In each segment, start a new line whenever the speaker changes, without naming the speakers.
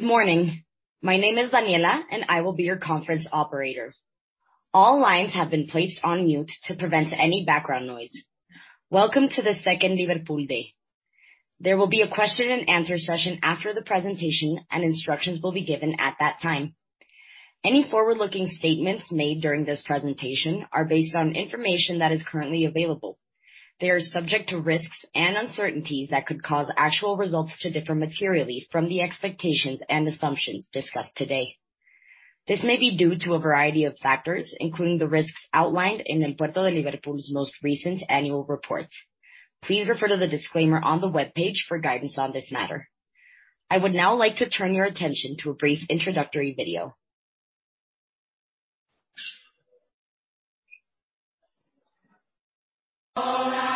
Morning. My name is Daniela, and I will be your conference operator. All lines have been placed on mute to prevent any background noise. Welcome to the second Liverpool Day. There will be a question and answer session after the presentation, and instructions will be given at that time. Any forward-looking statements made during this presentation are based on information that is currently available. They are subject to risks and uncertainties that could cause actual results to differ materially from the expectations and assumptions discussed today. This may be due to a variety of factors, including the risks outlined in El Puerto de Liverpool's most recent annual reports. Please refer to the disclaimer on the webpage for guidance on this matter. I would now like to turn your attention to a brief introductory video.
All I need is your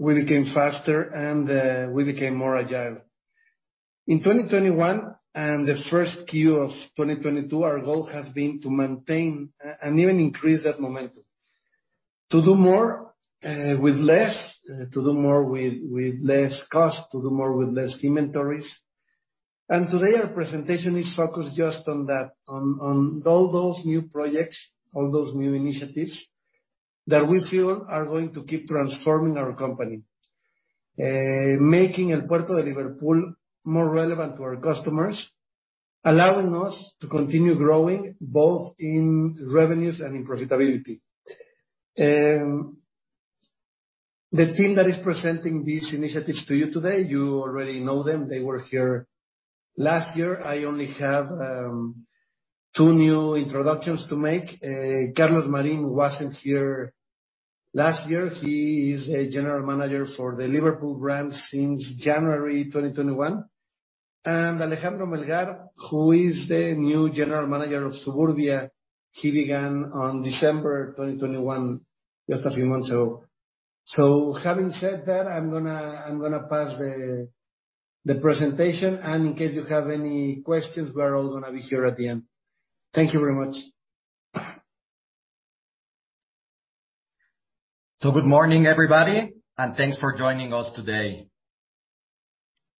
we became faster, and we became more agile. In 2021 and the 1Q of 2022, our goal has been to maintain and even increase that momentum. To do more with less, to do more with less cost, to do more with less inventories. Today, our presentation is focused just on that, on all those new projects, all those new initiatives that we feel are going to keep transforming our company. Making El Puerto de Liverpool more relevant to our customers, allowing us to continue growing both in revenues and in profitability. The team that is presenting these initiatives to you today, you already know them. They were here last year. I only have two new introductions to make. Carlos Marín wasn't here last year. He is a General Manager for the Liverpool brand since January 2021. Alejandro Melgar, who is the new General Manager of Suburbia, he began on December 2021, just a few months ago. Having said that, I'm gonna pass the presentation. In case you have any questions, we're all gonna be here at the end. Thank you very much.
Good morning, everybody, and thanks for joining us today.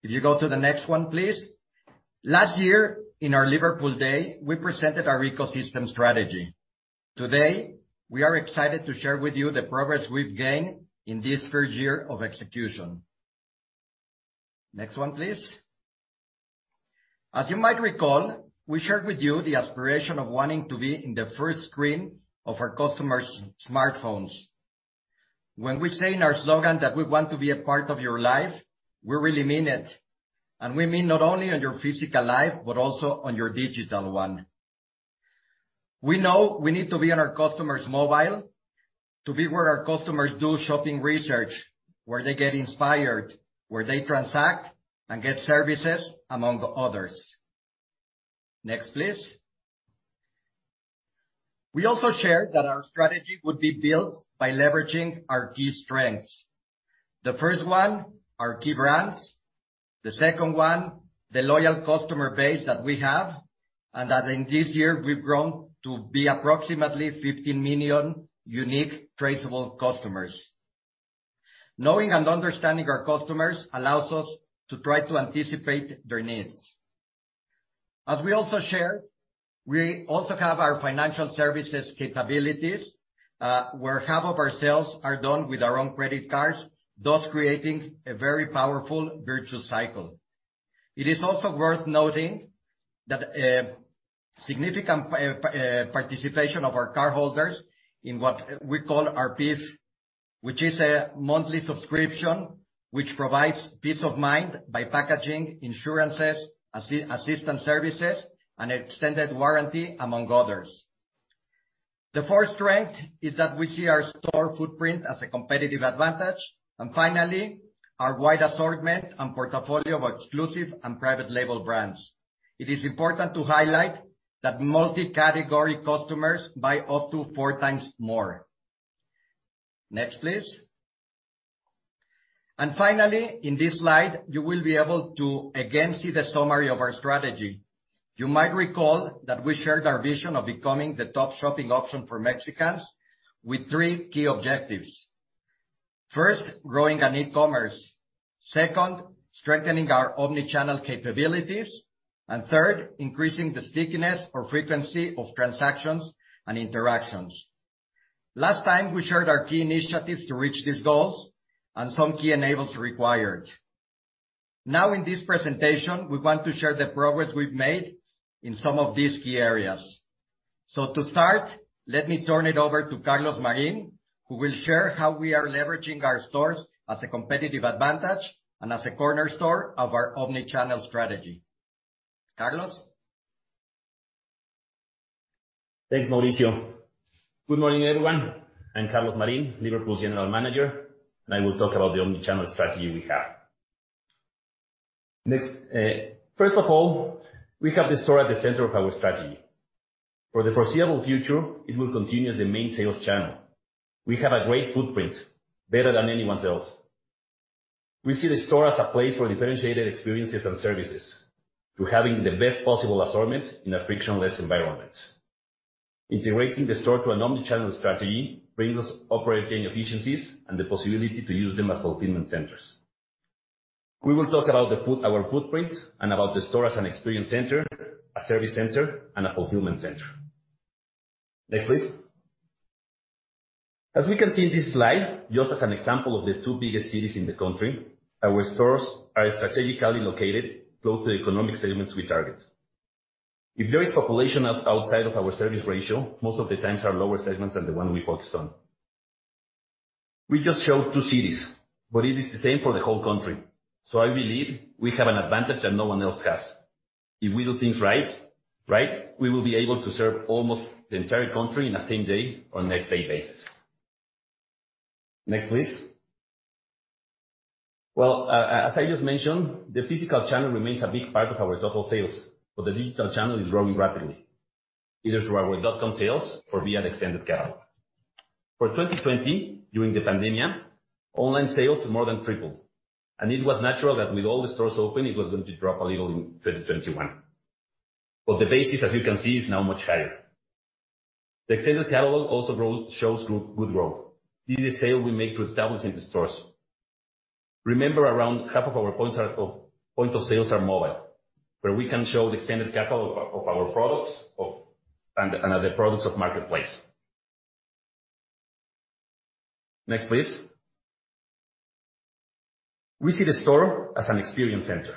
Could you go to the next one, please? Last year, in our Liverpool Day, we presented our ecosystem strategy. Today, we are excited to share with you the progress we've gained in this first year of execution. Next one, please. As you might recall, we shared with you the aspiration of wanting to be in the first screen of our customer's smartphones. When we say in our slogan that we want to be a part of your life, we really mean it, and we mean not only on your physical life, but also on your digital one. We know we need to be on our customer's mobile to be where our customers do shopping research, where they get inspired, where they transact and get services, among others. Next, please. We also shared that our strategy would be built by leveraging our key strengths. The first one, our key brands, the second one, the loyal customer base that we have and that in this year we've grown to be approximately 15 million unique traceable customers. Knowing and understanding our customers allows us to try to anticipate their needs. As we also shared, we also have our financial services capabilities, where half of our sales are done with our own credit cards, thus creating a very powerful virtuous cycle. It is also worth noting that a significant participation of our cardholders in what we call our PIF, which is a monthly subscription which provides peace of mind by packaging insurances, assistance services, and extended warranty, among others. The fourth strength is that we see our store footprint as a competitive advantage, and finally, our wide assortment and portfolio of exclusive and private label brands. It is important to highlight that multi-category customers buy up to four times more. Next, please. Finally, in this slide, you will be able to again see the summary of our strategy. You might recall that we shared our vision of becoming the top shopping option for Mexicans with three key objectives. First, growing on e-commerce. Second, strengthening our omni-channel capabilities. Third, increasing the stickiness or frequency of transactions and interactions. Last time, we shared our key initiatives to reach these goals and some key enablers required. Now, in this presentation, we want to share the progress we've made in some of these key areas. To start, let me turn it over to Carlos Marín, who will share how we are leveraging our stores as a competitive advantage and as a cornerstone of our omni-channel strategy. Carlos?
Thanks, Mauricio. Good morning, everyone. I'm Carlos Marín, Liverpool's General Manager, and I will talk about the omni-channel strategy we have. First of all, we have the store at the center of our strategy. For the foreseeable future, it will continue as the main sales channel. We have a great footprint, better than anyone else's. We see the store as a place for differentiated experiences and services to having the best possible assortment in a frictionless environment. Integrating the store to an omni-channel strategy brings us operating efficiencies and the possibility to use them as fulfillment centers. We will talk about our footprint and about the store as an experience center, a service center, and a fulfillment center. Next, please. As we can see in this slide, just as an example of the two biggest cities in the country, our stores are strategically located close to the economic segments we target. If there is population outside of our service radius, most of the times are lower segments than the one we focused on. We just showed two cities, but it is the same for the whole country, so I believe we have an advantage that no one else has. If we do things right, we will be able to serve almost the entire country in the same day on next day basis. Next, please. Well, as I just mentioned, the physical channel remains a big part of our total sales, but the digital channel is growing rapidly, either through our .com sales or via the extended catalog. For 2020, during the pandemic, online sales more than tripled, and it was natural that with all the stores open it was going to drop a little in 2021. The basis, as you can see, is now much higher. The extended catalog also shows good growth. This is a sale we make through established stores. Remember, around half of our points of sale are mobile, where we can show the extended catalog of our products and the products of marketplace. Next, please. We see the store as an experience center.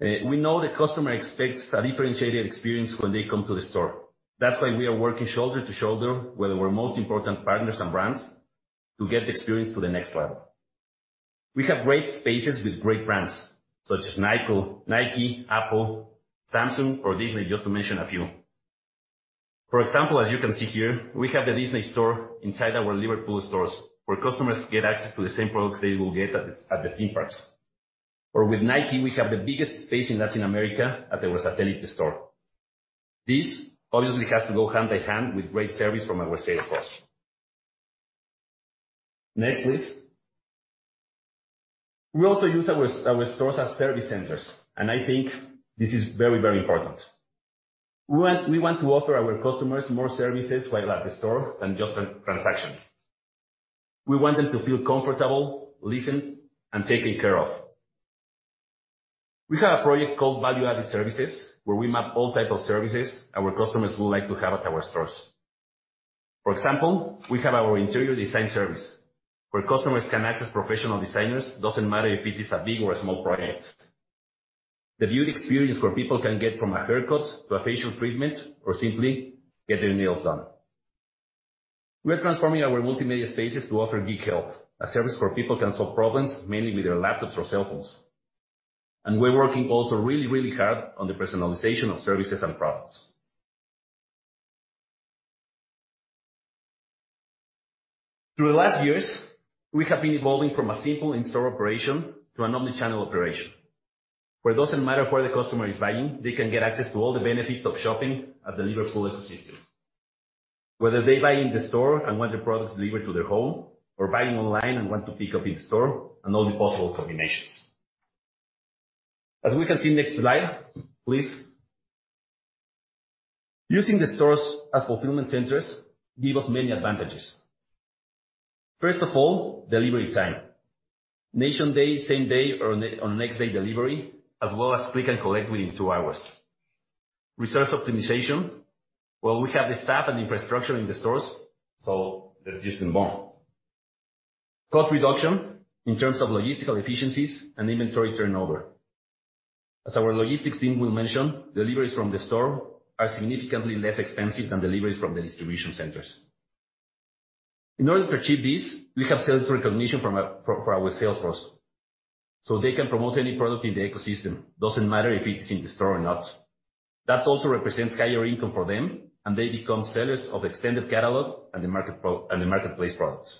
We know the customer expects a differentiated experience when they come to the store. That's why we are working shoulder to shoulder with our most important partners and brands to get the experience to the next level. We have great spaces with great brands such as Nike, Apple, Samsung or Disney, just to mention a few. For example, as you can see here, we have the Disney store inside our Liverpool stores where customers get access to the same products they will get at the theme parks. Or with Nike, we have the biggest space in Latin America at the Satélite store. This obviously has to go hand in hand with great service from our sales force. Next, please. We also use our stores as service centers, and I think this is very important. We want to offer our customers more services while at the store than just transaction. We want them to feel comfortable, listened, and taken care of. We have a project called Value-Added Services where we map all type of services our customers would like to have at our stores. For example, we have our interior design service where customers can access professional designers, doesn't matter if it is a big or a small project. The beauty experience where people can get from a haircut to a facial treatment or simply get their nails done. We are transforming our multimedia spaces to offer geek help, a service where people can solve problems, mainly with their laptops or cell phones. We're working also really, really hard on the personalization of services and products. Through the last years, we have been evolving from a simple in-store operation to an omni-channel operation, where it doesn't matter where the customer is buying, they can get access to all the benefits of shopping at the Liverpool ecosystem. Whether they buy in the store and want their products delivered to their home, or buying online and want to pick up in store and all the possible combinations. As we can see, next slide, please. Using the stores as fulfillment centers give us many advantages. First of all, delivery time. In one day, same day, or next day delivery, as well as click and collect within two hours. Resource optimization, well, we have the staff and infrastructure in the stores, so let's just involve. Cost reduction in terms of logistical efficiencies and inventory turnover. As our logistics team will mention, deliveries from the store are significantly less expensive than deliveries from the distribution centers. In order to achieve this, we have sales recognition from our sales force, so they can promote any product in the ecosystem. Doesn't matter if it is in the store or not. That also represents higher income for them, and they become sellers of extended catalog and the marketplace products.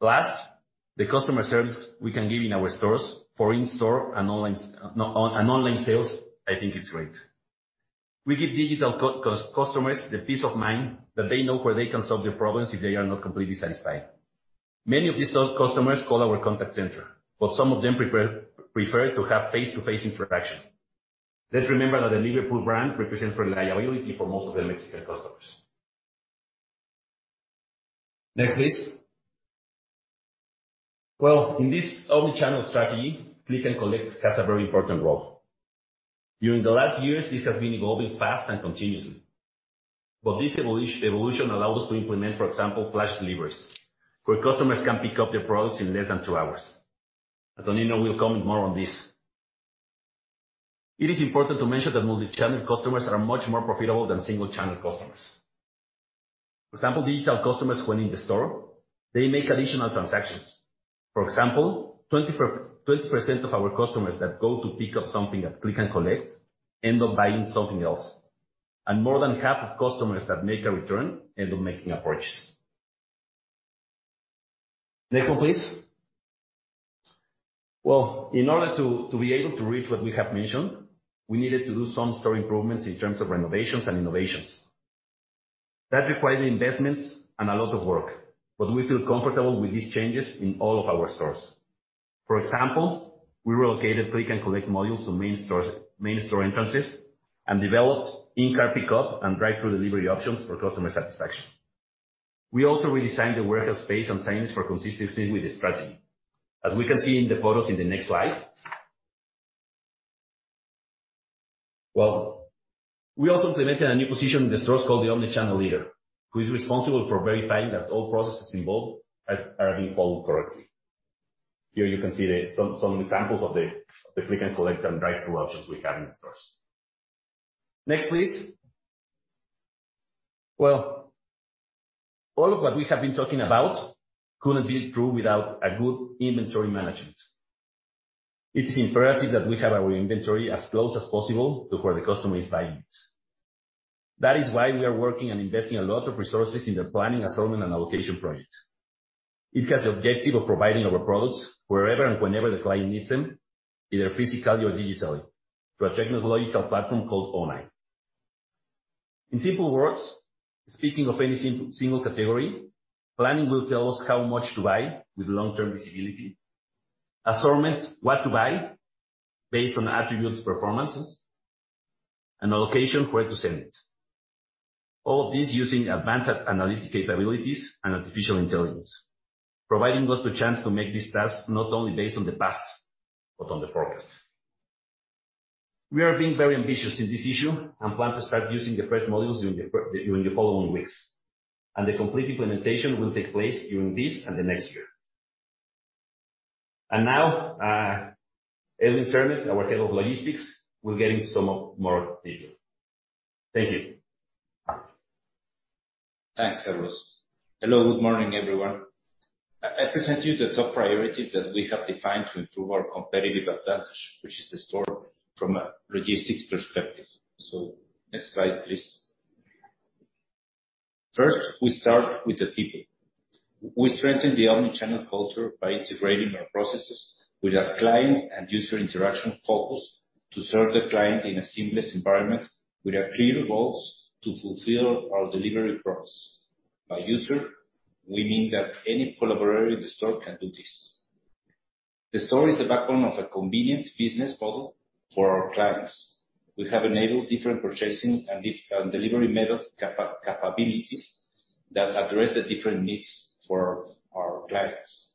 Last, the customer service we can give in our stores for in-store and online sales, I think it's great. We give digital customers the peace of mind that they know where they can solve their problems if they are not completely satisfied. Many of these store customers call our contact center, but some of them prefer to have face-to-face interaction. Let's remember that the Liverpool brand represents reliability for most of the Mexican customers. Next, please. Well, in this omni-channel strategy, click and collect has a very important role. During the last years, this has been evolving fast and continuously. This evolution allowed us to implement, for example, flash deliveries, where customers can pick up their products in less than two hours. Antonino will comment more on this. It is important to mention that multi-channel customers are much more profitable than single-channel customers. For example, digital customers, when in the store, they make additional transactions. For example, 20% of our customers that go to pick up something at click and collect end up buying something else. More than half of customers that make a return end up making a purchase. Next one, please. Well, in order to be able to reach what we have mentioned, we needed to do some store improvements in terms of renovations and innovations. That required investments and a lot of work, but we feel comfortable with these changes in all of our stores. For example, we relocated click and collect modules to main stores, main store entrances and developed in-car pickup and drive-through delivery options for customer satisfaction. We also redesigned the workout space and signs for consistency with the strategy. As we can see in the photos in the next slide. Well, we also implemented a new position in the stores called the omni-channel leader, who is responsible for verifying that all processes involved are being followed correctly. Here you can see some examples of the click and collect and drive-through options we have in the stores. Next, please. Well, all of what we have been talking about couldn't be true without a good inventory management. It is imperative that we have our inventory as close as possible to where the customer is buying it. That is why we are working on investing a lot of resources in the planning, assortment, and allocation projects. It has the objective of providing our products wherever and whenever the client needs them, either physically or digitally, through a technological platform called ONI. In simple words, speaking of any single category, planning will tell us how much to buy with long-term visibility. Assortment, what to buy based on attributes performances. Allocation, where to send it. All of these using advanced analytic capabilities and artificial intelligence, providing us the chance to make this task not only based on the past, but on the forecast. We are being very ambitious in this issue and plan to start using the first modules during the following weeks. The complete implementation will take place during this and the next year. Now, Edwin Serment, our Head of Logistics, will get into some more details. Thank you.
Thanks, Carlos. Hello, good morning, everyone. I present you the top priorities that we have defined to improve our competitive advantage, which is the store from a logistics perspective. Next slide, please. First, we start with the people. We strengthen the omni-channel culture by integrating our processes with our client and user interaction focus to serve the client in a seamless environment with our clear goals to fulfill our delivery promise. By user, we mean that any collaborator in the store can do this. The store is the backbone of a convenient business model for our clients. We have enabled different purchasing and delivery methods capabilities that address the different needs for our clients.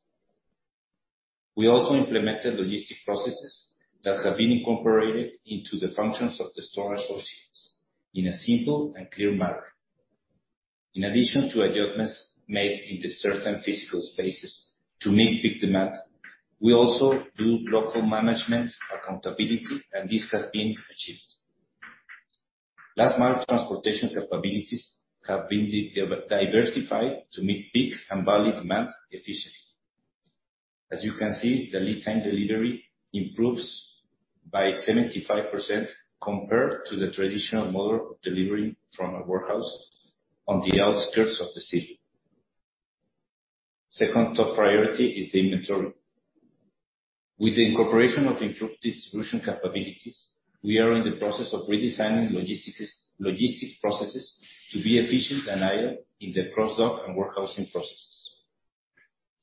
We also implemented logistics processes that have been incorporated into the functions of the store associates in a simple and clear manner. In addition to adjustments made in certain physical spaces to meet peak demand, we also do local management accountability, and this has been achieved. Last mile transportation capabilities have been diversified to meet peak and valley demand efficiently. As you can see, the lead time delivery improves by 75% compared to the traditional model of delivery from a warehouse on the outskirts of the city. Second top priority is the inventory. With the incorporation of improved distribution capabilities, we are in the process of redesigning logistics processes to be efficient and agile in the cross-dock and warehousing processes.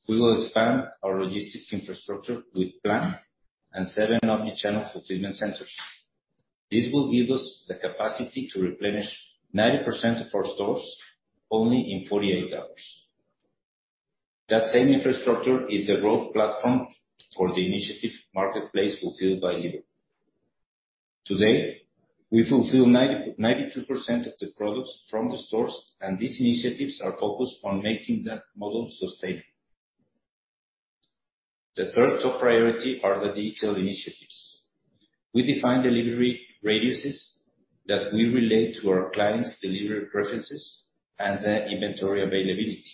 We will expand our logistics infrastructure with PLAN and seven omni-channel fulfillment centers. This will give us the capacity to replenish 90% of our stores only in 48 hours. That same infrastructure is the growth platform for the initiative Marketplace Fulfilled by Liverpool. Today, we fulfill 90%-92% of the products from the stores, and these initiatives are focused on making that model sustainable. The third top priority are the digital initiatives. We define delivery radiuses that we relate to our clients' delivery preferences and the inventory availability.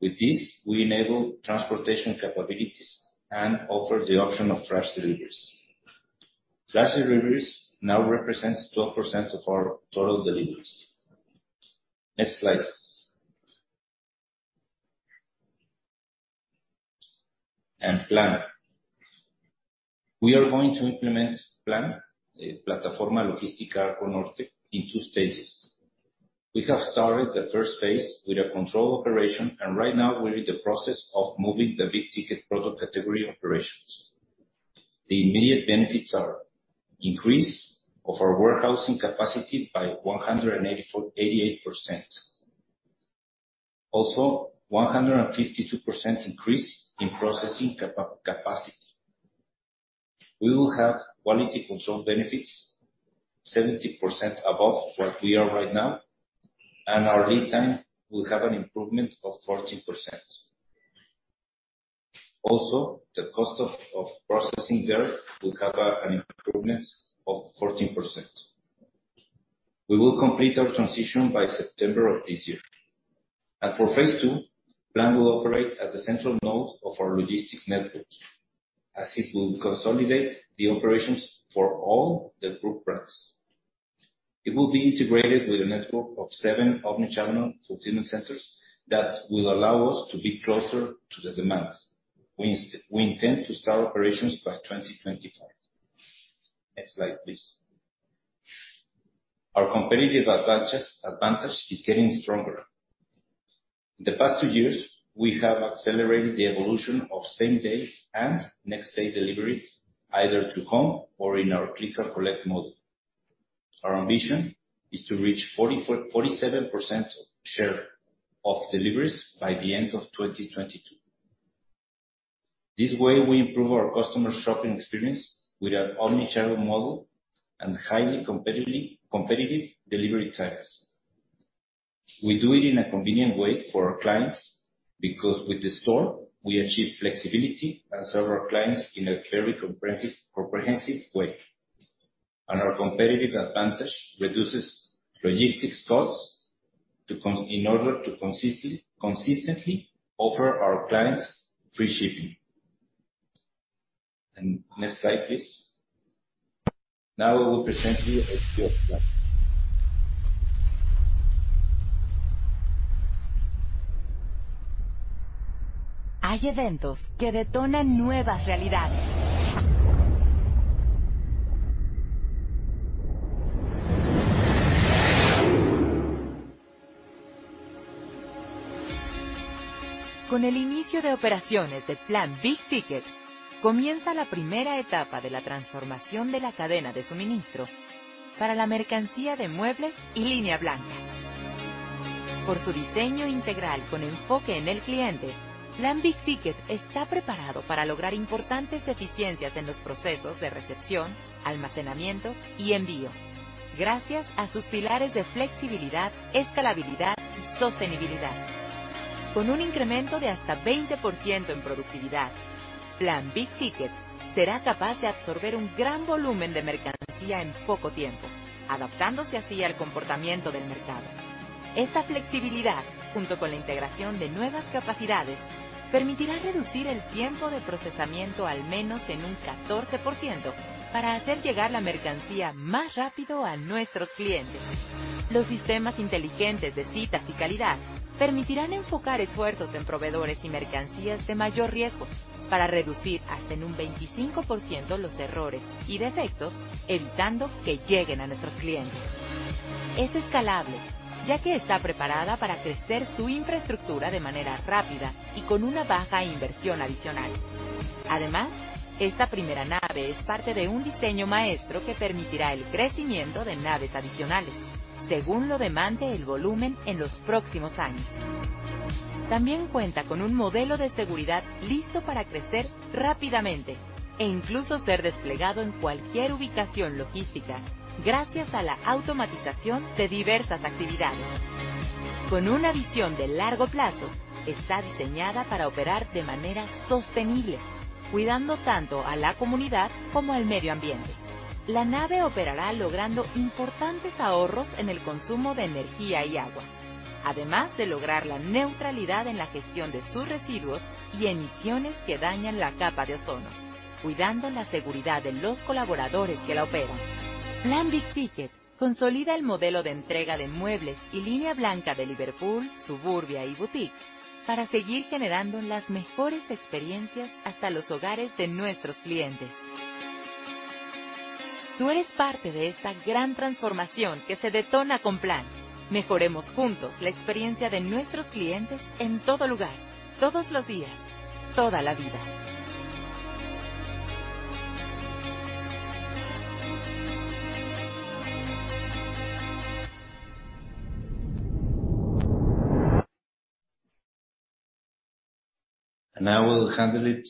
With this, we enable transportation capabilities and offer the option of fresh deliveries. Fresh deliveries now represents 12% of our total deliveries. Next slide. PLAN. We are going to implement PLAN, Plataforma Logística del Noreste, in two stages. We have started the first phase with a control operation, and right now we're in the process of moving the big-ticket product category operations. The immediate benefits are increase of our warehousing capacity by 188%. Also, 152% increase in processing capacity. We will have quality control benefits 70% above what we are right now, and our lead time will have an improvement of 14%. Also, the cost of processing there will have an improvement of 14%. We will complete our transition by September of this year. For phase two, PLAN will operate as the central node of our logistics network, as it will consolidate the operations for all the group brands. It will be integrated with a network of seven omni-channel fulfillment centers that will allow us to be closer to the demands. We intend to start operations by 2025. Next slide, please. Our competitive advantage is getting stronger. In the past two years, we have accelerated the evolution of same-day and next-day deliveries either to home or in our click and collect model. Our ambition is to reach 47% share of deliveries by the end of 2022. This way, we improve our customers' shopping experience with our omni-channel model and highly competitive delivery times. We do it in a convenient way for our clients because with the store we achieve flexibility and serve our clients in a very comprehensive way. Our competitive advantage reduces logistics costs in order to consistently offer our clients free shipping. Next slide, please. Now we will present to you a short clip.
Hay eventos que detonan nuevas realidades. Con el inicio de operaciones de PLAN Big Ticket, comienza la primera etapa de la transformación de la cadena de suministro para la mercancía de muebles y línea blanca. Por su diseño integral con enfoque en el cliente, PLAN Big Ticket está preparado para lograr importantes eficiencias en los procesos de recepción, almacenamiento y envío, gracias a sus pilares de flexibilidad, escalabilidad y sostenibilidad. Con un incremento de hasta 20% en productividad, PLAN Big Ticket será capaz de absorber un gran volumen de mercancía en poco tiempo, adaptándose así al comportamiento del mercado. Esa flexibilidad, junto con la integración de nuevas capacidades, permitirá reducir el tiempo de procesamiento al menos en un 14% para hacer llegar la mercancía más rápido a nuestros clientes. Los sistemas inteligentes de citas y calidad permitirán enfocar esfuerzos en proveedores y mercancías de mayor riesgo para reducir hasta en un 25% los errores y defectos, evitando que lleguen a nuestros clientes. Es escalable, ya que está preparada para crecer su infraestructura de manera rápida y con una baja inversión adicional. Además, esta primera nave es parte de un diseño maestro que permitirá el crecimiento de naves adicionales según lo demande el volumen en los próximos años. También cuenta con un modelo de seguridad listo para crecer rápidamente e incluso ser desplegado en cualquier ubicación logística gracias a la automatización de diversas actividades. Con una visión de largo plazo, está diseñada para operar de manera sostenible, cuidando tanto a la comunidad como al medio ambiente. La nave operará logrando importantes ahorros en el consumo de energía y agua, además de lograr la neutralidad en la gestión de sus residuos y emisiones que dañan la capa de ozono, cuidando la seguridad de los colaboradores que la operan. Plan Big Ticket consolida el modelo de entrega de muebles y línea blanca de Liverpool, Suburbia y Boutique para seguir generando las mejores experiencias hasta los hogares de nuestros clientes. Tú eres parte de esta gran transformación que se detona con Plan. Mejoremos juntos la experiencia de nuestros clientes en todo lugar, todos los días, toda la vida.
I will handle it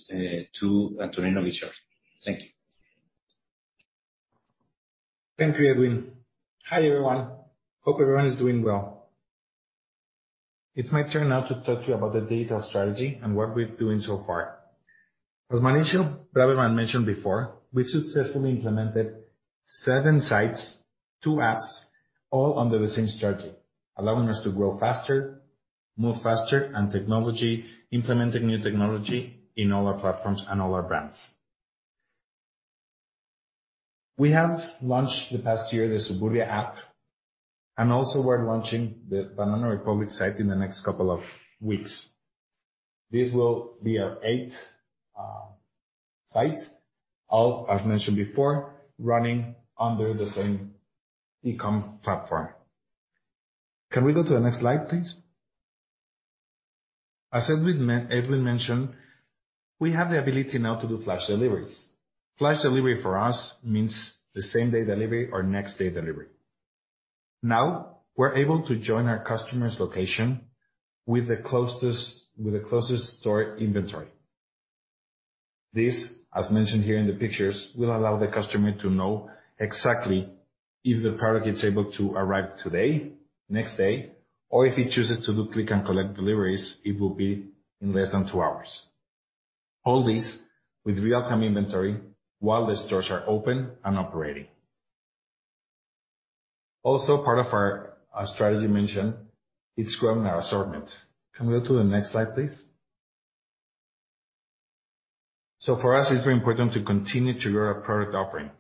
to Antonino Guichard. Thank you.
Thank you, Edwin. Hi, everyone. Hope everyone is doing well. It's my turn now to talk to you about the digital strategy and what we're doing so far. As Mauricio Braverman mentioned before, we successfully implemented seven sites, two apps, all under the same strategy, allowing us to grow faster, move faster and technology, implementing new technology in all our platforms and all our brands. We have launched in the past year, the Suburbia app, and also we're launching the Banana Republic site in the next couple of weeks. This will be our eighth site, all, as mentioned before, running under the same e-com platform. Can we go to the next slide, please? As Edwin mentioned, we have the ability now to do flash deliveries. Flash delivery for us means the same-day delivery or next-day delivery. Now, we're able to join our customer's location with the closest store inventory. This, as mentioned here in the pictures, will allow the customer to know exactly if the product is able to arrive today, next day, or if he chooses to do click and collect deliveries, it will be in less than two hours. All this with real-time inventory while the stores are open and operating. Also, part of our strategy mention is growing our assortment. Can we go to the next slide, please? For us it's very important to continue to grow our product offering.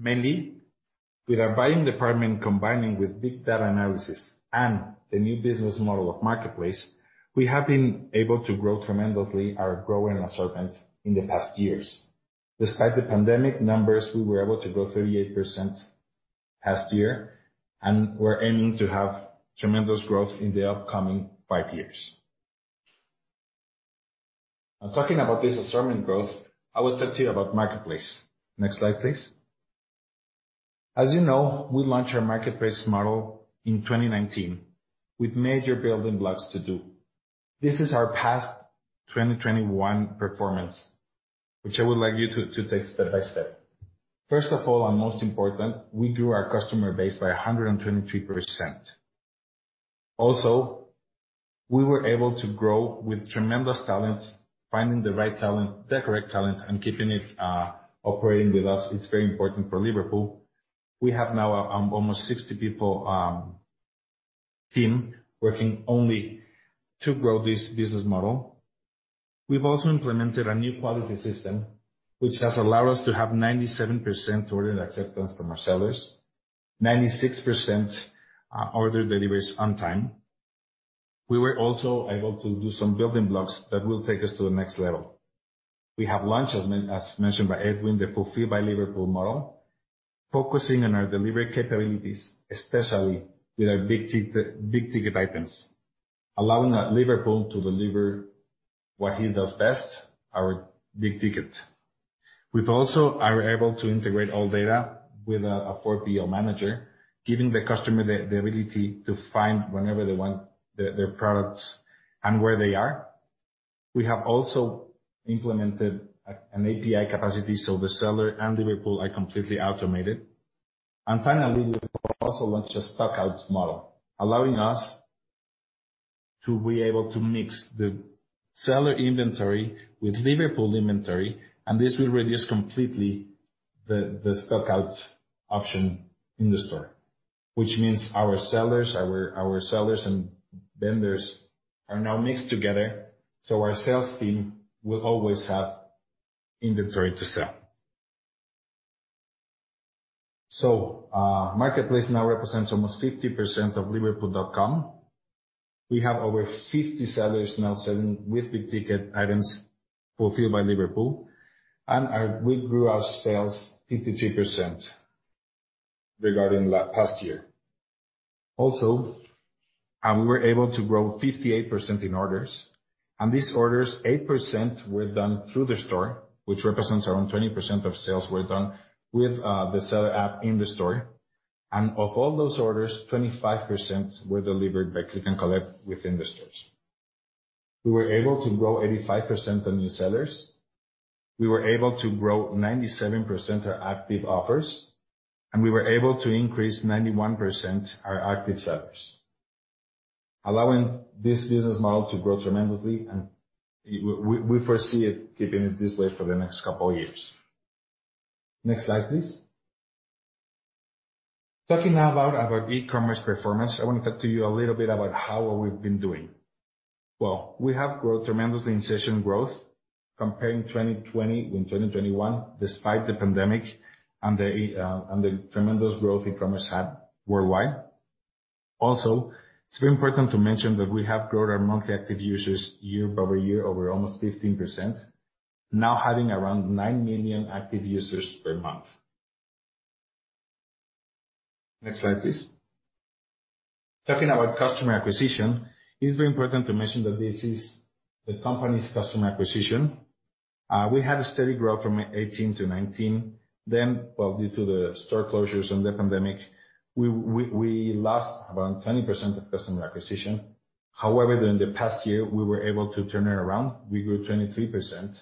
Mainly, with our buying department combining with big data analysis and the new business model of Marketplace, we have been able to grow tremendously our growing assortment in the past years. Despite the pandemic numbers, we were able to grow 38% last year, and we're aiming to have tremendous growth in the upcoming five years. Talking about this assortment growth, I will talk to you about Marketplace. Next slide, please. As you know, we launched our Marketplace model in 2019 with major building blocks to do. This is our last 2021 performance, which I would like you to take step by step. First of all, and most important, we grew our customer base by 123%. Also, we were able to grow with tremendous talent, finding the right talent, the correct talent, and keeping it operating with us. It's very important for Liverpool. We have now a almost 60 people team working only to grow this business model. We've implemented a new quality system, which has allowed us to have 97% order acceptance from our sellers. 96% order deliveries on time. We were able to do some building blocks that will take us to the next level. We have launched, as mentioned by Edwin, the Fulfilled by Liverpool model, focusing on our delivery capabilities, especially with our big ticket items, allowing Liverpool to deliver what it does best, our big ticket. We've also are able to integrate all data with a 4PL manager, giving the customer the ability to find whenever they want their products and where they are. We have also implemented an API capacity, so the seller and Liverpool are completely automated. Finally, we also launched a stock out model, allowing us to be able to mix the seller inventory with Liverpool inventory, and this will reduce completely the stock out option in the store. Which means our sellers and vendors are now mixed together, so our sales team will always have inventory to sell. Marketplace now represents almost 50% of liverpool.com. We have over 50 sellers now selling with big ticket items Fulfilled by Liverpool. We grew our sales 53% regarding last year. We were able to grow 58% in orders, and these orders, 8% were done through the store, which represents around 20% of sales were done with the seller app in the store. Of all those orders, 25% were delivered by click and collect within the stores. We were able to grow 85% of new sellers. We were able to grow 97% of our active offers, and we were able to increase 91% our active sellers, allowing this business model to grow tremendously and we foresee it keeping it this way for the next couple years. Next slide, please. Talking now about our e-commerce performance, I want to talk to you a little bit about how well we've been doing. Well, we have grown tremendously in session growth comparing 2020 with 2021, despite the pandemic and the tremendous growth e-commerce had worldwide. Also, it's very important to mention that we have grown our monthly active users year-over-year over almost 15%, now having around nine million active users per month. Next slide, please. Talking about customer acquisition, it is very important to mention that this is the company's customer acquisition. We had a steady growth from 2018 to 2019. Due to the store closures and the pandemic, we lost around 20% of customer acquisition. However, in the past year, we were able to turn it around. We grew 23%,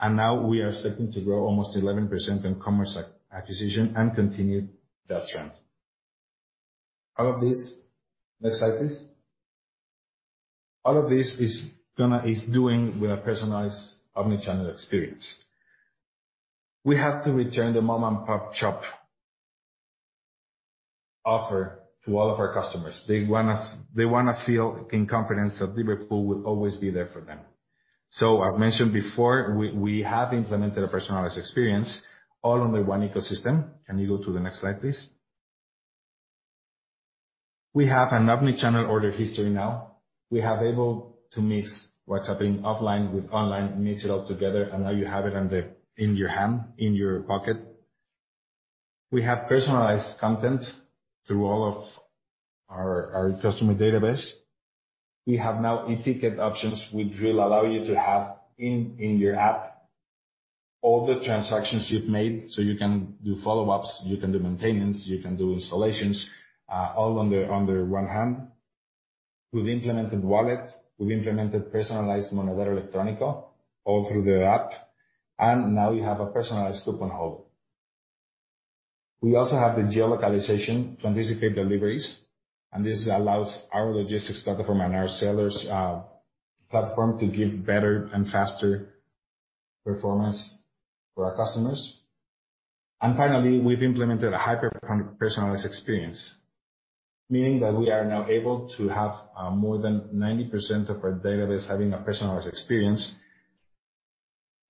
and now we are expecting to grow almost 11% in customer acquisition and continue that trend. All of this is doing with a personalized omnichannel experience. Next slide please. We have to return the mom-and-pop shop offer to all of our customers. They wanna feel confident that Liverpool will always be there for them. As mentioned before, we have implemented a personalized experience all under one ecosystem. Can you go to the next slide, please? We have an omni-channek order history now. We have able to mix what's happening offline with online, mix it all together, and now you have it on the, in your hand, in your pocket. We have personalized content through all of our customer database. We have now e-ticket options which will allow you to have in your app all the transactions you've made, so you can do follow-ups, you can do maintenance, you can do installations, all under one hand. We've implemented wallet, we've implemented personalized Monedero Electrónico all through the app, and now we have a personalized coupon hub. We also have the geo-localization to anticipate deliveries, and this allows our logistics platform and our sellers platform to give better and faster performance for our customers. Finally, we've implemented a hyper-personalized experience, meaning that we are now able to have more than 90% of our database having a personalized experience.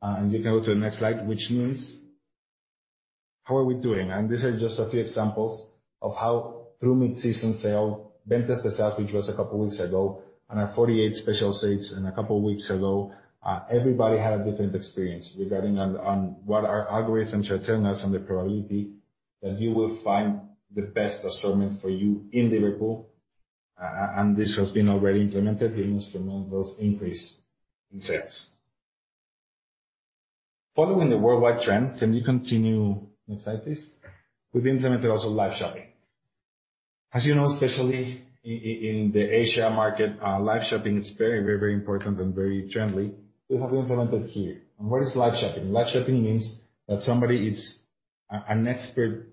You can go to the next slide, which means how are we doing? These are just a few examples of how through mid-season sale, Ventas de Sal, which was a couple weeks ago, and our 48 special sales a couple weeks ago, everybody had a different experience regarding on what our algorithms are telling us and the probability that you will find the best assortment for you in Liverpool. This has been already implemented, giving us tremendous increase in sales. Following the worldwide trend, can you continue, next slide please? We've implemented also live shopping. As you know, especially in the Asia market, live shopping is very important and very trendy. We have implemented here. What is live shopping? Live shopping means that somebody is an expert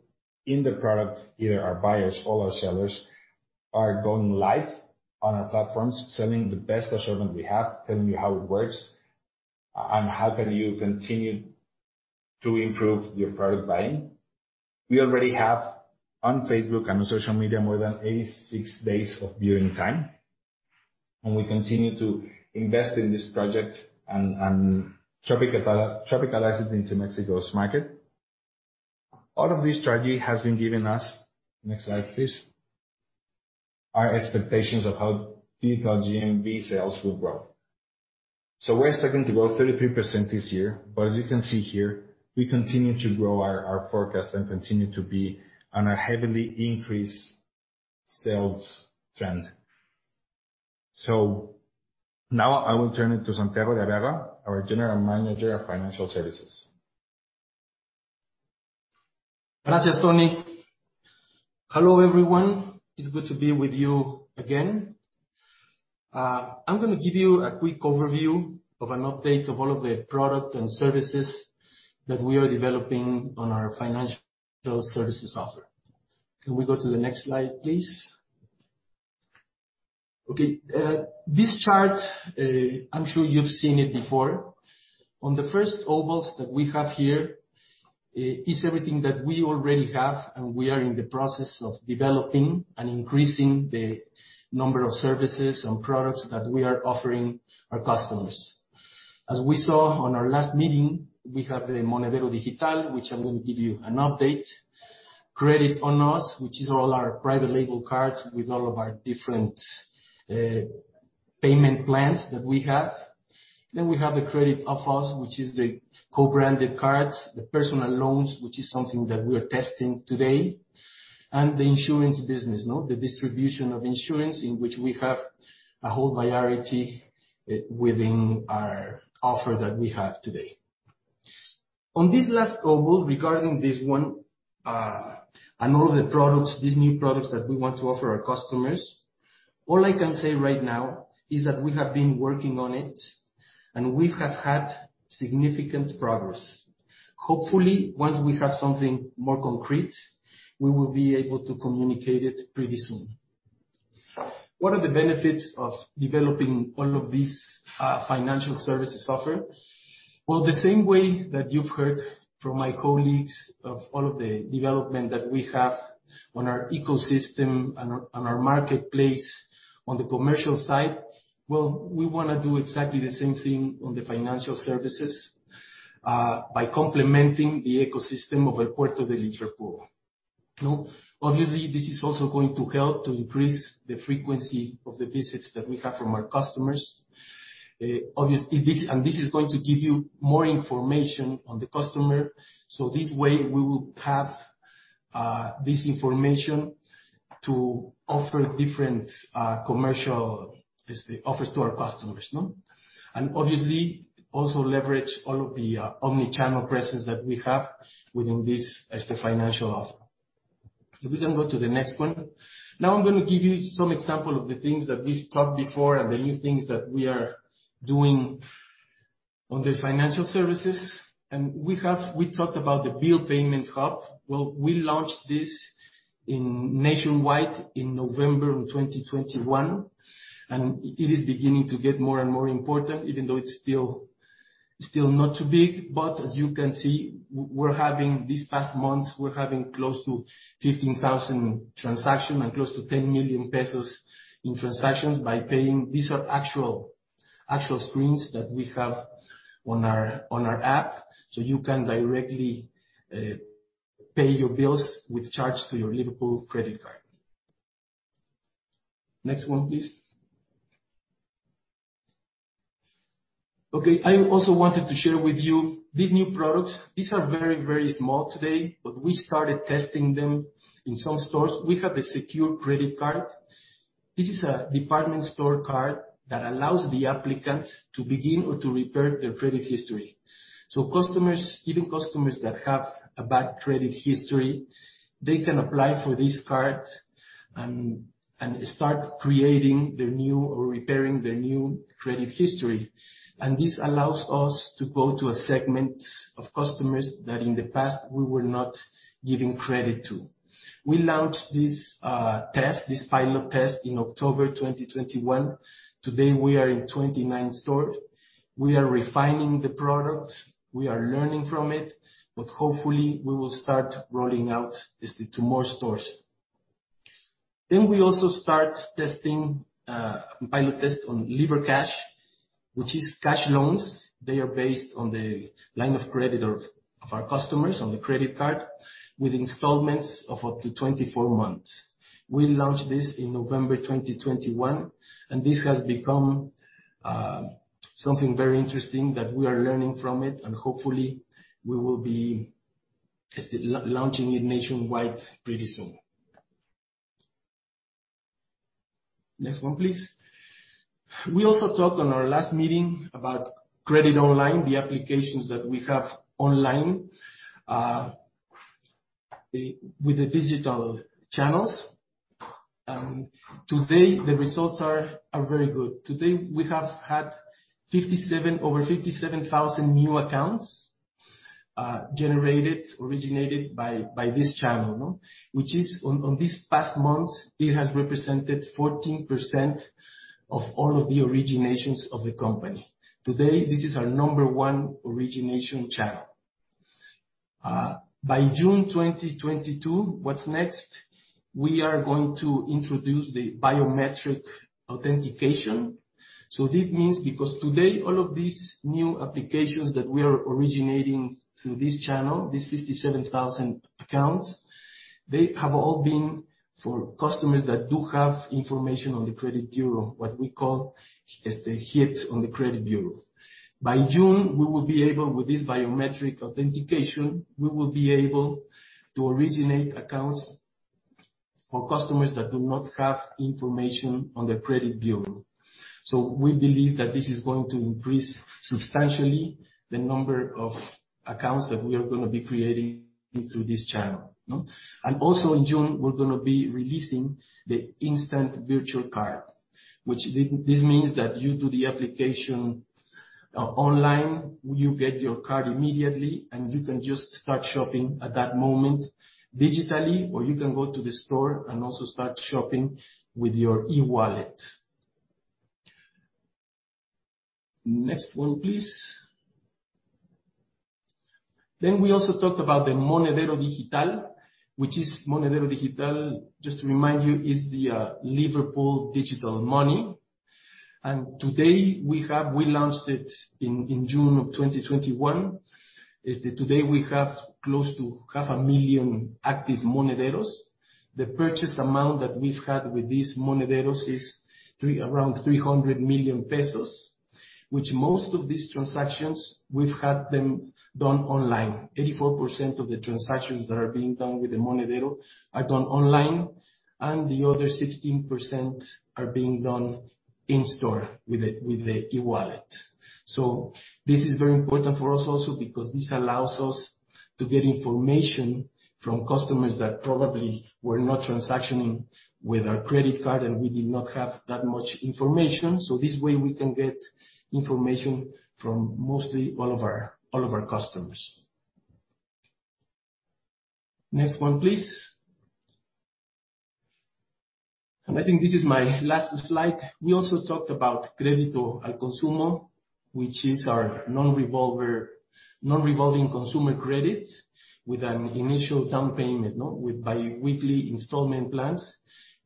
in the product, either our buyers or our sellers, are going live on our platforms, selling the best assortment we have, telling you how it works, and how can you continue to improve your product buying. We already have on Facebook and on social media more than 86 days of viewing time. We continue to invest in this project and tropicalize it into Mexico's market. All of this strategy has been giving us, next slide, please, our expectations of how digital GMV sales will grow. We're expecting to grow 33% this year, but as you can see here, we continue to grow our forecast and continue to be on a heavily increased sales trend. Now, I will turn it to Santiago de Abiega, our General Manager of Financial Services.
Gracias, Tony. Hello, everyone. It's good to be with you again. I'm gonna give you a quick overview of an update of all of the product and services that we are developing on our financial services offer. Can we go to the next slide, please? Okay. This chart, I'm sure you've seen it before. On the first ovals that we have here, is everything that we already have and we are in the process of developing and increasing the number of services and products that we are offering our customers. As we saw on our last meeting, we have the Monedero Digital, which I'm going to give you an update. Crédito Conoce, which is all our private label cards with all of our different, payment plans that we have. We have the Crédito Otros, which is the co-branded cards, the personal loans, which is something that we are testing today, and the insurance business, no? The distribution of insurance, in which we have a whole variety within our offer that we have today. On this last oval regarding this one, and all the products, these new products that we want to offer our customers, all I can say right now is that we have been working on it and we have had significant progress. Hopefully, once we have something more concrete, we will be able to communicate it pretty soon. What are the benefits of developing all of these, financial services offered? Well, the same way that you've heard from my colleagues of all of the development that we have on our ecosystem and on our marketplace on the commercial side, well, we wanna do exactly the same thing on the financial services by complementing the ecosystem of El Puerto de Liverpool. You know, obviously, this is also going to help to increase the frequency of the visits that we have from our customers. This is going to give you more information on the customer. This way we will have this information to offer different commercial offers to our customers, no? Obviously, also leverage all of the omni-channel presence that we have within this as the financial offer. If we can go to the next one. Now, I'm gonna give you some example of the things that we've talked before and the new things that we are doing on the financial services. We talked about the bill payment hub. Well, we launched this nationwide in November 2021, and it is beginning to get more and more important, even though it's still not too big. As you can see, these past months, we're having close to 15,000 transactions and close to 10 million pesos in transactions by paying. These are actual screens that we have on our app, so you can directly pay your bills charged to your Liverpool credit card. Next one, please. Okay, I also wanted to share with you these new products. These are very small today, but we started testing them in some stores. We have a secure credit card. This is a department store card that allows the applicant to begin or to repair their credit history. Customers, even customers that have a bad credit history, they can apply for this card and start creating their new or repairing their new credit history. This allows us to go to a segment of customers that in the past we were not giving credit to. We launched this test, this pilot test in October 2021. Today we are in 29 stores. We are refining the product. We are learning from it. Hopefully we will start rolling out this to more stores. We also start testing pilot test on Livercash, which is cash loans. They are based on the line of credit of our customers on the credit card with installments of up to 24 months. We launched this in November 2021, and this has become something very interesting that we are learning from it and hopefully we will be launching it nationwide pretty soon. Next one, please. We also talked on our last meeting about credit online, the applications that we have online, with the digital channels. Today, the results are very good. Today, we have had over 57,000 new accounts generated originated by this channel, no? Which is on these past months, it has represented 14% of all of the originations of the company. Today, this is our number one origination channel. By June 2022, what's next? We are going to introduce the biometric authentication. This means, because today all of these new applications that we are originating through this channel, these 57,000 accounts, they have all been for customers that do have information on the credit bureau, what we call as the hits on the credit bureau. By June, we will be able, with this biometric authentication, we will be able to originate accounts for customers that do not have information on the credit bureau. We believe that this is going to increase substantially the number of accounts that we are gonna be creating through this channel. No? Also, in June, we're gonna be releasing the instant virtual card, which this means that you do the application, online, you get your card immediately, and you can just start shopping at that moment digitally, or you can go to the store and also start shopping with your e-wallet. Next one, please. We also talked about the Monedero Digital, which is Monedero Digital, just to remind you, is the Liverpool digital money. We launched it in June 2021. As of today, we have close to 500,000 active Monederos. The purchase amount that we've had with these Monederos is around 300 million pesos, which most of these transactions we've had them done online. 84% of the transactions that are being done with the Monedero are done online, and the other 16% are being done in store with the e-wallet. This is very important for us also because this allows us to get information from customers that probably were not transactioning with our credit card, and we did not have that much information. This way we can get information from mostly all of our customers. Next one, please. I think this is my last slide. We also talked about Crédito al Consumo, which is our non-revolving consumer credit with an initial down payment. With bi-weekly installment plans.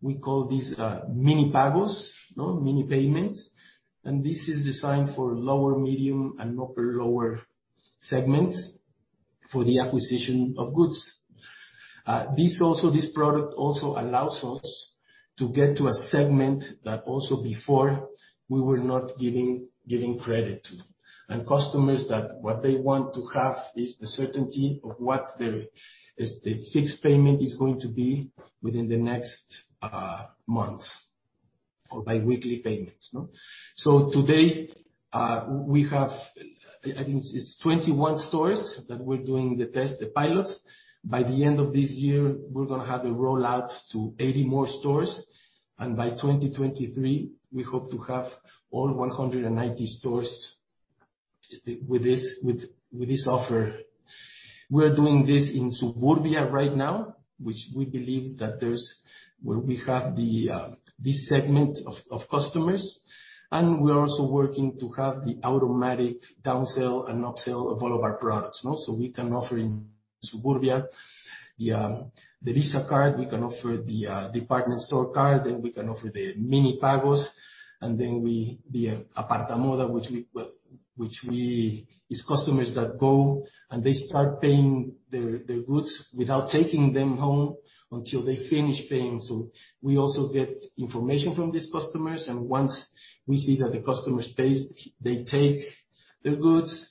We call these mini pagos. Mini payments. This is designed for lower, medium, and upper lower segments for the acquisition of goods. This product also allows us to get to a segment that also before, we were not giving credit to. Customers, what they want to have is the certainty of the fixed payment is going to be within the next months or bi-weekly payments. Today, we have, I think it's 21 stores that we're doing the pilots. By the end of this year, we're gonna have a rollout to 80 more stores. By 2023, we hope to have all 190 stores with this offer. We're doing this in Suburbia right now, which we believe there's where we have this segment of customers. We are also working to have the automatic downsell and upsell of all of our products, no? We can offer in Suburbia the Visa card, we can offer the department store card, then we can offer the Mini Pagos. Then the Aparta Moda, which we. It’s customers that go, and they start paying their goods without taking them home until they finish paying. We also get information from these customers. Once we see that the customer's paid, they take the goods.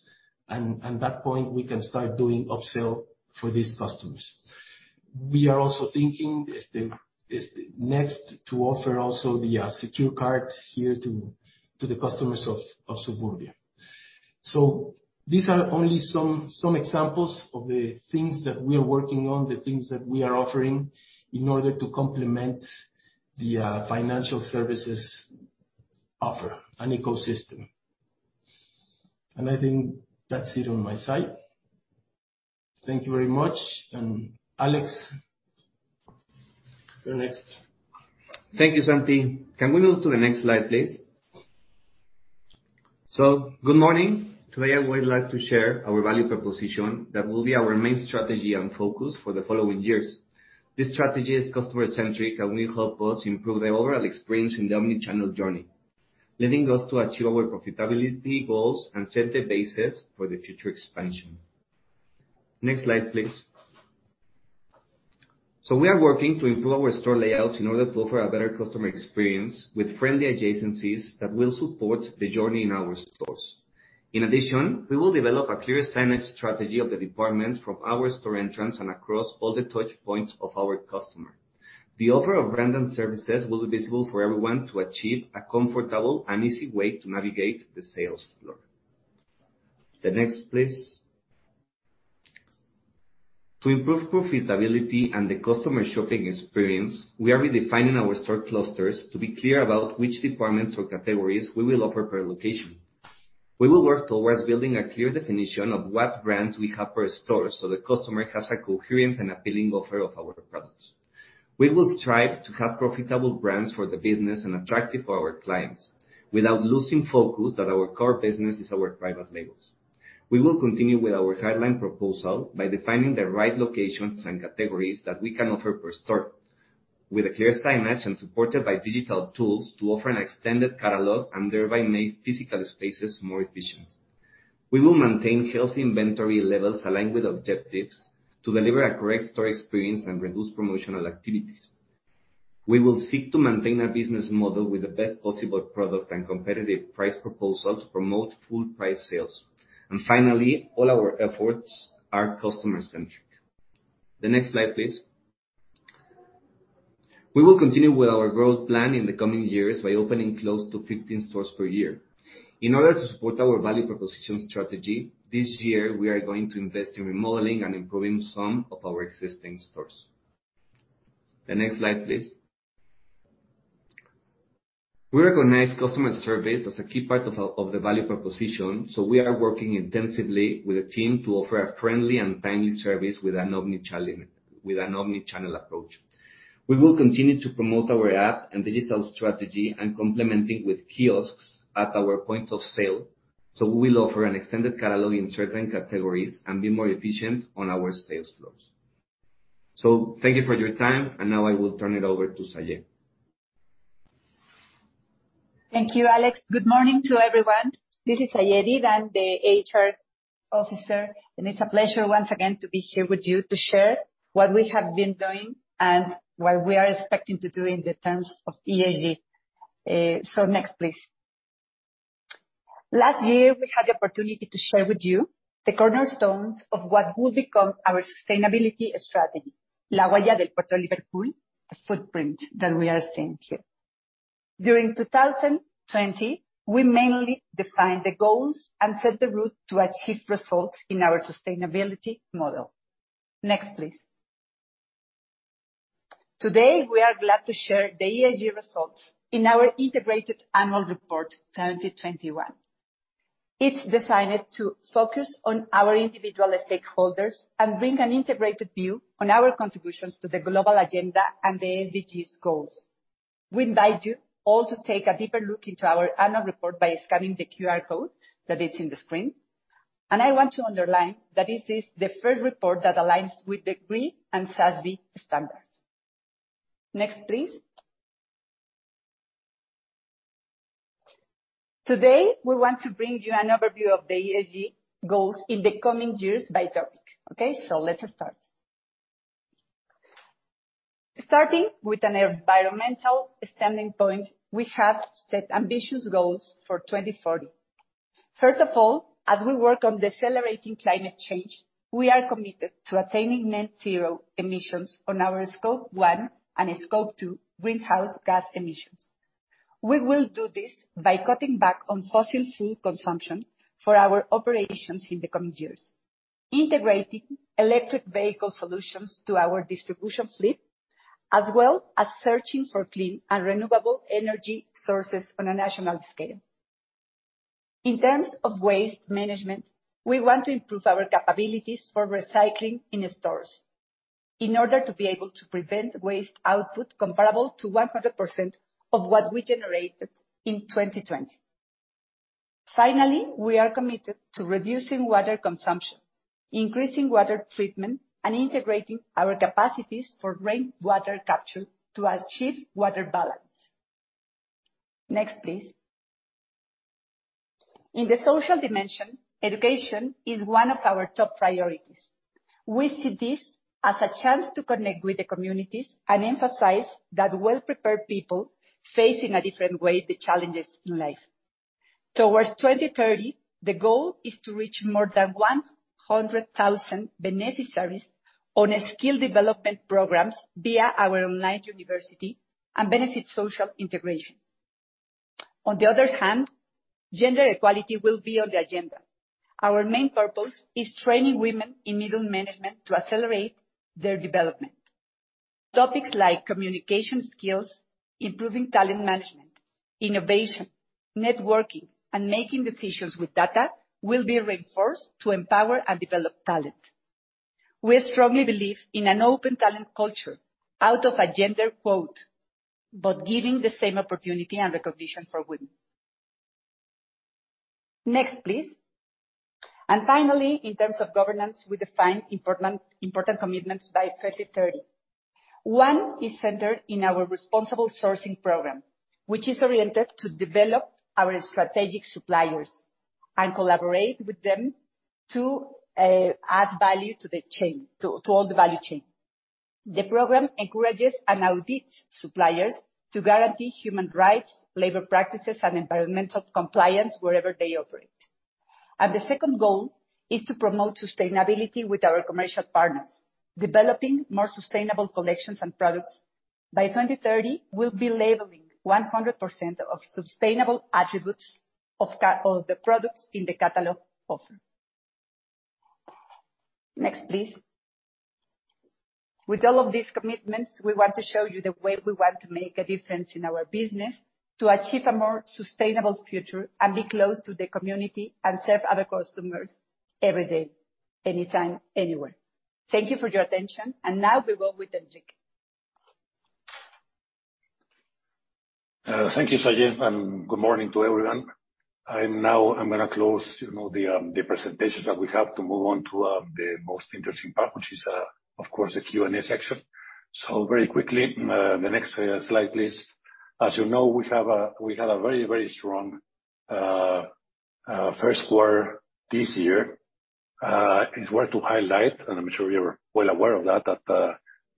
At that point we can start doing upsell for these customers. We are also thinking of the next to offer also the secure cards here to the customers of Suburbia. These are only some examples of the things that we are working on, the things that we are offering in order to complement the financial services offer and ecosystem. I think that's it on my side. Thank you very much. Alex, you're next.
Thank you, Santi. Can we move to the next slide, please? Good morning. Today, I would like to share our value proposition that will be our main strategy and focus for the following years. This strategy is customer-centric, and will help us improve the overall experience in the omni- channel journey, letting us to achieve our profitability goals and set the basis for the future expansion. Next slide, please. We are working to improve our store layouts in order to offer a better customer experience with friendly adjacencies that will support the journey in our stores. In addition, we will develop a clear signage strategy for the departments from our store entrance and across all the touch points of our customer. The offer of our services will be visible for everyone to achieve a comfortable and easy way to navigate the sales floor. The next, please. To improve profitability and the customer shopping experience, we are redefining our store clusters to be clear about which departments or categories we will offer per location. We will work towards building a clear definition of what brands we have per store, so the customer has a coherent and appealing offer of our products. We will strive to have profitable brands for the business and attractive for our clients, without losing focus that our core business is our private labels. We will continue with our guideline proposal by defining the right locations and categories that we can offer per store. With a clear signage and supported by digital tools to offer an extended catalog and thereby make physical spaces more efficient. We will maintain healthy inventory levels aligned with objectives to deliver a great store experience and reduce promotional activities. We will seek to maintain a business model with the best possible product and competitive price proposal to promote full price sales. Finally, all our efforts are customer-centric. The next slide, please. We will continue with our growth plan in the coming years by opening close to 15 stores per year. In order to support our value proposition strategy, this year we are going to invest in remodeling and improving some of our existing stores. The next slide, please. We recognize customer service as a key part of the value proposition, so we are working intensively with a team to offer a friendly and timely service with an omni-channel approach. We will continue to promote our app and digital strategy and complementing with kiosks at our point of sale. We will offer an extended catalog in certain categories and be more efficient on our sales floors. Thank you for your time, and now, I will turn it over to Zahié Edid.
Thank you, Alex. Good morning to everyone. This is Zahié Edid. I'm the HR Officer, and it's a pleasure once again to be here with you to share what we have been doing and what we are expecting to do in terms of ESG. So next, please. Last year, we had the opportunity to share with you the cornerstones of what will become our sustainability strategy. The footprint that we are seeing here. During 2020, we mainly defined the goals and set the route to achieve results in our sustainability model. Next, please. Today, we are glad to share the ESG results in our Integrated Annual Report 2021. It's designed to focus on our individual stakeholders and bring an integrated view on our contributions to the global agenda and the SDGs goals. We invite you all to take a deeper look into our annual report by scanning the QR code that is in the screen. I want to underline that this is the first report that aligns with the GRI and SASB standards. Next, please. Today, we want to bring you an overview of the ESG goals in the coming years by topic, okay? Let's start. Starting with an environmental standing point, we have set ambitious goals for 2040. First of all, as we work on decelerating climate change, we are committed to attaining net-zero emissions on our Scope 1 and Scope 2 greenhouse gas emissions. We will do this by cutting back on fossil fuel consumption for our operations in the coming years, integrating electric vehicle solutions to our distribution fleet, as well as searching for clean and renewable energy sources on a national scale. In terms of waste management, we want to improve our capabilities for recycling in stores in order to be able to prevent waste output comparable to 100% of what we generated in 2020. Finally, we are committed to reducing water consumption, increasing water treatment, and integrating our capacities for rainwater capture to achieve water balance. Next, please. In the social dimension, education is one of our top priorities. We see this as a chance to connect with the communities and emphasize that well-prepared people facing a different way the challenges in life. Towards 2030, the goal is to reach more than 100,000 beneficiaries on a skill development programs via our online university, and benefit social integration. On the other hand, gender equality will be on the agenda. Our main purpose is training women in middle management to accelerate their development. Topics like communication skills, improving talent management, innovation, networking, and making decisions with data will be reinforced to empower and develop talent. We strongly believe in an open talent culture without a gender quota, but giving the same opportunity and recognition for women. Next, please. Finally, in terms of governance, we define important commitments by 2030. One is centered in our responsible sourcing program, which is oriented to develop our strategic suppliers and collaborate with them to add value to the chain, to all the value chain. The program encourages and audits suppliers to guarantee human rights, labor practices, and environmental compliance wherever they operate. The second goal is to promote sustainability with our commercial partners, developing more sustainable collections and products. By 2030, we'll be labeling 100% of sustainable attributes of the products in the catalog offer. Next, please. With all of these commitments, we want to show you the way we want to make a difference in our business to achieve a more sustainable future and be close to the community, and serve other customers every day, anytime, anywhere. Thank you for your attention. Now we go with Enrique.
Thank you, Zahié, and good morning to everyone. I'm gonna close, you know, the presentation that we have to move on to the most interesting part, which is, of course, the Q&A section. Very quickly, the next slide, please. As you know, we had a very strong first quarter this year. It's worth to highlight, and I'm sure you were well aware of that the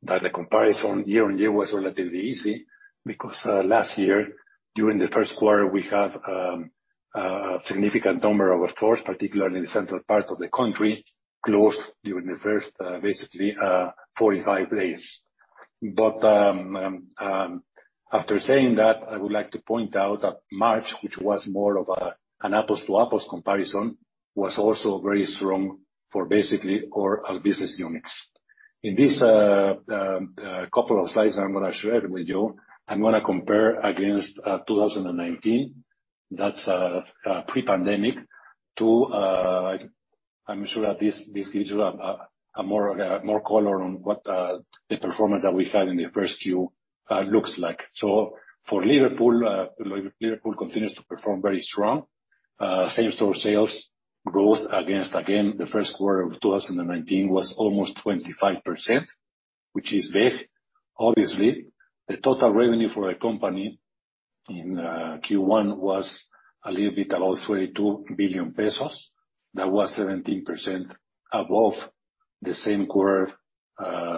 year-on-year comparison was relatively easy because last year, during the first quarter, we have a significant number of stores, particularly in the central part of the country, closed during the first basically 45 days. After saying that, I would like to point out that March, which was more of an apples to apples comparison, was also very strong for basically all our business units. In this couple of slides I'm gonna share with you, I'm gonna compare against 2019. That's pre-pandemic. I'm sure that this gives you more color on what the performance that we have in the first quarter looks like. For Liverpool continues to perform very strong. Same store sales growth against, again, the first quarter of 2019 was almost 25%, which is big, obviously. The total revenue for the company in Q1 was a little bit above 32 billion pesos. That was 17% above the same quarter,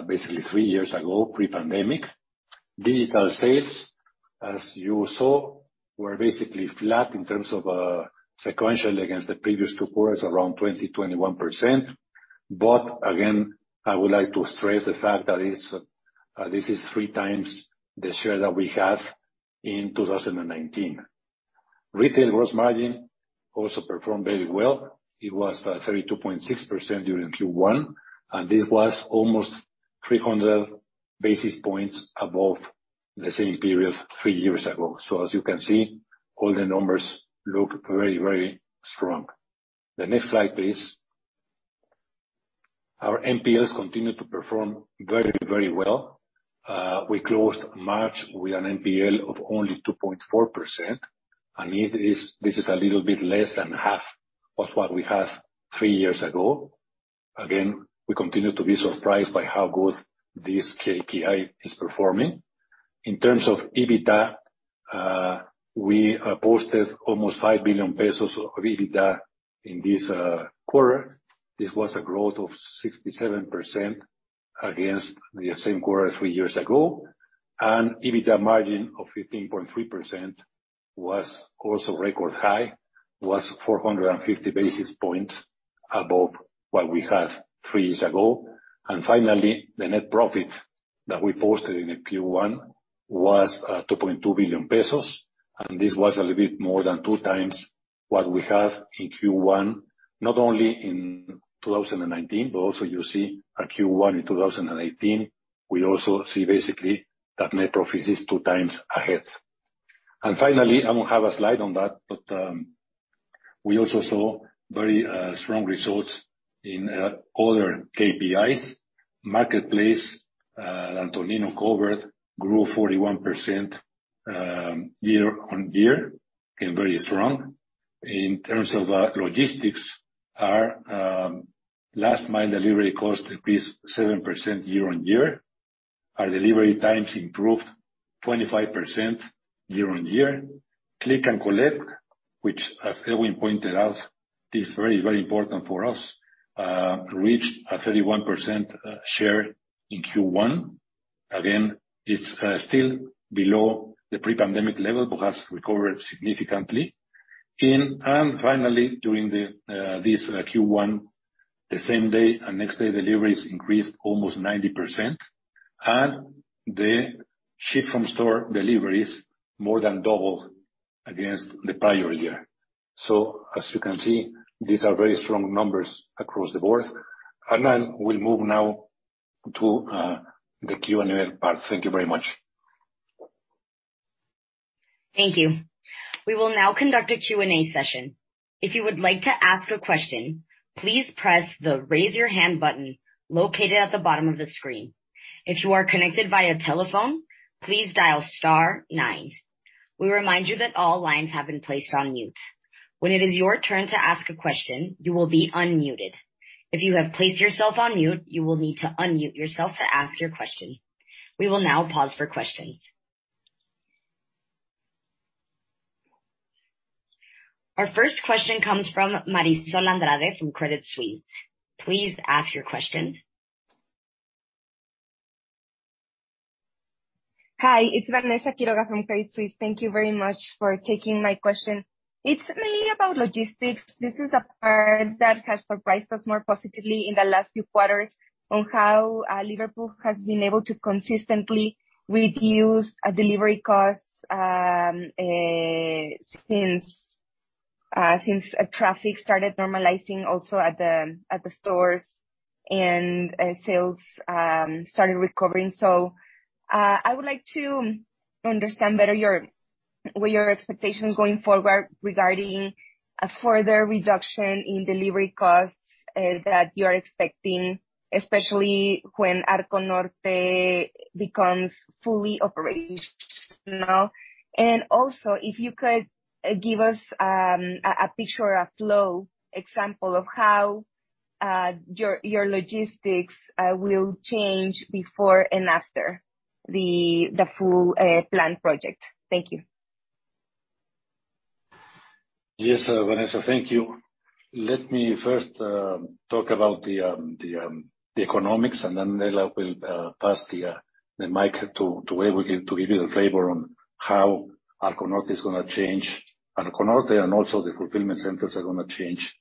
basically three years ago, pre-pandemic. Digital sales, as you saw, were basically flat in terms of sequentially against the previous two quarters, around 20-21%. Again, I would like to stress the fact that it's this is 3x the share that we had in 2019. Retail gross margin also performed very well. It was 32.6% during Q1, and this was almost 300 basis points above the same period three years ago. As you can see, all the numbers look very, very strong. The next slide, please. Our NPLs continued to perform very, very well. We closed March with an NPL of only 2.4%. This is a little bit less than half of what we had three years ago. Again, we continue to be surprised by how good this KPI is performing. In terms of EBITDA, we posted almost 5 billion pesos of EBITDA in this quarter. This was a growth of 67% against the same quarter three years ago. EBITDA margin of 15.3% was also record high, 450 basis points above what we had three years ago. Finally, the net profit that we posted in Q1 was 2.2 billion pesos, and this was a little bit more than 2x what we had in Q1, not only in 2019, but also you see in Q1 in 2018, we also see basically that net profit is two times ahead. Finally, I don't have a slide on that, but we also saw very strong results in other KPIs. Marketplace, Antonino covered, grew 41% year-on-year, came very strong. In terms of logistics, our last mile delivery cost decreased 7% year-on-year. Our delivery times improved 25% year-on-year. Click and collect, which, as Edwin pointed out, is very, very important for us, reached a 31% share in Q1. Again, it's still below the pre-pandemic level, but has recovered significantly. Finally, during this Q1, the same day and next day deliveries increased almost 90%. The ship-from-store delivery is more than double against the prior year. As you can see, these are very strong numbers across the board. I will move now to the Q&A part. Thank you very much.
Thank you. We will now conduct a Q&A session. If you would like to ask a question, please press the Raise Your Hand button located at the bottom of the screen. If you are connected via telephone, please dial star nine. We remind you that all lines have been placed on mute. When it is your turn to ask a question, you will be unmuted. If you have placed yourself on mute, you will need to unmute yourself to ask your question. We will now pause for questions. Our first question comes from Maricel Andrade from Credit Suisse. Please ask your question.
Hi, it's Vanessa Quiroga from Credit Suisse. Thank you, very much for taking my question. It's mainly about logistics. This is a part that has surprised us more positively in the last few quarters on how Liverpool has been able to consistently reduce delivery costs since traffic started normalizing also at the stores and sales started recovering. I would like to understand better what your expectations going forward regarding a further reduction in delivery costs that you are expecting, especially when Arco Norte becomes fully operational. If you could give us a picture, a flow example of how your logistics will change before and after the full PLAN project. Thank you.
Yes, Vanessa. Thank you. Let me first talk about the economics, and then Nela will pass the mic to Edwin, to give you the flavor on how Arco Norte is gonna change. Arco Norte, and also the fulfillment centers are gonna change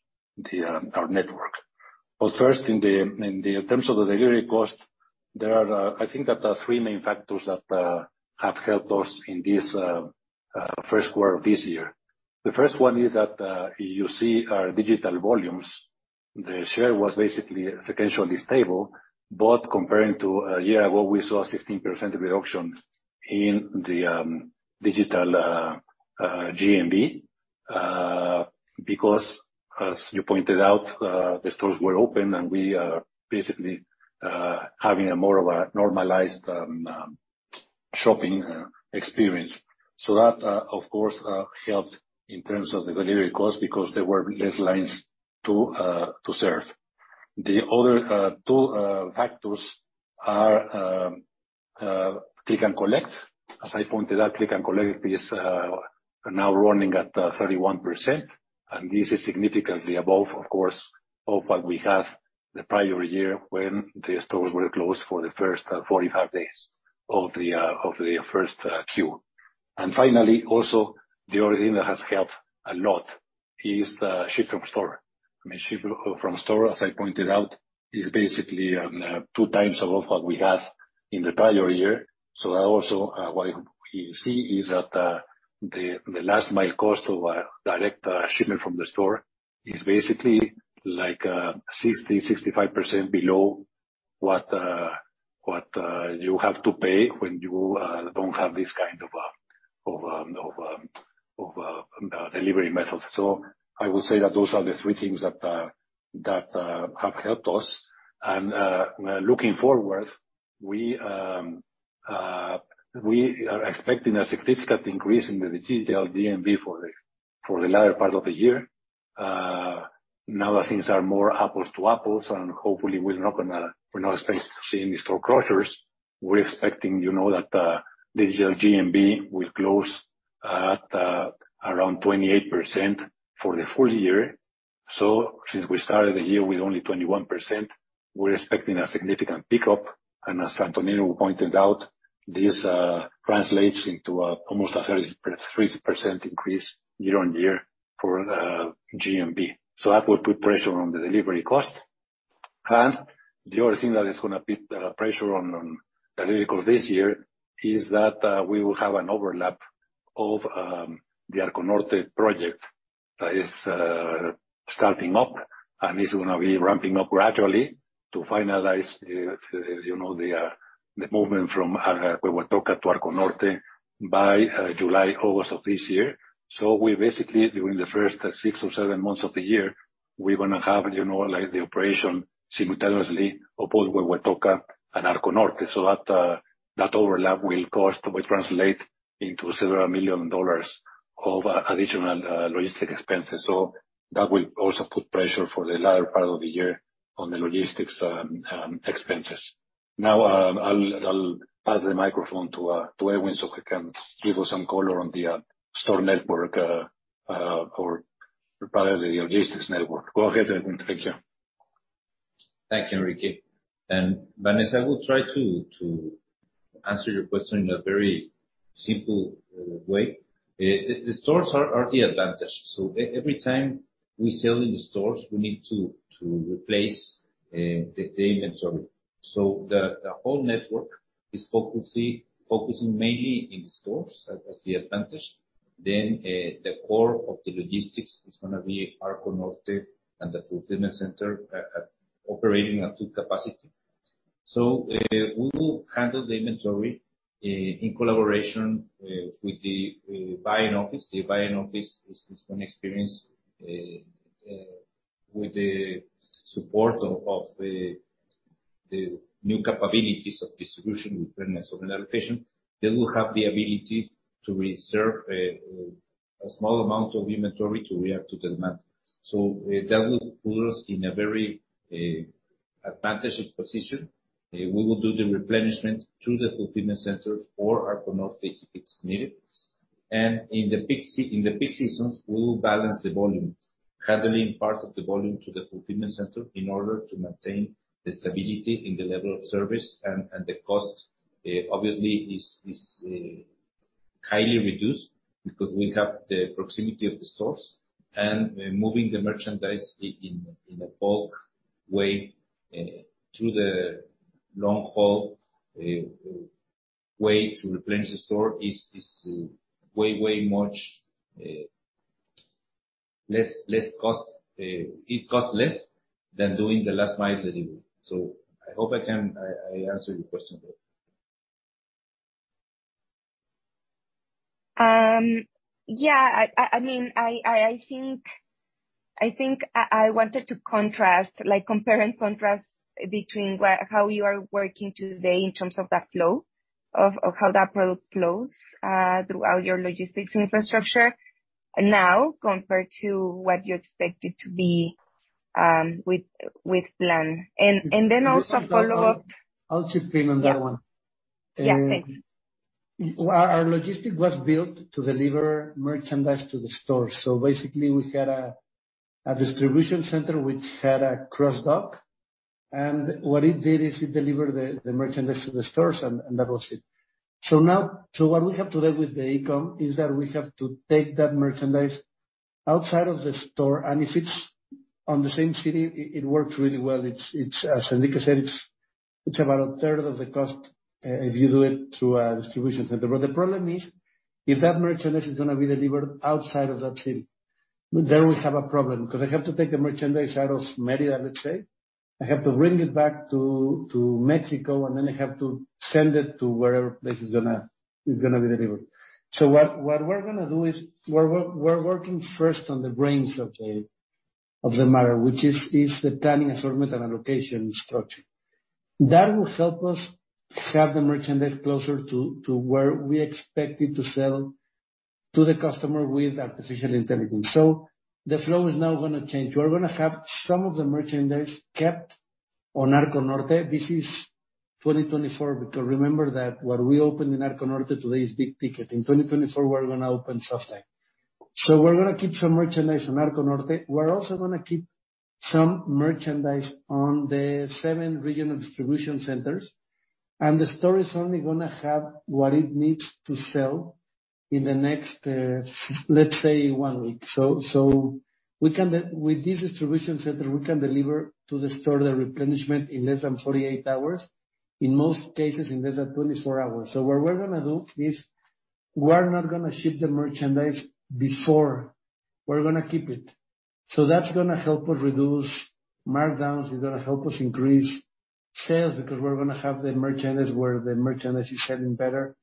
our network. First, in the terms of the delivery cost, I think that there are three main factors that have helped us in this first quarter of this year. The first one is that you see our digital volumes. The share was basically sequentially stable, both comparing to year-over-year. We saw 16% reduction in the digital GMV because as you pointed out, the stores were open and we are basically having a more of a normalized shopping experience. That of course, helped in terms of the delivery cost because there were less lines to serve. The other two factors are click and collect. As I pointed out, click and collect is now running at 31%, and this is significantly above, of course, of what we had the prior year when the stores were closed for the first 45 days of the first quarter. Finally, also, the other thing that has helped a lot is the ship from store. I mean, ship from store, as I pointed out, is basically 2x above what we had in the prior year. That also, what we see is that, the last mile cost of a direct shipment from the store is basically like 65% below what you have to pay when you don't have this kind of delivery method. I would say that those are the three things that have helped us. Looking forward, we are expecting a significant increase in the digital GMV for the latter part of the year.nNow that things are more apples to apples, and hopefully we're not expecting to see any store closures, we're expecting, you know, that digital GMV will close at around 28% for the full year. Since we started the year with only 21%, we're expecting a significant pickup. As Antonino pointed out, this translates into almost a 33% increase year-over-year for GMV. That will put pressure on the delivery cost. The other thing that is gonna be pressure on the delivery cost this year is that we will have an overlap of the Arco Norte project that is starting up and is gonna be ramping up gradually to finalize the movement from Huehuetoca to Arco Norte by July, August of this year. We basically, during the first six or seven months of the year, we're gonna have, you know, like the operation simultaneously of both Huehuetoca and Arco Norte. That overlap will translate into several million dollars of additional logistics expenses. That will also put pressure for the latter part of the year on the logistics expenses. Now, I'll pass the microphone to Edwin Serment, so he can give us some color on the store network, or rather the logistics network. Go ahead, Edwin Serment. Thank you.
Thank you, Enrique. Vanessa, I will try to answer your question in a very simple way. The stores are the advantage. Every time we sell in the stores, we need to replace the inventory. The whole network is focusing mainly in stores as the advantage. The core of the logistics is gonna be Arco Norte and the fulfillment center operating at full capacity. We will handle the inventory in collaboration with the buying office. The buying office is gonna experience with the support of the new capabilities of distribution with planning assortment allocation. They will have the ability to reserve a small amount of inventory to react to demand. That will put us in a very advantageous position. We will do the replenishment to the fulfillment centers or Arco Norte if it's needed. In the peak seasons, we will balance the volumes, handling part of the volume to the fulfillment center in order to maintain the stability in the level of service. The cost obviously is highly reduced because we have the proximity of the stores. We're moving the merchandise in a bulk way through the long haul way to replenish the store is way much less cost. It costs less than doing the last mile delivery. I hope I answered your question well.
Yeah. I mean, I think I wanted to contrast, like compare and contrast between how you are working today in terms of that flow, of how that product flows, throughout your logistics infrastructure now compared to what you expect it to be, with PLAN. Then also follow up-
I'll chip in on that one.
Yeah. Yeah, thanks.
Our logistic was built to deliver merchandise to the stores. Basically, we had a distribution center which had a cross dock, and what it did is it delivered the merchandise to the stores, and that was it. What we have today with the e-com is that we have to take that merchandise outside of the store, and if it's on the same city, it works really well. It's as Enrique said, it's about a third of the cost, if you do it through a distribution center. The problem is, if that merchandise is gonna be delivered outside of that city, there we have a problem, 'cause I have to take the merchandise out of Mérida, let's say. I have to bring it back to Mexico, and then I have to send it to wherever place it's gonna be delivered. What we're gonna do is we're working first on the brains of the matter, which is the planning assortment and allocation structure. That will help us have the merchandise closer to where we expect it to sell. To the customer with artificial intelligence. The flow is now gonna change. We're gonna have some of the merchandise kept on Arco Norte. This is 2024, because remember that what we opened in Arco Norte today is big ticket. In 2024, we're gonna open something. We're gonna keep some merchandise on Arco Norte. We're also gonna keep some merchandise on the seven regional distribution centers, and the store is only gonna have what it needs to sell in the next, let's say, one week. With this distribution center, we can deliver to the store the replenishment in less than 48 hours. In most cases, in less than 24 hours. What we're gonna do is, we're not gonna ship the merchandise before, we're gonna keep it. That's gonna help us reduce markdowns, it's gonna help us increase sales, because we're gonna have the merchandise where the merchandise is selling better.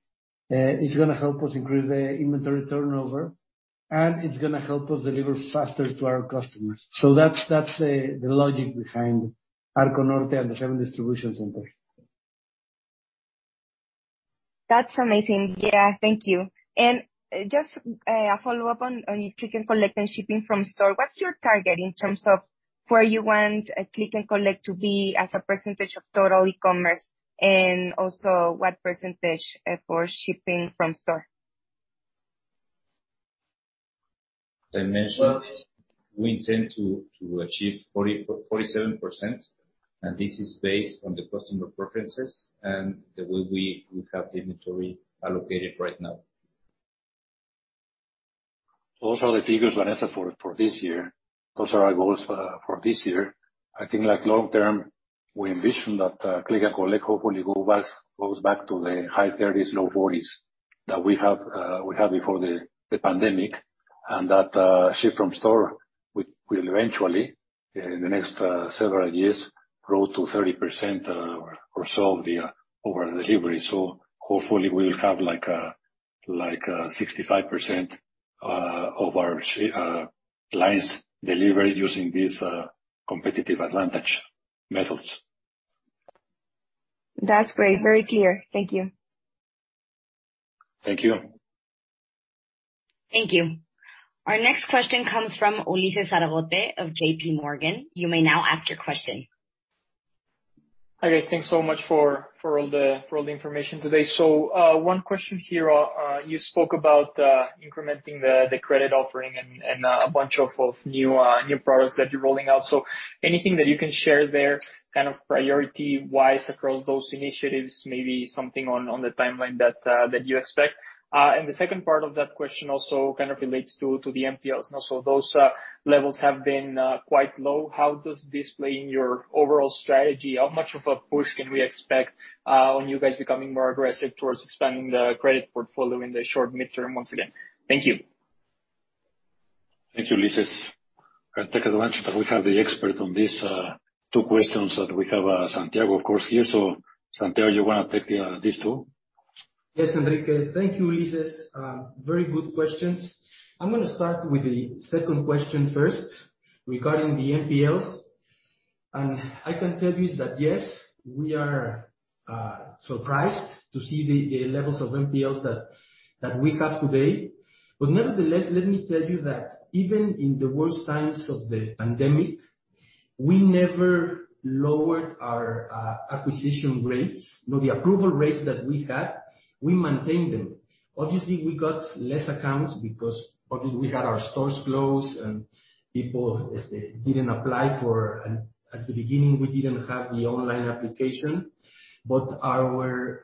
It's gonna help us increase the inventory turnover, and it's gonna help us deliver faster to our customers. That's the logic behind Arco Norte and the seven distribution centers.
That's amazing. Yeah, thank you. Just a follow-up on click and collect and shipping from store. What's your target in terms of where you want click and collect to be as a percentage of total e-commerce, and also what percentage for shipping from store?
Dimension. We intend to achieve 44%-47%, and this is based on the customer preferences and the way we have the inventory allocated right now.
Those are the figures, Vanessa, for this year. Those are our goals for this year. I think like long term, we envision that click and collect hopefully goes back to the high 30s, low 40s that we had before the pandemic. That ship from store will eventually in the next several years grow to 30% or so of our delivery. Hopefully, we'll have like 65% of our lines delivered using these competitive advantage methods.
That's great. Very clear. Thank you.
Thank you.
Thank you. Our next question comes from Ulises Argote of JPMorgan. You may now ask your question.
Hi guys, thanks so much for all the information today. One question here. You spoke about incrementing the credit offering and a bunch of new products that you're rolling out. Anything that you can share there, kind of priority-wise across those initiatives, maybe something on the timeline that you expect. The second part of that question also kind of relates to the NPLs. Those levels have been quite low. How does this play in your overall strategy? How much of a push can we expect on you guys becoming more aggressive towards expanding the credit portfolio in the short mid-term once again? Thank you.
Thank you, Ulises. I'll take advantage that we have the expert on this two questions, that we have, Santiago, of course, here. Santiago, you wanna take the these two?
Yes, Enrique. Thank you, Ulises. Very good questions. I'm gonna start with the second question first regarding the NPLs. I can tell you is that, yes, we are surprised to see the levels of NPLs that we have today. Nevertheless, let me tell you that even in the worst times of the pandemic, we never lowered our acquisition rates, nor the approval rates that we had. We maintained them. Obviously, we got less accounts because obviously we had our stores closed and people didn't apply for. At the beginning, we didn't have the online application. Our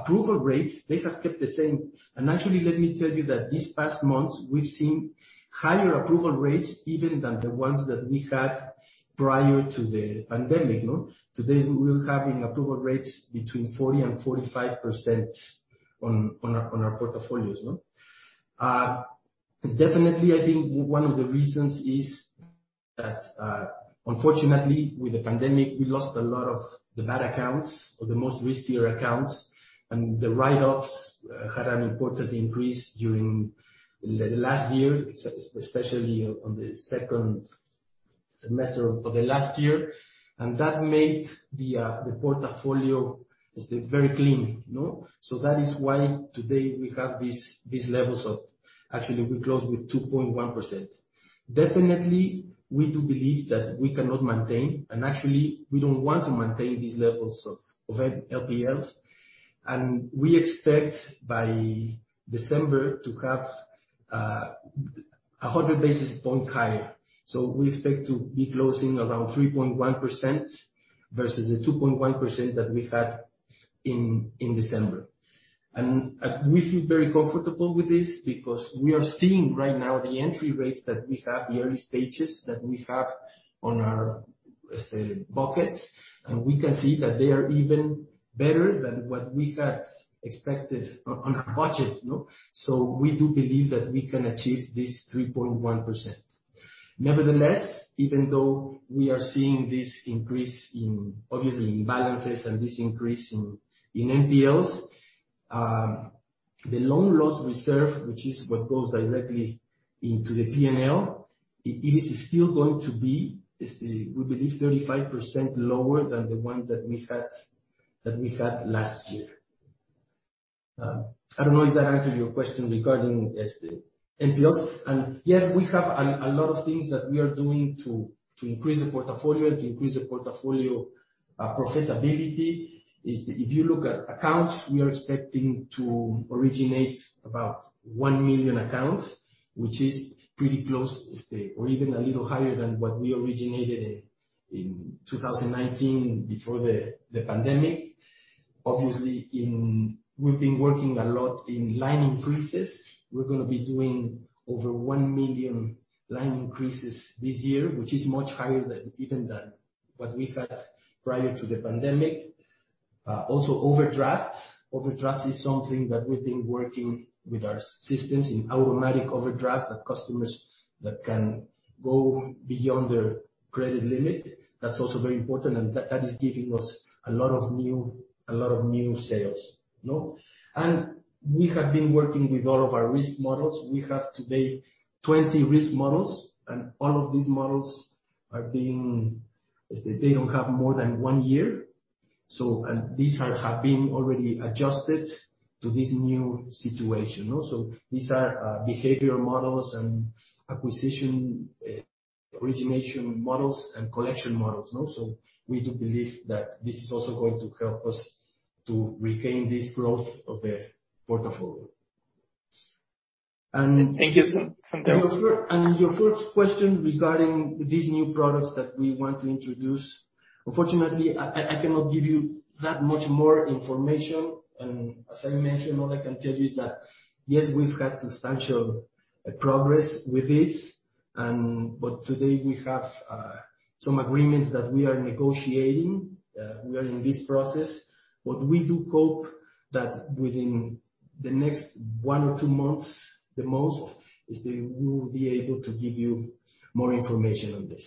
approval rates, they have kept the same. Actually, let me tell you that these past months we've seen higher approval rates even than the ones that we had prior to the pandemic, no? Today, we're having approval rates between 40% and 45% on our portfolios, no? Definitely, I think one of the reasons is that unfortunately, with the pandemic, we lost a lot of the bad accounts or the most riskier accounts, and the write-offs had an important increase during the last year, especially on the second semester of the last year. That made the portfolio stay very clean, no? That is why today we have these levels. Actually, we closed with 2.1%. Definitely, we do believe that we cannot maintain, and actually we don't want to maintain these levels of NPLs. We expect by December to have 100 basis points higher. We expect to be closing around 3.1% versus the 2.1% that we had in December. We feel very comfortable with this because we are seeing right now the entry rates that we have, the early stages that we have on our, let's say, buckets, and we can see that they are even better than what we had expected on our budget, no? We do believe that we can achieve this 3.1%. Nevertheless, even though we are seeing this increase in obviously, in balances and this increase in NPLs, the loan loss reserve, which is what goes directly into the P&L, it is still going to be, let's see, we believe 35% lower than the one that we had last year. I don't know if that answers your question regarding the NPL. Yes, we have a lot of things that we are doing to increase the portfolio profitability. If you look at accounts, we are expecting to originate about one million accounts, which is pretty close to last or even a little higher than what we originated in 2019 before the pandemic. Obviously, we've been working a lot in line increases. We're gonna be doing over one million line increases this year, which is much higher than even what we had prior to the pandemic. Also, overdrafts. Overdrafts is something that we've been working with our systems in automatic overdraft that customers can go beyond their credit limit. That's also very important, and that is giving us a lot of new sales. No? We have been working with all of our risk models. We have today 20 risk models, and all of these models don't have more than one year. These have been already adjusted to this new situation, no? These are behavioral models and acquisition, origination models and collection models, no? We do believe that this is also going to help us to retain this growth of the portfolio.
Thank you, Santiago.
Your first question regarding these new products that we want to introduce. Unfortunately, I cannot give you that much more information. As I mentioned, all I can tell you is that, yes, we've had substantial progress with this. Today we have some agreements that we are negotiating. We are in this process. What we do hope that within the next one or two months, the most, is that we will be able to give you more information on this.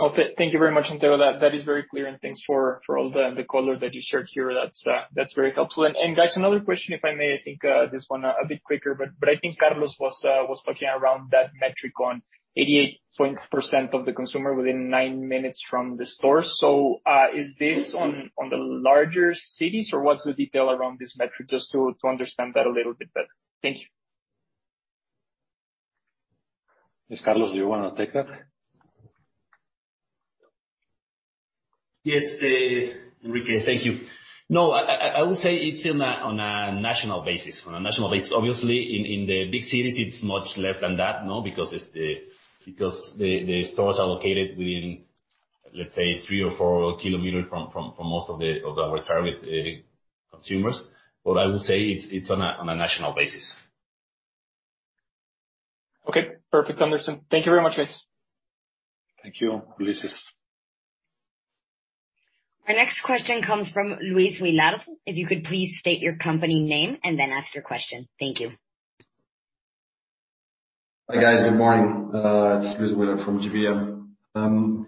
Okay. Thank you very much, Santiago. That is very clear. Thanks for all the color that you shared here. That's very helpful. Guys, another question if I may. I think this one a bit quicker, but I think Carlos was talking around that metric on 88% of the consumer within nine minutes from the store. Is this on the larger cities, or what's the detail around this metric? Just to understand that a little bit better. Thank you.
Yes, Carlos Marín, do you wanna take that?
Yes, Enrique, thank you. No, I would say it's on a national basis. On a national basis. Obviously, in the big cities, it's much less than that, no? Because the stores are located within, let's say, three or four kilometer from most of our target consumers. I would say it's on a national basis.
Okay, perfect. Understood. Thank you very much, guys.
Thank you, Ulises.
Our next question comes from Luis Willard. If you could please state your company name and then ask your question. Thank you.
Hi, guys. Good morning. This is Luis Willard from GBM.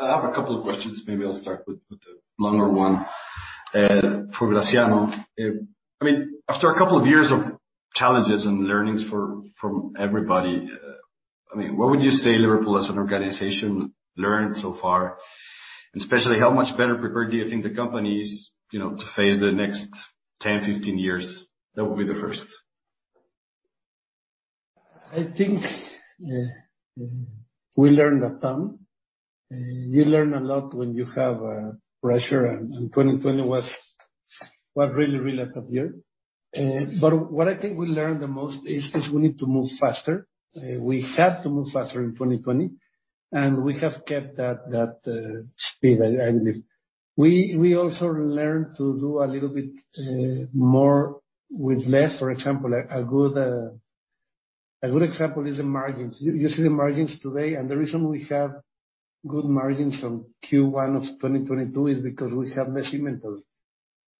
I have a couple of questions. Maybe I'll start with the longer one for Graciano. I mean, after a couple of years of challenges and learnings from everybody, I mean, what would you say Liverpool as an organization learned so far? Especially how much better prepared do you think the company is, you know, to face the next 10, 15 years? That will be the first.
I think we learned a ton. You learn a lot when you have pressure, and 2020 was really a tough year. But what I think we learned the most is we need to move faster. We had to move faster in 2020, and we have kept that speed. I believe. We also learned to do a little bit more with less. For example, a good example is the margins. You see the margins today, and the reason we have good margins on Q1 of 2022 is because we have less inventory.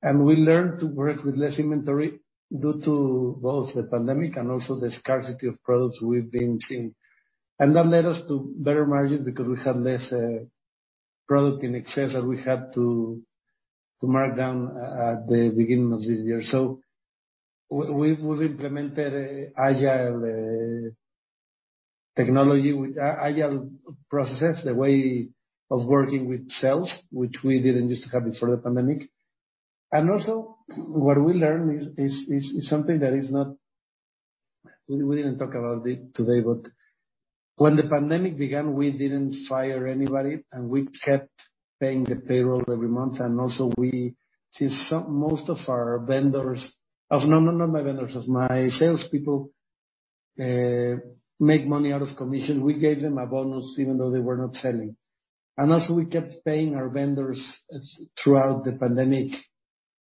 We learned to work with less inventory due to both the pandemic and also the scarcity of products we've been seeing. That led us to better margins because we have less product in excess that we had to mark down at the beginning of this year. We've implemented an agile process, the way of working with sales, which we didn't used to have before the pandemic. What we learned is something that we didn't talk about today, but when the pandemic began, we didn't fire anybody, and we kept paying the payroll every month. Since most of our vendors, not my vendors, but my salespeople, make money out of commission, we gave them a bonus even though they were not selling. We kept paying our vendors throughout the pandemic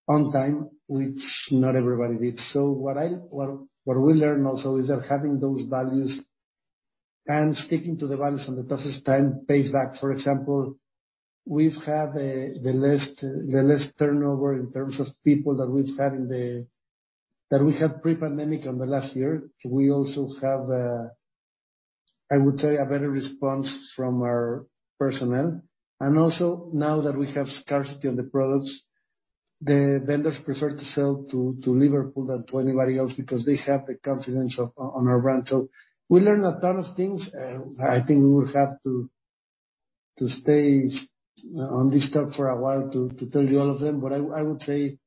on time, which not everybody did. What we learned also is that having those values and sticking to the values on the toughest time pays back. For example, we've had the less turnover in terms of people that we had pre-pandemic on the last year. We also have, I would say, a better response from our personnel. Now that we have scarcity on the products. The vendors prefer to sell to Liverpool than to anybody else because they have the confidence in our brand. We learned a ton of things. I think we will have to stay on this talk for a while to tell you all of them. I would say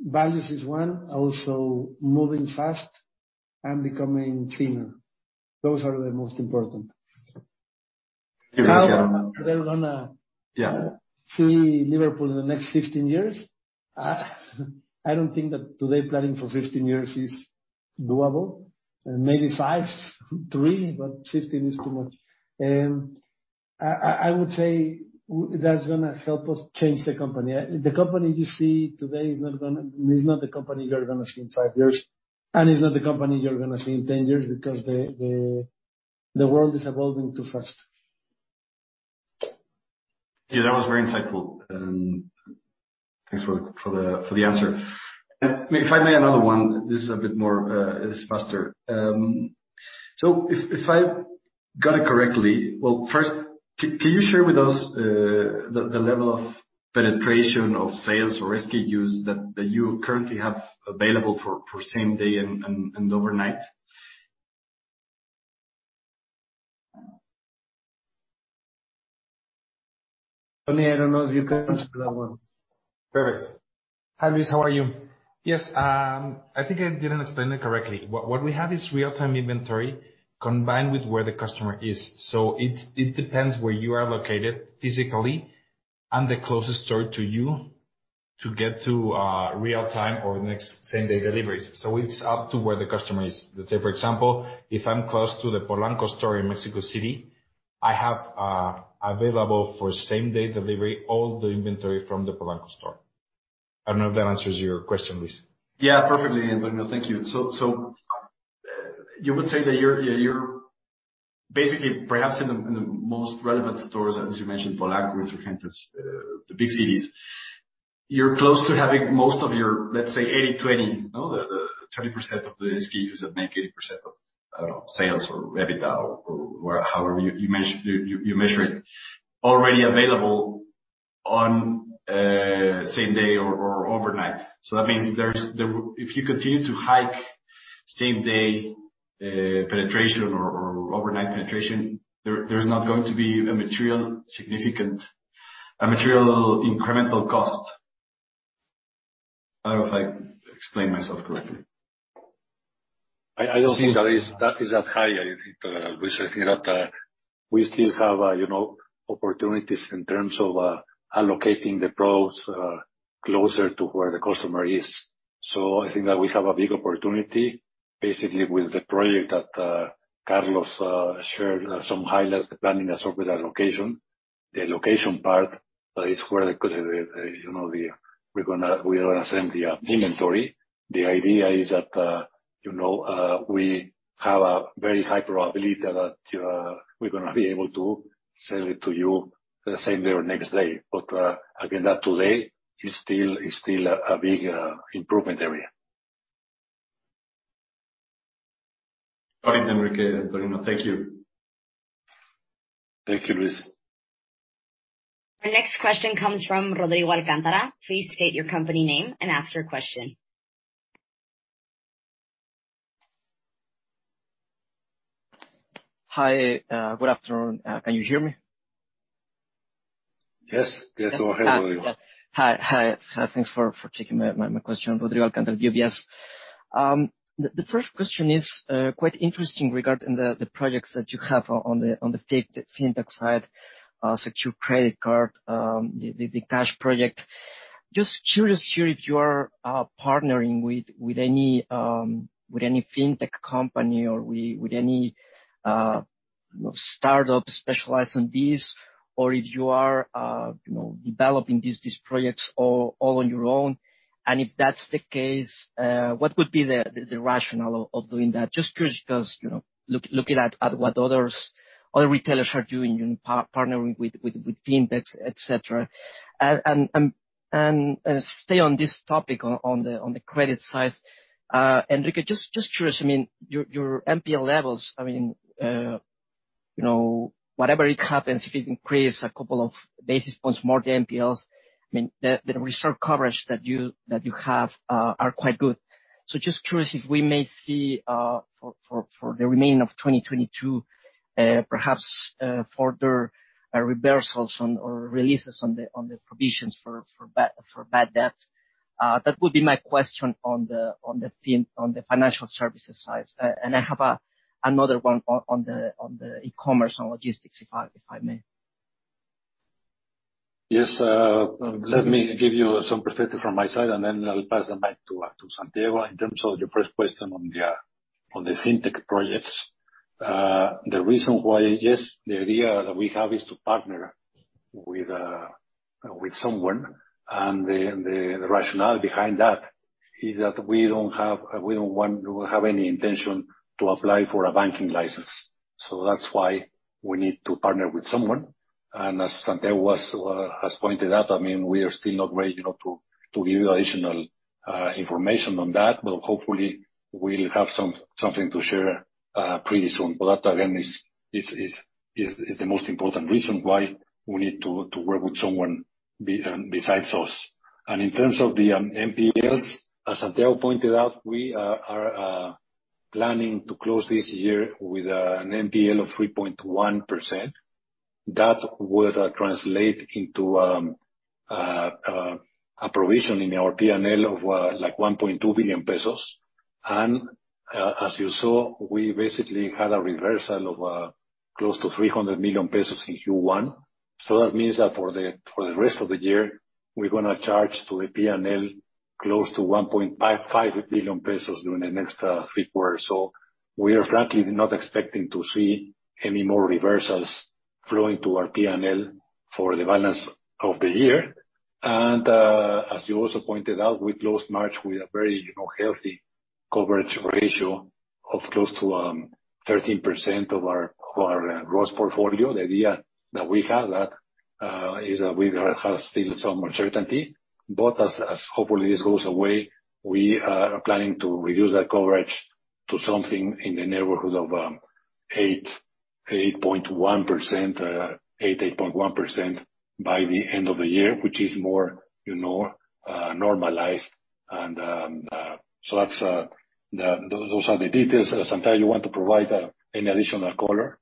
values is one, also moving fast and becoming thinner. Those are the most important.
Thank you.
How they're gonna
Yeah.
I see Liverpool in the next 15 years. I don't think that today, planning for 15 years is doable. Maybe five, three, but 15 is too much. I would say that's gonna help us change the company. The company you see today is not the company you're gonna see in five years, and it's not the company you're gonna see in 10 years because the world is evolving too fast.
Yeah, that was very insightful, and thanks for the answer. If I may, another one. This is faster. If I got it correctly. Well, first, can you share with us the level of penetration of sales or SKUs that you currently have available for same-day and overnight?
Tony, I don't know if you can answer that one.
Perfect.
Hi, Luis. How are you? Yes, I think I didn't explain it correctly. What we have is real-time inventory combined with where the customer is. It depends where you are located physically and the closest store to you to get to real-time or next same-day deliveries. It's up to where the customer is. Let's say, for example, if I'm close to the Polanco store in Mexico City, I have available for same-day delivery all the inventory from the Polanco store. I don't know if that answers your question, Luis.
Yeah, perfectly, Antonio. Thank you. You would say that you're basically perhaps in the most relevant stores, as you mentioned, Polanco and Satélite, the big cities. You're close to having most of your, let's say, 80/20, you know, the 30% of the SKUs that make 80% of, I don't know, sales or EBITDA or however you measure it, already available on same-day or overnight. That means if you continue to hike same-day penetration or overnight penetration, there's not going to be a material incremental cost. I don't know if I explained myself correctly.
I don't think that is that high, I think, Luis. I think that we still have, you know, opportunities in terms of allocating the products closer to where the customer is. I think that we have a big opportunity basically with the project that Carlos shared some highlights, the PLAN assortment with the location. The location part is where you know, we're gonna send the inventory. The idea is that you know, we have a very high probability that we're gonna be able to sell it to you the same day or next day. Again, that today is still a big improvement area.
All right, Enrique and Graciano. Thank you.
Thank you, Luis.
The next question comes from Rodrigo Alcántara. Please state your company name and ask your question.
Hi, good afternoon. Can you hear me?
Yes. Yes. Go ahead, Rodrigo.
Thanks for taking my question. Rodrigo Alcántara, UBS. The first question is quite interesting regarding the projects that you have on the fintech side, secure credit card, the cash project. Just curious here if you are partnering with any fintech company or with any, you know, startup specialized in this or if you are, you know, developing these projects all on your own. If that's the case, what would be the rationale of doing that? Just curious because, you know, looking at what other retailers are doing in partnering with fintechs, et cetera. Stay on this topic on the credit side. Enrique, just curious. I mean, your NPL levels, I mean, you know, whatever it happens, if it increase a couple of basis points more than NPLs, I mean, the reserve coverage that you have are quite good. Just curious if we may see, for the remaining of 2022, perhaps further reversals or releases on the provisions for bad debt. That would be my question on the financial services side. I have another one on the e-commerce and logistics if I may.
Yes. Let me give you some perspective from my side, and then I'll pass the mic to Santiago. In terms of your first question on the fintech projects, the reason why, yes, the idea that we have is to partner with someone, and the rationale behind that is that we don't have any intention to apply for a banking license. So that's why we need to partner with someone. As Santiago has pointed out, I mean, we are still not ready, you know, to give additional information on that, but hopefully we'll have something to share pretty soon. That again is the most important reason why we need to work with someone besides us. In terms of the NPLs, as Santiago pointed out, we are planning to close this year with an NPL of 3.1%. That would translate into a provision in our P&L of like 1.2 billion pesos. As you saw, we basically had a reversal of close to 300 million pesos in Q1. That means that for the rest of the year, we're gonna charge to a P&L close to 1.55 billion pesos during the next three quarters. We are frankly not expecting to see any more reversals flowing to our P&L for the balance of the year. As you also pointed out, we closed March with a very, you know, healthy coverage ratio of close to 13% of our gross portfolio. The idea that we have that is that we have still some uncertainty. As hopefully this goes away, we are planning to reduce that coverage to something in the neighborhood of 8.1% by the end of the year, which is more, you know, normalized. Those are the details. Santiago, you want to provide any additional color?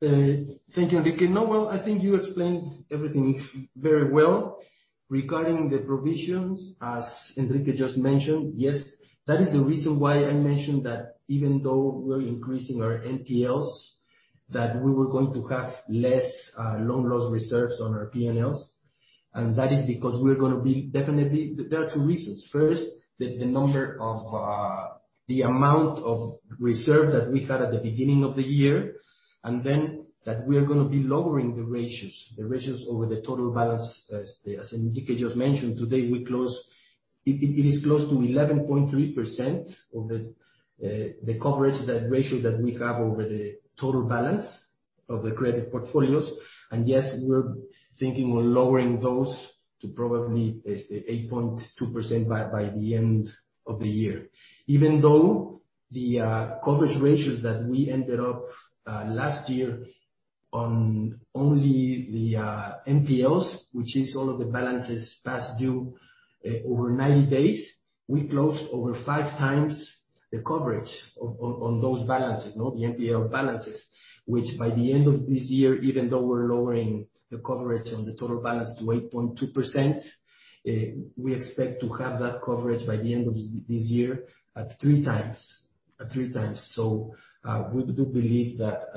Thank you, Enrique. No, well, I think you explained everything very well. Regarding the provisions, as Enrique just mentioned, yes, that is the reason why I mentioned that even though we're increasing our NPLs, that we were going to have less loan loss reserves on our PNLs. That is because we're gonna be definitely. There are two reasons. First, the amount of reserve that we had at the beginning of the year, and then that we're gonna be lowering the ratios over the total balance. As Enrique just mentioned, today, it is close to 11.3% of the coverage, that ratio that we have over the total balance of the credit portfolios. Yes, we're thinking on lowering those to probably 8.2% by the end of the year. Even though the coverage ratios that we ended up last year on only the NPLs, which is all of the balances past due over 90 days, we closed over 5x the coverage on those balances, the NPL balances. Which by the end of this year, even though we're lowering the coverage on the total balance to 8.2%, we expect to have that coverage by the end of this year at 3x. We do believe that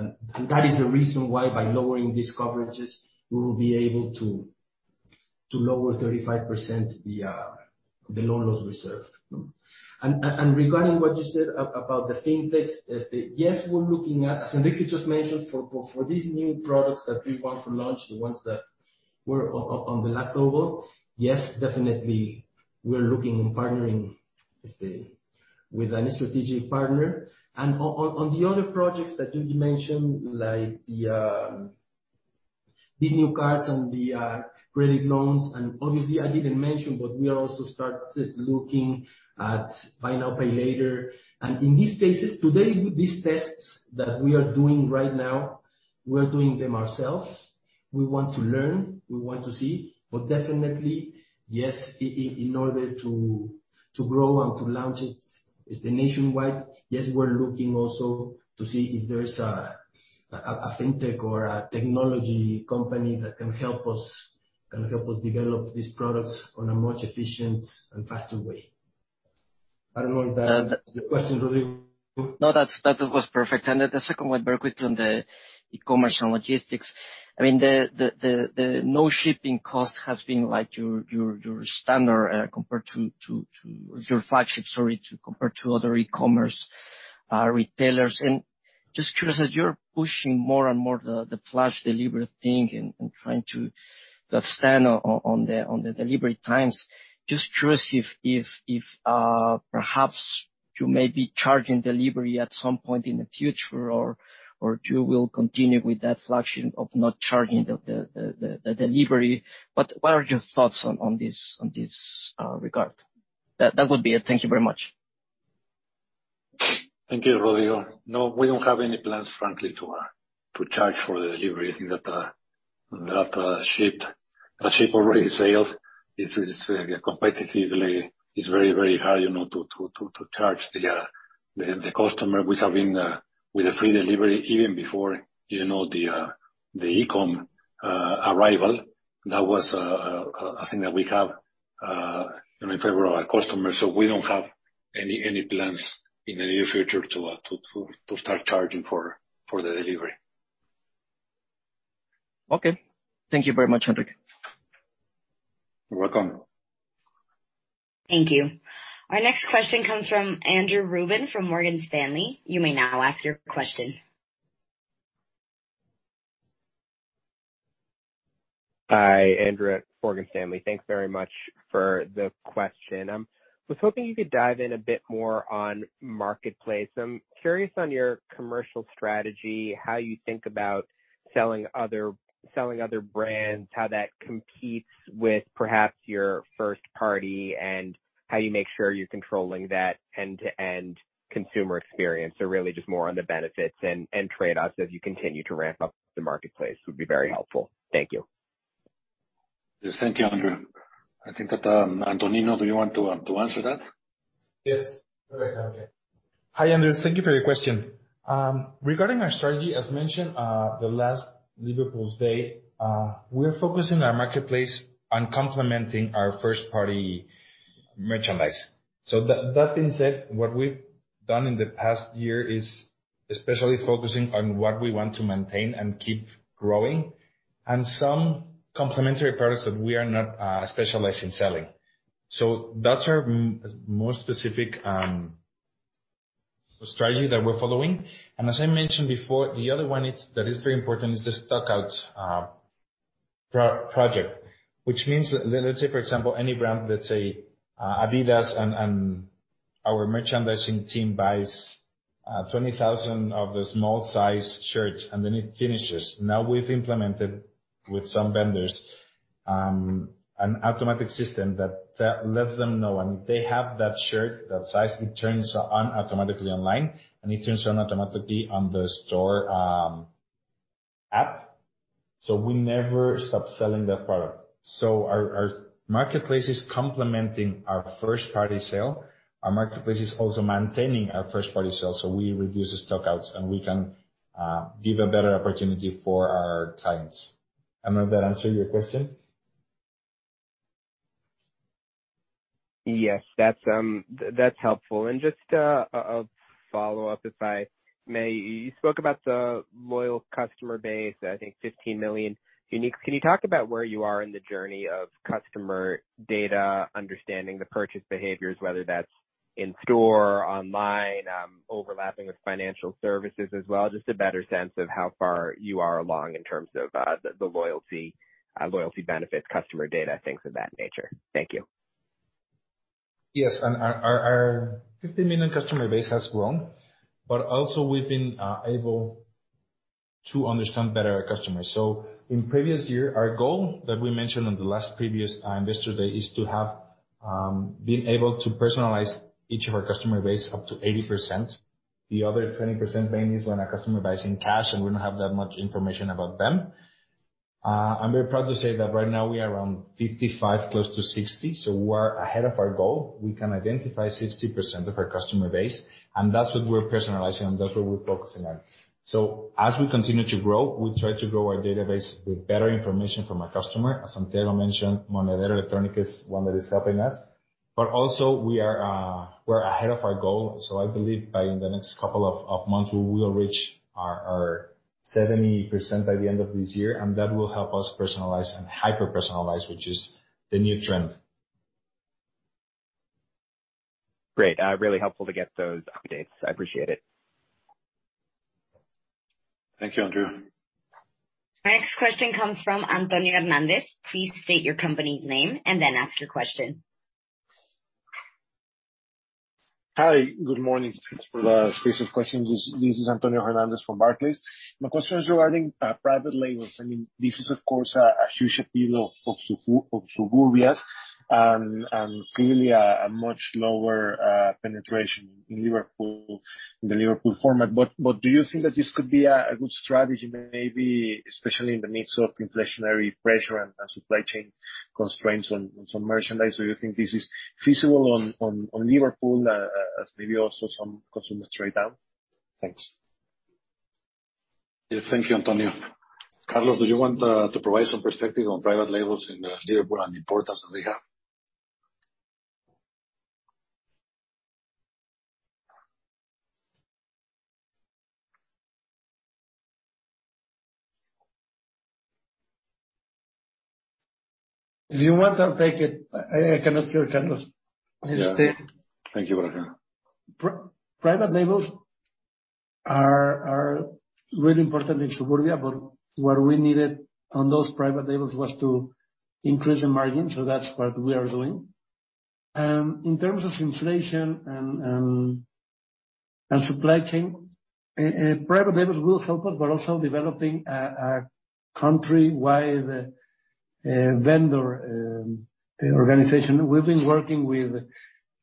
that is the reason why by lowering these coverages, we will be able to lower 35% the loan loss reserve. Regarding what you said about the FinTech, yes, we're looking at, as Enrique just mentioned, for these new products that we want to launch, the ones that were on the last COBO, yes, definitely we're looking and partnering, let's say, with a strategic partner. On the other projects that you mentioned, like these new cards and the credit loans, and obviously I didn't mention, but we are also started looking at buy now, pay later. In these cases, today these tests that we are doing right now, we are doing them ourselves. We want to learn, we want to see. Definitely, yes, in order to grow and to launch it as the nationwide, yes, we're looking also to see if there is a FinTech or a technology company that can help us develop these products on a much efficient and faster way. I don't know if that answers your question, Rodrigo.
No, that was perfect. Then the second one, very quickly on the e-commerce and logistics. I mean, the no shipping cost has been like your standard compared to other e-commerce retailers. Just curious, as you're pushing more and more the flash delivery thing and trying to stand out on the delivery times, just curious if perhaps you may be charging delivery at some point in the future or you will continue with that flagship of not charging the delivery, but what are your thoughts on this regard? That would be it. Thank you very much.
Thank you, Rodrigo. No, we don't have any plans, frankly, to charge for the delivery. I think that ship already sailed. It's competitively very hard, you know, to charge the customer while having a free delivery even before, you know, the e-com arrival. That was a thing that we have in favor of our customers, so we don't have any plans in the near future to start charging for the delivery.
Okay. Thank you very much, Enrique.
You're welcome.
Thank you. Our next question comes from Andrew Ruben from Morgan Stanley. You may now ask your question.
Hi, Andrew at Morgan Stanley. Thanks very much for the question. Was hoping you could dive in a bit more on Marketplace. I'm curious on your commercial strategy, how you think about selling other brands, how that competes with perhaps your first party and how you make sure you're controlling that end-to-end consumer experience. Really, just more on the benefits and trade-offs as you continue to ramp up the Marketplace would be very helpful. Thank you.
Yes, thank you, Andrew. I think that, Antonino, do you want to answer that?
Yes. Perfect. Okay. Hi, Andrew. Thank you for your question. Regarding our strategy, as mentioned, the last Liverpool Day, we're focusing our Marketplace on complementing our first party merchandise. That being said, what we've done in the past year is especially focusing on what we want to maintain and keep growing and some complementary products that we are not specialized in selling. That's our more specific strategy that we're following. As I mentioned before, the other one that is very important is the stockout project. Which means, let's say for example, any brand, let's say, Adidas and our merchandising team buys 20,000 of the small size shirts, and then it finishes. Now we've implemented with some vendors an automatic system that lets them know. If they have that shirt, that size, it turns on automatically online, and it turns on automatically on the store app. We never stop selling that product. Our Marketplace is complementing our first party sale. Our Marketplace is also maintaining our first party sale, so we reduce the stockouts and we can give a better opportunity for our clients. I don't know if that answered your question.
Yes. That's helpful. Just a follow-up, if I may. You spoke about the loyal customer base, I think 50 million uniques. Can you talk about where you are in the journey of customer data, understanding the purchase behaviors, whether that's in store or online, overlapping with financial services as well? Just a better sense of how far you are along in terms of the loyalty benefits, customer data, things of that nature. Thank you.
Yes. Our 50 million customer base has grown, but also we've been able to understand better our customers. In previous year, our goal that we mentioned on the last previous Investor Day is to have been able to personalize each of our customer base up to 80%. The other 20% remains when a customer buys in cash, and we don't have that much information about them. I'm very proud to say that right now we are around 55%, close to 60%, so we're ahead of our goal. We can identify 60% of our customer base, and that's what we're personalizing, and that's what we're focusing on. As we continue to grow, we try to grow our database with better information from our customer. As Antonio mentioned, Monedero Electrónico is one that is helping us. Also we are ahead of our goal, so I believe within the next couple of months, we will reach our 70% by the end of this year, and that will help us personalize and hyper-personalize, which is the new trend.
Great. Really helpful to get those updates. I appreciate it.
Thank you, Andrew.
My next question comes from Antonio Hernández. Please state your company's name and then ask your question.
Hi. Good morning. Thanks for the space of questions. This is Antonio Hernandez from Barclays. My question is regarding private labels. I mean, this is of course a huge appeal of Suburbia and clearly a much lower penetration in Liverpool, in the Liverpool format. Do you think that this could be a good strategy maybe especially in the midst of inflationary pressure and supply chain constraints on some merchandise? Do you think this is feasible on Liverpool, as maybe also some consumer trade down? Thanks.
Yes. Thank you, Antonio. Carlos, do you want to provide some perspective on private labels in Liverpool and the importance that they have?
If you want, I'll take it. I cannot hear Carlos.
Yeah. Thank you, Graciano.
Private labels are really important in Suburbia, but what we needed on those private labels was to increase the margin, so that's what we are doing. In terms of inflation and supply chain, private labels will help us, but also developing a countrywide vendor organization. We've been working with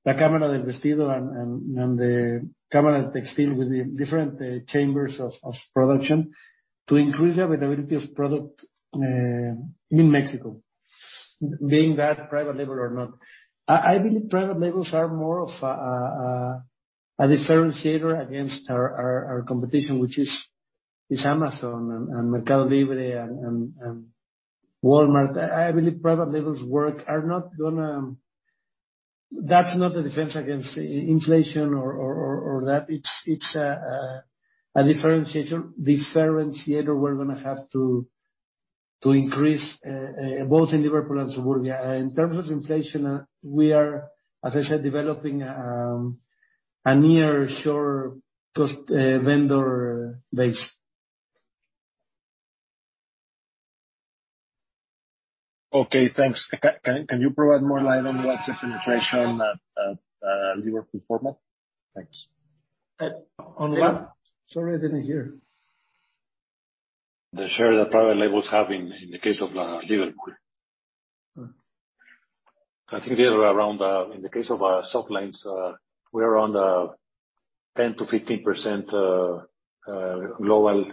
the Cámara de Vestido and the Cámara Textil with the different chambers of production to increase the availability of product in Mexico, being that private label or not. I believe private labels are more of a differentiator against our competition, which is Amazon and Mercado Libre and Walmart. I believe private labels are not gonna work. That's not a defense against inflation or that. It's a differentiator we're gonna have to increase both in Liverpool and Suburbia. In terms of inflation, we are, as I said, developing. A nearshore cost vendor base.
Okay, thanks. Can you provide more light on what's the penetration at Liverpool format? Thanks.
On what? Sorry, I didn't hear.
The share that private labels have in the case of Liverpool.
Oh.
I think they are around in the case of our soft lines we are around 10%-15% global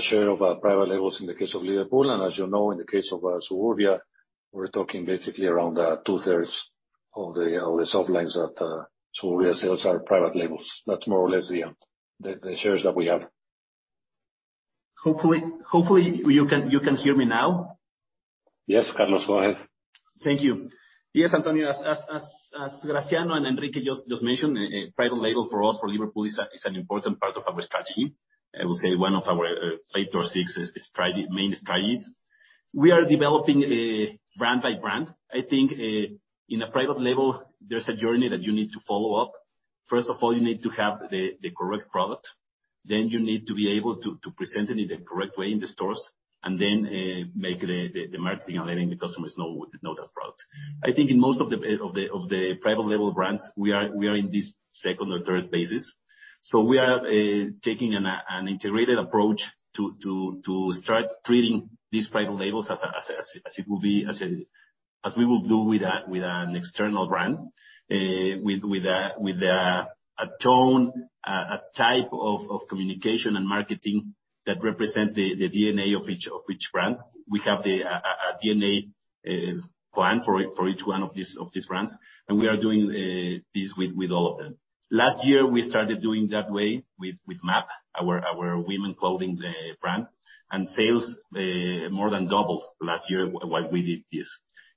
share of our private labels in the case of Liverpool. As you know, in the case of Suburbia, we're talking basically around two-thirds of the soft lines that Suburbia sells are private labels. That's more or less the shares that we have.
Hopefully you can hear me now.
Yes, Carlos, go ahead.
Thank you. Yes, Antonio. As Graciano and Enrique just mentioned, a private label for us, for Liverpool is an important part of our strategy. I will say one of our five to six main strategies. We are developing brand by brand. I think in a private label, there's a journey that you need to follow up. First of all, you need to have the correct product. Then you need to be able to present it in the correct way in the stores, and then make the marketing and letting the customers know that product. I think in most of the private label brands we are in this second or third phases. We are taking an integrated approach to start treating these private labels as we will do with an external brand with a type of communication and marketing that represent the DNA of each brand. We have a DNA plan for each one of these brands, and we are doing this with all of them. Last year we started doing that way with MAP, our women clothing brand. Sales more than doubled last year while we did this.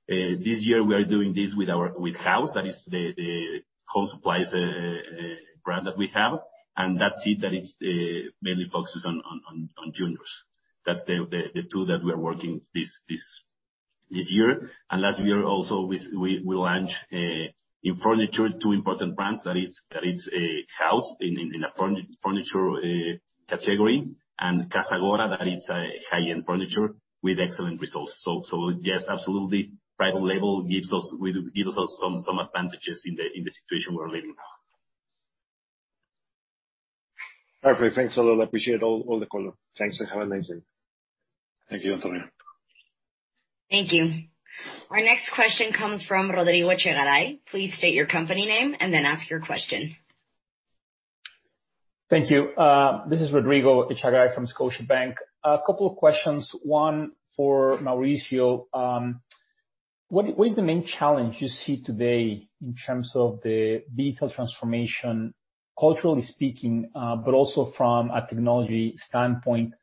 This year we are doing this with our HAUS. That is the home supplies brand that we have. P That is, mainly focuses on juniors. That's the two that we are working this year. Last year also we launched in furniture two important brands, that is, HAUS in the furniture category, and Casagora, that is high-end furniture with excellent results. Yes, absolutely private label gives us some advantages in the situation we're living now.
Perfect. Thanks a lot. I appreciate all the color. Thanks, and have a nice day.
Thank you, Antonio.
Thank you. Our next question comes from Rodrigo Echegaray. Please state your company name and then ask your question.
Thank you. This is Rodrigo Echegaray from Scotiabank. A couple of questions, one for Mauricio. What is the main challenge you see today in terms of the retail transformation, culturally speaking, but also from a technology standpoint?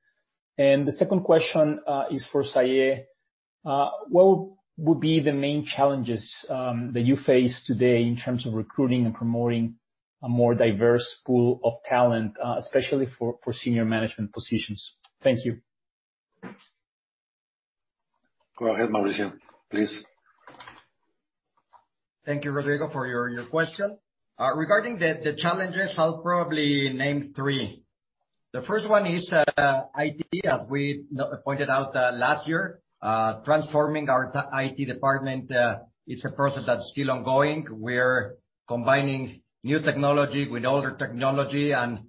The second question is for Zahié Edid. What would be the main challenges that you face today in terms of recruiting and promoting a more diverse pool of talent, especially for senior management positions? Thank you.
Go ahead, Mauricio, please.
Thank you, Rodrigo, for your question. Regarding the challenges, I'll probably name three. The first one is IT. As we pointed out last year, transforming our IT department is a process that's still ongoing. We're combining new technology with older technology and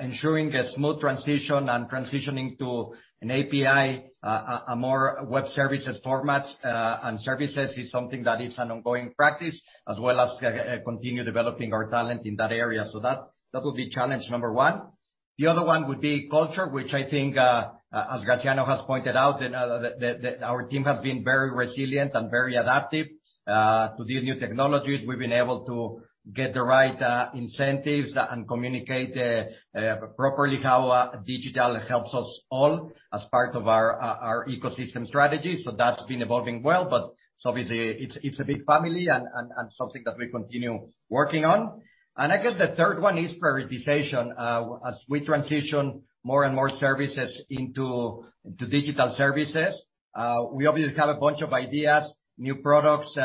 ensuring a smooth transition and transitioning to an API, a more web services formats and services is something that is an ongoing practice, as well as continue developing our talent in that area. So that would be challenge number one. The other one would be culture, which I think, as Graciano has pointed out, that our team has been very resilient and very adaptive to the new technologies. We've been able to get the right incentives and communicate properly how digital helps us all as part of our ecosystem strategy. That's been evolving well, but obviously, it's a big family and something that we continue working on. I guess the third one is prioritization. As we transition more and more services into digital services, we obviously have a bunch of ideas, new products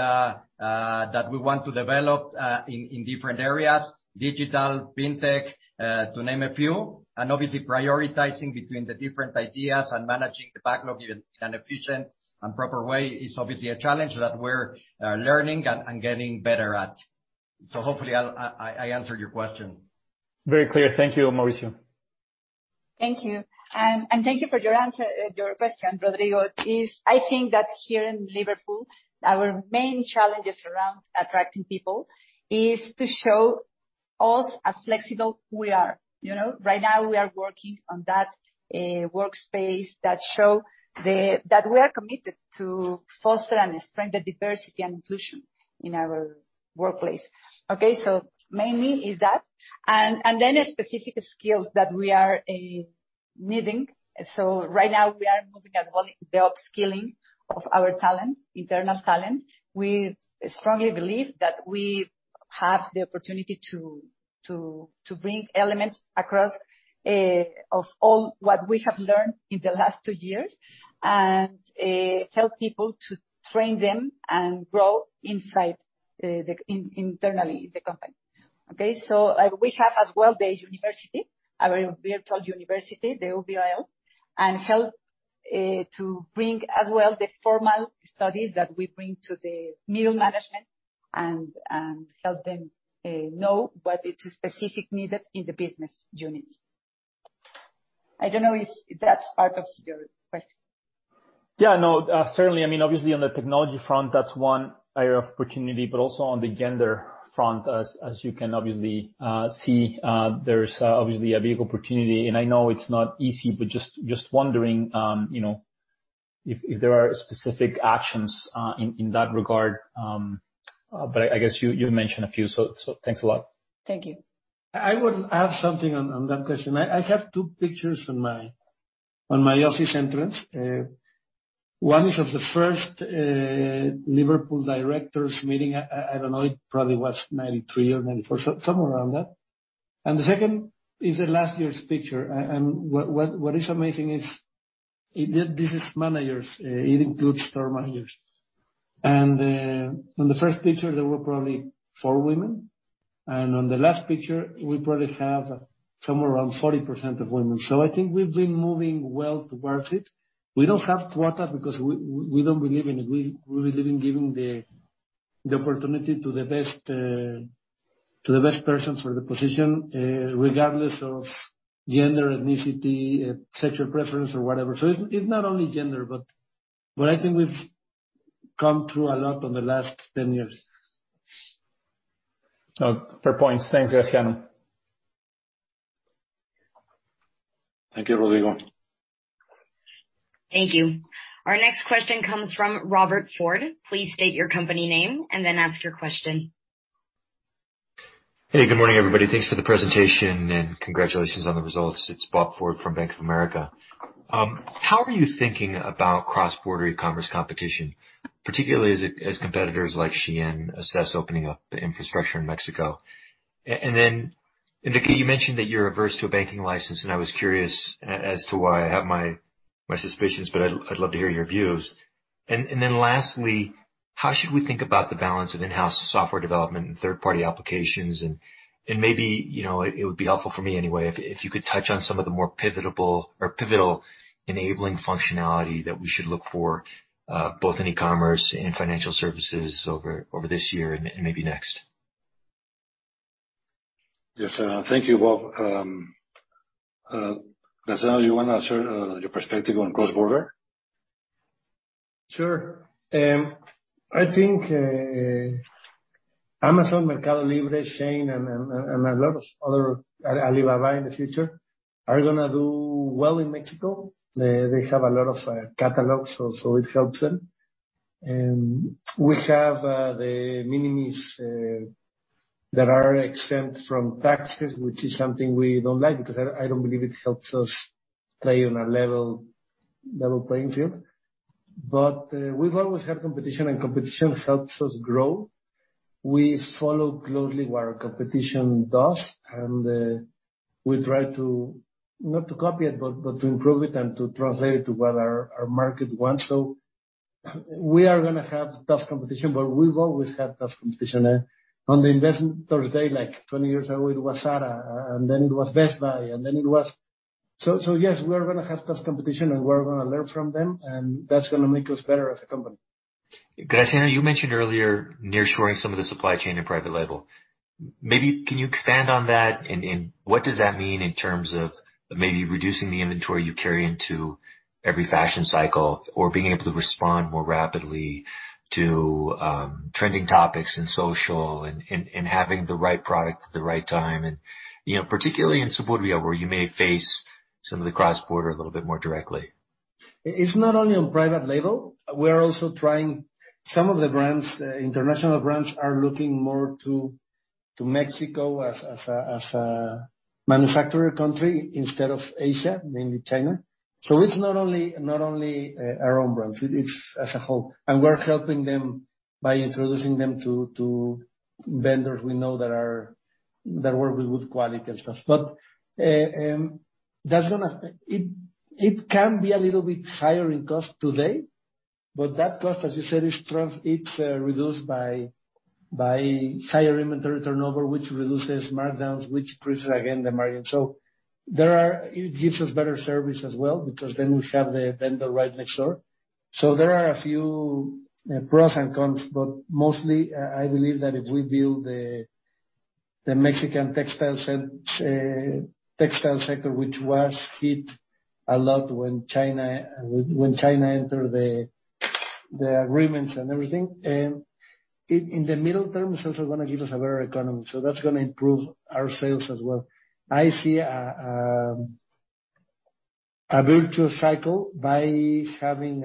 that we want to develop in different areas, digital, fintech to name a few. Obviously prioritizing between the different ideas and managing the backlog in an efficient and proper way is obviously a challenge that we're learning and getting better at. Hopefully I answered your question.
Very clear. Thank you, Mauricio.
Thank you. Thank you for your answer, your question, Rodrigo. I think that here in Liverpool, our main challenges around attracting people is to show how flexible we are, you know? Right now we are working on that workspace. That we are committed to foster and strengthen diversity and inclusion in our workplace. Okay? Mainly is that. Then specific skills that we are needing. Right now we are moving as well in the upskilling of our talent, internal talent. We strongly believe that we have the opportunity to bring elements across of all what we have learned in the last two years and help people to train them and grow inside internally in the company. Okay, we have as well the university, our virtual university, the UVL, and help to bring as well the formal studies that we bring to the middle management and help them know what is specifically needed in the business units. I don't know if that's part of your question.
Yeah, no, certainly. I mean, obviously on the technology front, that's one area of opportunity, but also on the gender front as you can obviously see, there is obviously a big opportunity. I know it's not easy, but just wondering, you know, if there are specific actions in that regard. I guess you mentioned a few, so thanks a lot.
Thank you.
I would add something on that question. I have two pictures on my office entrance. One is of the first Liverpool directors meeting. I don't know, it probably was 1993 or 1994, so somewhere around that. The second is of last year's picture. What is amazing is this is managers. It includes store managers. On the first picture, there were probably four women, and on the last picture, we probably have somewhere around 40% of women. I think we've been moving well towards it. We don't have quotas because we don't believe in it. We believe in giving the opportunity to the best persons for the position, regardless of gender, ethnicity, sexual preference or whatever. It's not only gender, but I think we've come through a lot in the last 10 years.
Oh, fair points. Thanks, Graciano.
Thank you, Rodrigo.
Thank you. Our next question comes from Robert Ford. Please state your company name and then ask your question.
Hey, good morning, everybody. Thanks for the presentation and congratulations on the results. It's Bob Ford from Bank of America. How are you thinking about cross-border e-commerce competition, particularly as competitors like Shein assess opening up the infrastructure in Mexico? Enrique, you mentioned that you're averse to a banking license, and I was curious as to why. I have my suspicions, but I'd love to hear your views. Lastly, how should we think about the balance of in-house software development and third-party applications? Maybe, you know, it would be helpful for me anyway, if you could touch on some of the more pivotable or pivotal enabling functionality that we should look for, both in e-commerce and financial services over this year and maybe next.
Yes. Thank you, Bob. Graciano, you wanna share your perspective on cross-border?
Sure. I think Amazon, MercadoLibre, Shein, and a lot of others, Alibaba in the future are gonna do well in Mexico. They have a lot of catalogs, so it helps them. We have the de minimis that are exempt from taxes, which is something we don't like because I don't believe it helps us play on a level playing field. We've always had competition, and competition helps us grow. We follow closely what our competition does, and we try not to copy it, but to improve it and to translate it to what our market wants. We are gonna have tough competition, but we've always had tough competition. On the Investor Day, like 20 years ago, it was Zara, and then it was Best Buy. Yes, we are gonna have tough competition, and we are gonna learn from them, and that's gonna make us better as a company.
Graciano, you mentioned earlier nearshoring some of the supply chain and private label. Maybe can you expand on that and what does that mean in terms of maybe reducing the inventory you carry into every fashion cycle or being able to respond more rapidly to trending topics in social and having the right product at the right time? You know, particularly in Suburbia, where you may face some of the cross-border a little bit more directly.
It's not only on private label. We're also trying some of the brands. International brands are looking more to Mexico as a manufacturer country instead of Asia, mainly China. It's not only our own brands. It's as a whole. We're helping them by introducing them to vendors we know that work with good quality and stuff. It can be a little bit higher in cost today, but that cost, as you said, is reduced by higher inventory turnover, which reduces markdowns, which increases again the margin. It gives us better service as well because then we have the vendor right next door. There are a few pros and cons, but mostly I believe that if we build the Mexican textile sector, which was hit a lot when China entered the agreements and everything, in the middle term, it's also gonna give us a better economy. That's gonna improve our sales as well. I see a virtual cycle by having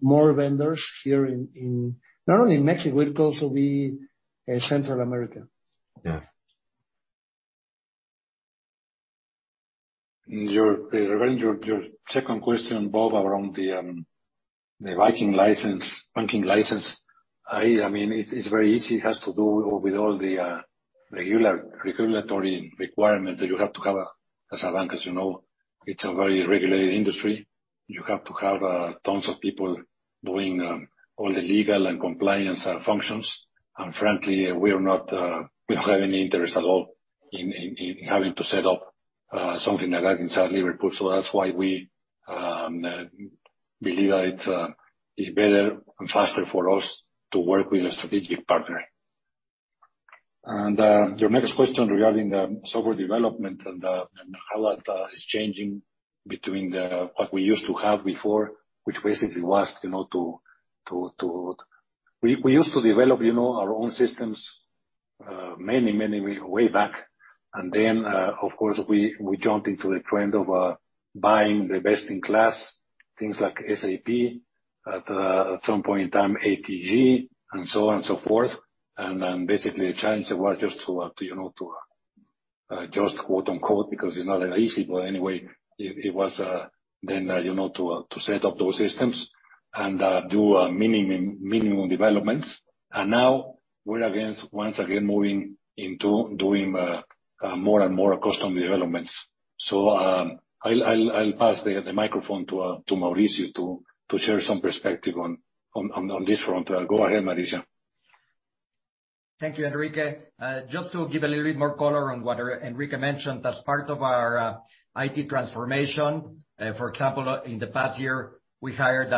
more vendors here in not only Mexico, it will also be Central America.
Yeah.
Around your second question, Bob, around the banking license. I mean, it's very easy. It has to do with all the regular regulatory requirements that you have to cover as a bank. As you know, it's a very regulated industry. You have to have tons of people doing all the legal and compliance functions. Frankly, we're not, we don't have any interest at all in having to set up something like that inside Liverpool. That's why we believe that it's better and faster for us to work with a strategic partner. Your next question regarding the software development and how that is changing between what we used to have before, which basically was, you know. We used to develop, you know, our own systems many way back. Then, of course, we jumped into the trend of buying the best-in-class things like SAP, at some point in time ATG, and so on and so forth. Then basically changed the world just to, you know, just quote-unquote, because it's not that easy, but anyway, it was then, you know, to set up those systems and do minimum developments. Now we're back once again moving into doing more and more custom developments. I'll pass the microphone to Mauricio to share some perspective on this front. Go ahead, Mauricio.
Thank you, Enrique. Just to give a little bit more color on what Enrique mentioned, as part of our IT transformation, for example, in the past year, we hired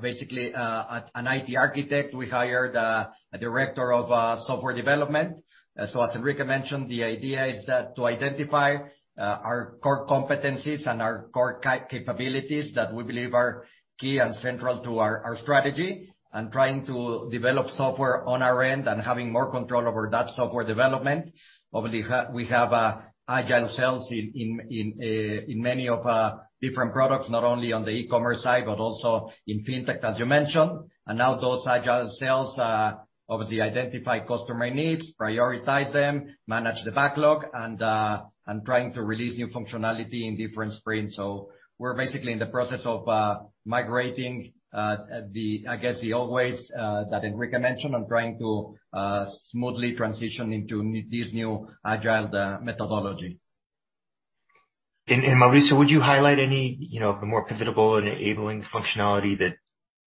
basically an IT architect. We hired a director of software development. As Enrique mentioned, the idea is that to identify our core competencies and our core capabilities that we believe are key and central to our strategy, and trying to develop software on our end and having more control over that software development. Obviously, we have agile squads in many of different products, not only on the e-commerce side, but also in fintech, as you mentioned. Now those agile squads obviously identify customer needs, prioritize them, manage the backlog and trying to release new functionality in different sprints. We're basically in the process of migrating the, I guess, the old ways that Enrique mentioned and trying to smoothly transition into this new agile methodology.
Mauricio, would you highlight any, you know, the more pivotal and enabling functionality that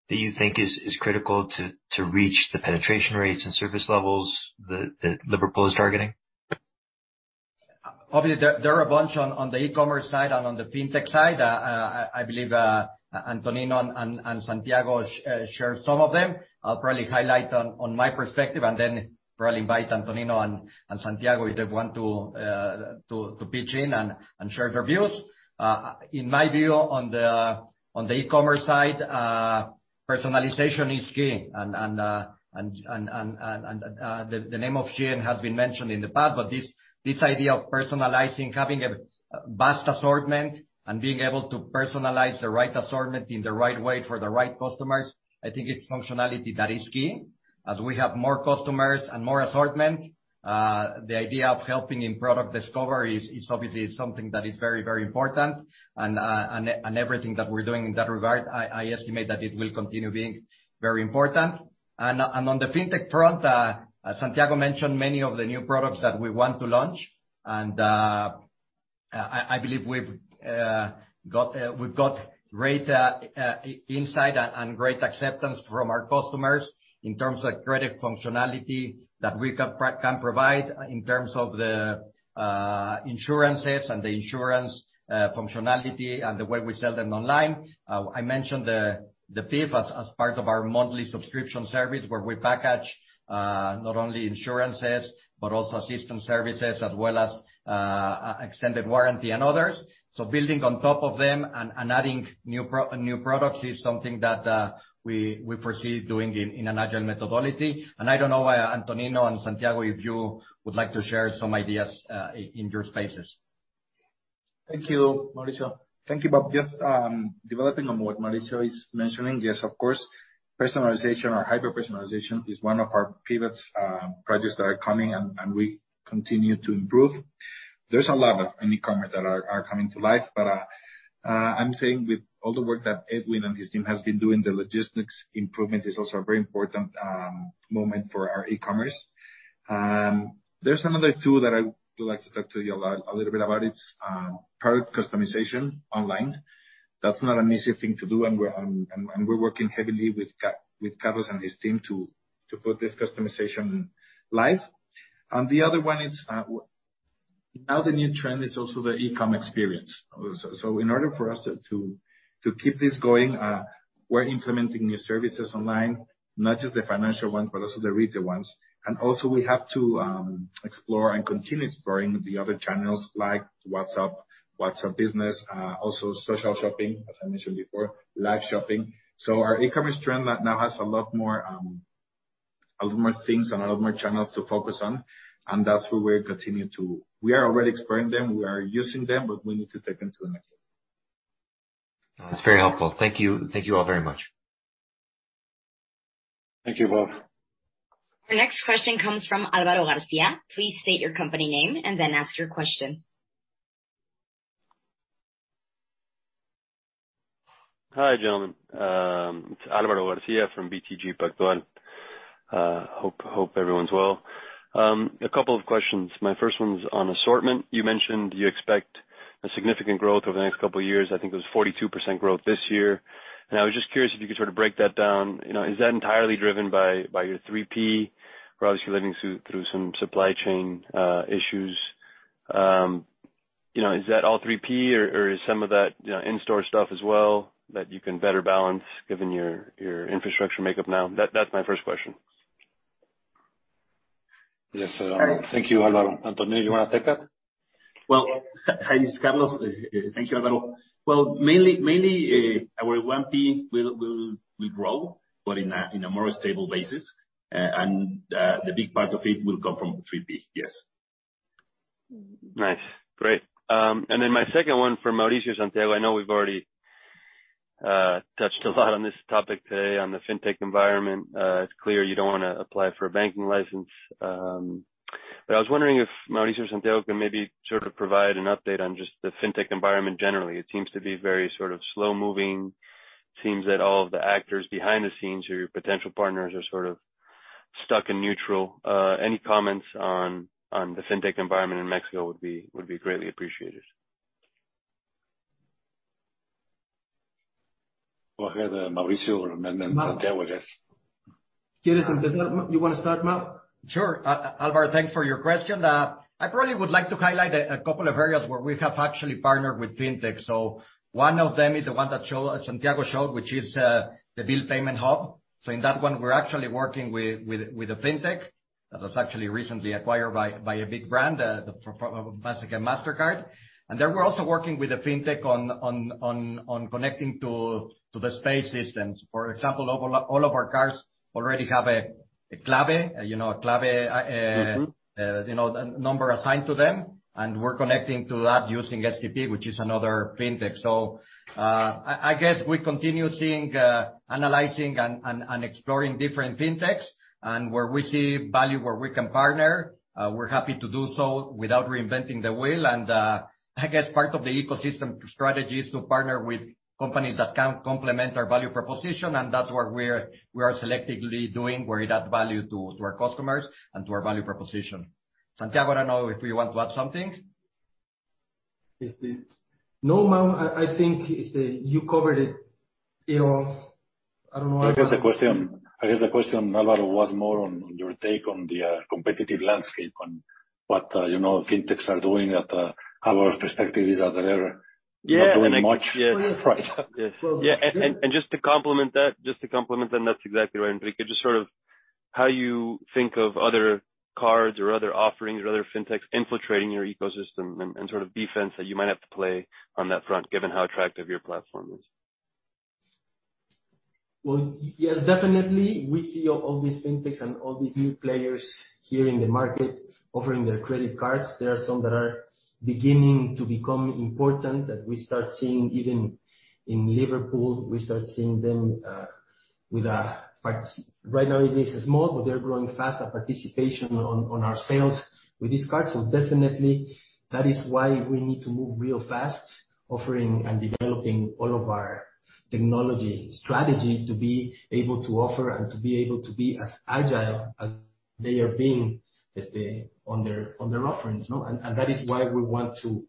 you think is critical to reach the penetration rates and service levels that Liverpool is targeting?
Obviously, there are a bunch on the e-commerce side and on the fintech side. I believe Antonino and Santiago shared some of them. I'll probably highlight on my perspective and then probably invite Antonino and Santiago if they want to pitch in and share their views. In my view, on the e-commerce side, personalization is key. The name of Shein has been mentioned in the past, but this idea of personalizing, having a vast assortment and being able to personalize the right assortment in the right way for the right customers, I think it's functionality that is key. As we have more customers and more assortment, the idea of helping in product discovery is obviously something that is very important. Everything that we're doing in that regard, I estimate that it will continue being very important. On the fintech front, Santiago mentioned many of the new products that we want to launch. I believe we have great insight and great acceptance from our customers in terms of credit functionality that we can provide in terms of the insurances and the insurance functionality and the way we sell them online. I mentioned the PIF as part of our monthly subscription service where we package not only insurances, but also system services as well as extended warranty and others. Building on top of them and adding new products is something that we proceed doing in an agile methodology. I don't know, Antonino and Santiago, if you would like to share some ideas, in your spaces.
Thank you, Mauricio. Thank you, Bob. Just developing on what Mauricio is mentioning. Yes, of course, personalization or hyper-personalization is one of our pivots, projects that are coming and we continue to improve. There's a lot of e-commerce that are coming to life, but I'm saying with all the work that Edwin and his team has been doing, the logistics improvement is also a very important moment for our e-commerce. There's another tool that I would like to talk to you a little bit about. It's product customization online. That's not an easy thing to do and we're working heavily with Carlos and his team to put this customization live. The other one is now the new trend is also the e-com experience. In order for us to keep this going, we're implementing new services online, not just the financial one, but also the retail ones. We have to explore and continue exploring the other channels like WhatsApp Business, also social shopping, as I mentioned before, live shopping. Our e-commerce trend now has a lot more things and a lot more channels to focus on, and that's where we are already exploring them, we are using them, but we need to take them to the next level.
That's very helpful. Thank you. Thank you all very much.
Thank you, Bob.
The next question comes from Álvaro García. Please state your company name and then ask your question.
Hi, gentlemen. It's Álvaro García from BTG Pactual. Hope everyone's well. A couple of questions. My first one's on assortment. You mentioned you expect a significant growth over the next couple of years. I think it was 42% growth this year. I was just curious if you could sort of break that down. You know, is that entirely driven by your 3P? You're obviously living through some supply chain issues. You know, is that all 3P or is some of that you know, in-store stuff as well that you can better balance given your infrastructure makeup now? That's my first question.
Yes. Thank you, Álvaro. Antonio, you wanna take that?
Well, hi, this is Carlos Marín. Thank you, Álvaro García. Well, mainly, our 1P will grow, but in a more stable basis, and the big part of it will come from 3P. Yes.
Nice. Great. My second one for Mauricio or Santiago. I know we've already touched a lot on this topic today on the fintech environment. It's clear you don't wanna apply for a banking license, but I was wondering if Mauricio or Santiago can maybe sort of provide an update on just the fintech environment generally. It seems to be very sort of slow-moving. Seems that all of the actors behind the scenes who are your potential partners are sort of stuck in neutral. Any comments on the fintech environment in Mexico would be greatly appreciated.
Go ahead, Mauricio, and then Santiago, I guess.
Yes. You wanna start, Mau?
Sure. Álvaro, thanks for your question. I probably would like to highlight a couple of areas where we have actually partnered with fintech. One of them is the one that Santiago showed, which is the bill payment hub. In that one we're actually working with a fintech that was actually recently acquired by a big brand, basically a Mastercard. We're also working with a fintech on connecting to the SPEI systems. For example, all of our cards already have a CLABE, you know, a CLABE.
Mm-hmm
You know, number assigned to them, and we're connecting to that using STP, which is another fintech. I guess we continue seeing, analyzing and exploring different fintechs. Where we see value where we can partner, we're happy to do so without reinventing the wheel. I guess part of the ecosystem strategy is to partner with companies that can complement our value proposition, and that's where we are selectively doing where it adds value to our customers and to our value proposition. Santiago, I don't know if you want to add something.
Yes, please. No, Mau, I think it's you covered it in all. I don't know if
I guess the question, Álvaro, was more on your take on the competitive landscape on what you know, fintechs are doing, and our perspective is that they're-
Yeah.
Not doing much.
Yeah.
Right. Yeah. Just to complement that, and that's exactly right, Enrique, just sort of how you think of other cards or other offerings or other fintechs infiltrating your ecosystem and sort of defense that you might have to play on that front, given how attractive your platform is.
Well, yes, definitely we see all these fintechs and all these new players here in the market offering their credit cards. There are some that are beginning to become important that we start seeing even in Liverpool. We start seeing them. Right now it is small, but they're growing fast in participation in our sales with these cards. Definitely that is why we need to move real fast offering and developing all of our technology strategy to be able to offer and to be able to be as agile as they are being, let's say, on their offerings, you know? That is why we want to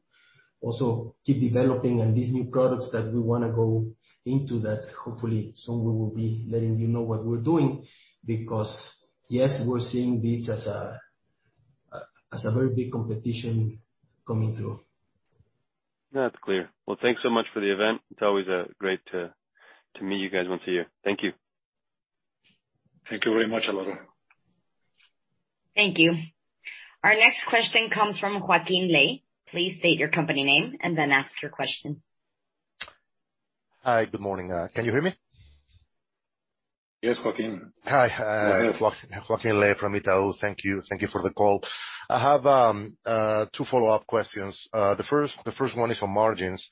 also keep developing and these new products that we wanna go into that hopefully soon we will be letting you know what we're doing, because yes, we're seeing this as a very big competition coming through.
That's clear. Well, thanks so much for the event. It's always great to meet you guys once a year. Thank you.
Thank you very much, Álvaro.
Thank you. Our next question comes from Joaquin Ley. Please state your company name and then ask your question.
Hi. Good morning. Can you hear me?
Yes, Joaquin.
Hi.
Good morning.
Joaquín Ley from Itaú. Thank you. Thank you for the call. I have two follow-up questions. The first one is on margins.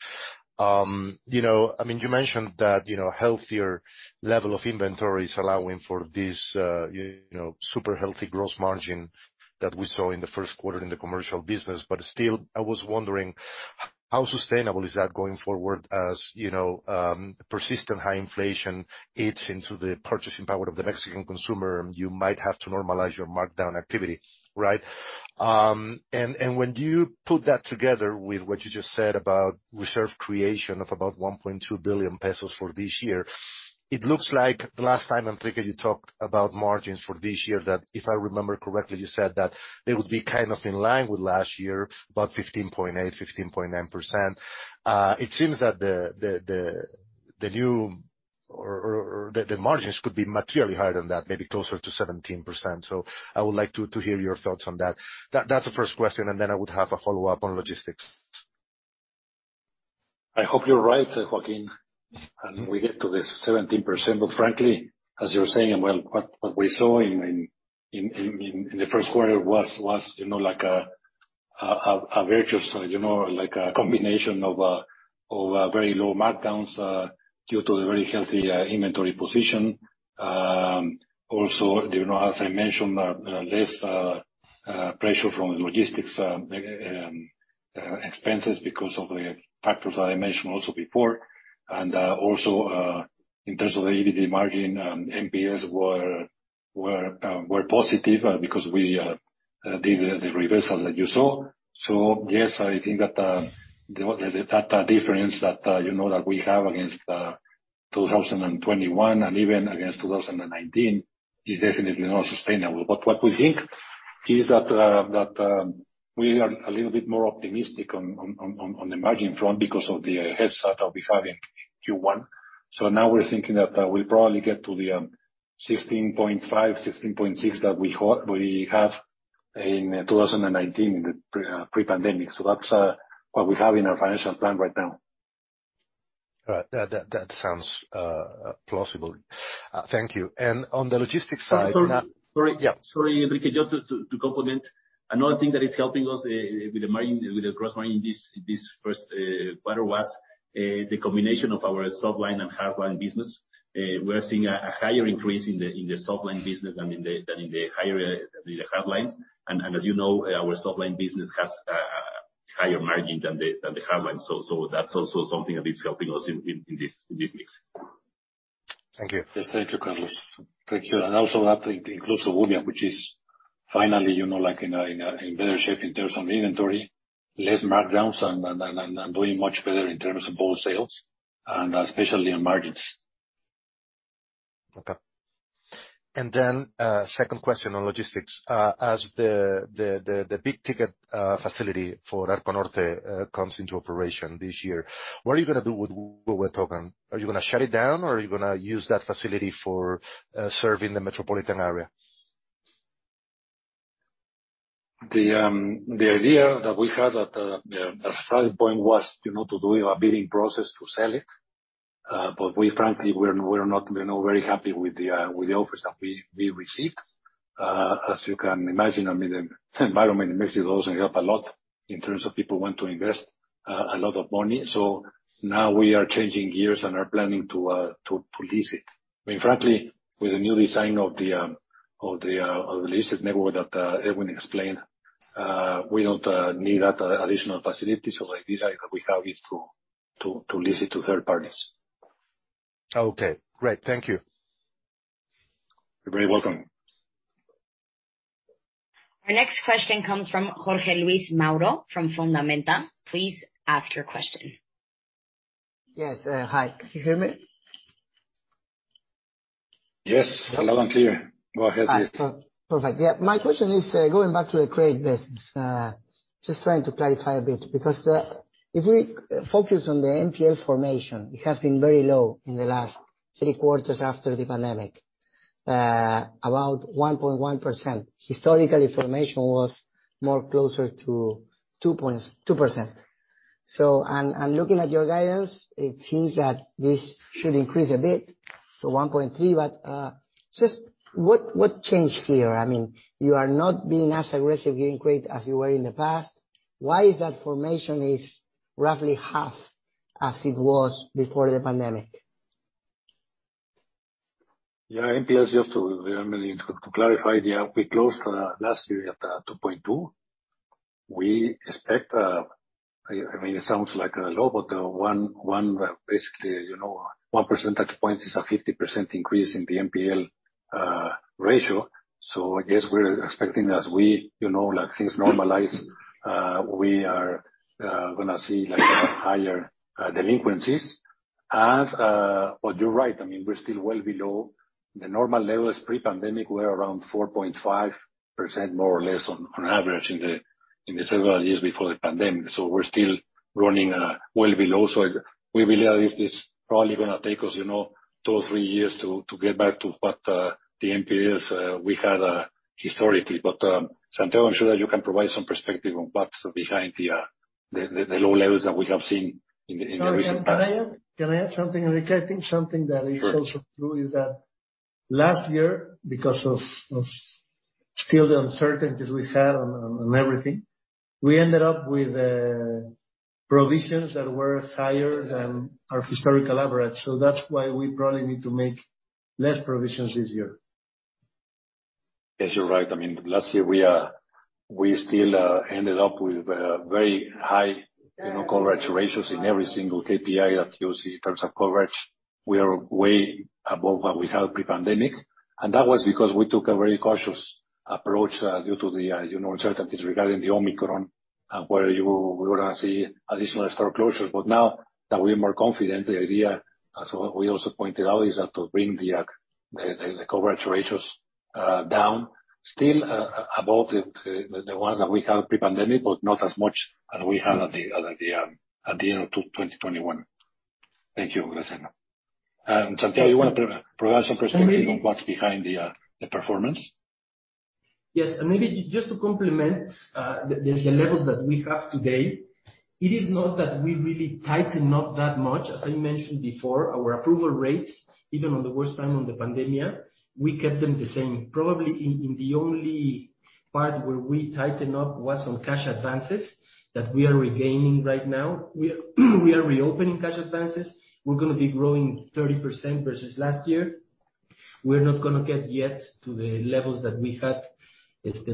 You know, I mean, you mentioned that, you know, healthier level of inventory is allowing for this, you know, super healthy gross margin that we saw in the first quarter in the commercial business. Still, I was wondering how sustainable is that going forward as, you know, persistent high inflation eats into the purchasing power of the Mexican consumer, and you might have to normalize your markdown activity, right? When you put that together with what you just said about reserve creation of about 1.2 billion pesos for this year, it looks like the last time, Enrique, you talked about margins for this year, that if I remember correctly, you said that they would be kind of in line with last year, about 15.8%-15.9%. It seems that the newer margins could be materially higher than that, maybe closer to 17%. I would like to hear your thoughts on that. That's the first question, and then I would have a follow-up on logistics.
I hope you're right, Joaquin, and we get to this 17%. But frankly, as you're saying, and well, what we saw in the first quarter was, you know, like a virtuous, you know, like a combination of very low markdowns due to the very healthy inventory position. Also, you know, as I mentioned, less pressure from logistics expenses because of the factors that I mentioned also before. Also, in terms of the EBITDA margin, NPLs were positive because we did the reversal that you saw. Yes, I think that the difference that you know we have against 2021 and even against 2019 is definitely not sustainable. What we think is that we are a little bit more optimistic on the margin front because of the head start that we have in Q1. Now we're thinking that we'll probably get to the 16.5%-16.6% that we have in 2019 in the pre-pandemic. That's what we have in our financial plan right now.
All right. That sounds plausible. Thank you. On the logistics side.
Sorry.
Yeah.
Sorry, Enrique. Just to complement. Another thing that is helping us with the margin, with the gross margin, this first quarter was the combination of our soft line and hard line business. We're seeing a higher increase in the soft line business than in the hard lines. As you know, our soft line business has higher margin than the hard line. That's also something that is helping us in this mix.
Thank you.
Yes, thank you, Carlos. Thank you. Also that includes Suburbia, which is finally, you know, like in a better shape in terms of inventory, less markdowns and doing much better in terms of both sales and especially on margins.
Okay. Second question on logistics. As the Big Ticket facility for Arco Norte comes into operation this year, what are you gonna do with Huehuetoca? Are you gonna shut it down, or are you gonna use that facility for serving the metropolitan area?
The idea that we had at the starting point was, you know, to do a bidding process to sell it. But we frankly, we're not, you know, very happy with the offers that we received. As you can imagine, I mean, the environment in Mexico doesn't help a lot in terms of people want to invest a lot of money. Now we are changing gears and are planning to lease it. I mean, frankly, with the new design of the leased network that Edwin explained, we don't need that additional facility. The idea that we have is to lease it to third parties.
Okay, great. Thank you.
You're very welcome.
Our next question comes from Jorge Mauro from Fundamenta. Please ask your question.
Yes. Hi, can you hear me?
Yes, loud and clear. Go ahead, please.
All right. Perfect. Yeah, my question is, going back to the credit business, just trying to clarify a bit because, if we focus on the NPL formation, it has been very low in the last three quarters after the pandemic, about 1.1%. Historically, formation was more closer to 2%. Looking at your guidance, it seems that this should increase a bit to 1.3%. Just what changed here? I mean, you are not being as aggressive gaining credit as you were in the past. Why is that formation is roughly half as it was before the pandemic?
Yeah. NPL is just, I mean, to clarify, we closed last year at 2.2. We expect, I mean it sounds like low, but basically, you know, one percentage point is a 50% increase in the NPL ratio. I guess we're expecting as we, you know, like things normalize, we are gonna see like higher delinquencies. You're right. I mean, we're still well below the normal levels pre-pandemic. We're around 4.5% more or less on average in the several years before the pandemic. We're still running well below. We believe this is probably gonna take us, you know, two to three years to get back to what the NPLs we had historically. Santiago, I'm sure that you can provide some perspective on what's behind the low levels that we have seen in the recent past.
Can I add something, Enrique? I think something that is also true is that last year, because of still the uncertainties we had on everything, we ended up with provisions that were higher than our historical average. That's why we probably need to make less provisions this year.
Yes, you're right. I mean, last year we still ended up with a very high, you know, coverage ratios in every single KPI that you see in terms of coverage. We are way above what we had pre-pandemic, and that was because we took a very cautious approach due to the, you know, uncertainties regarding the Omicron where we were gonna see additional store closures. Now that we're more confident, the idea, as we also pointed out, is to bring the coverage ratios down. Still above the ones that we had pre-pandemic, but not as much as we had at the end of 2021. Thank you, Luis. Santiago, you wanna provide some perspective on what's behind the performance?
Yes. Maybe just to complement the levels that we have today. It is not that we really tighten up that much. As I mentioned before, our approval rates, even in the worst time of the pandemic, we kept them the same. Probably in the only part where we tighten up was on cash advances that we are reopening right now. We are reopening cash advances. We're gonna be growing 30% versus last year. We're not gonna get yet to the levels that we had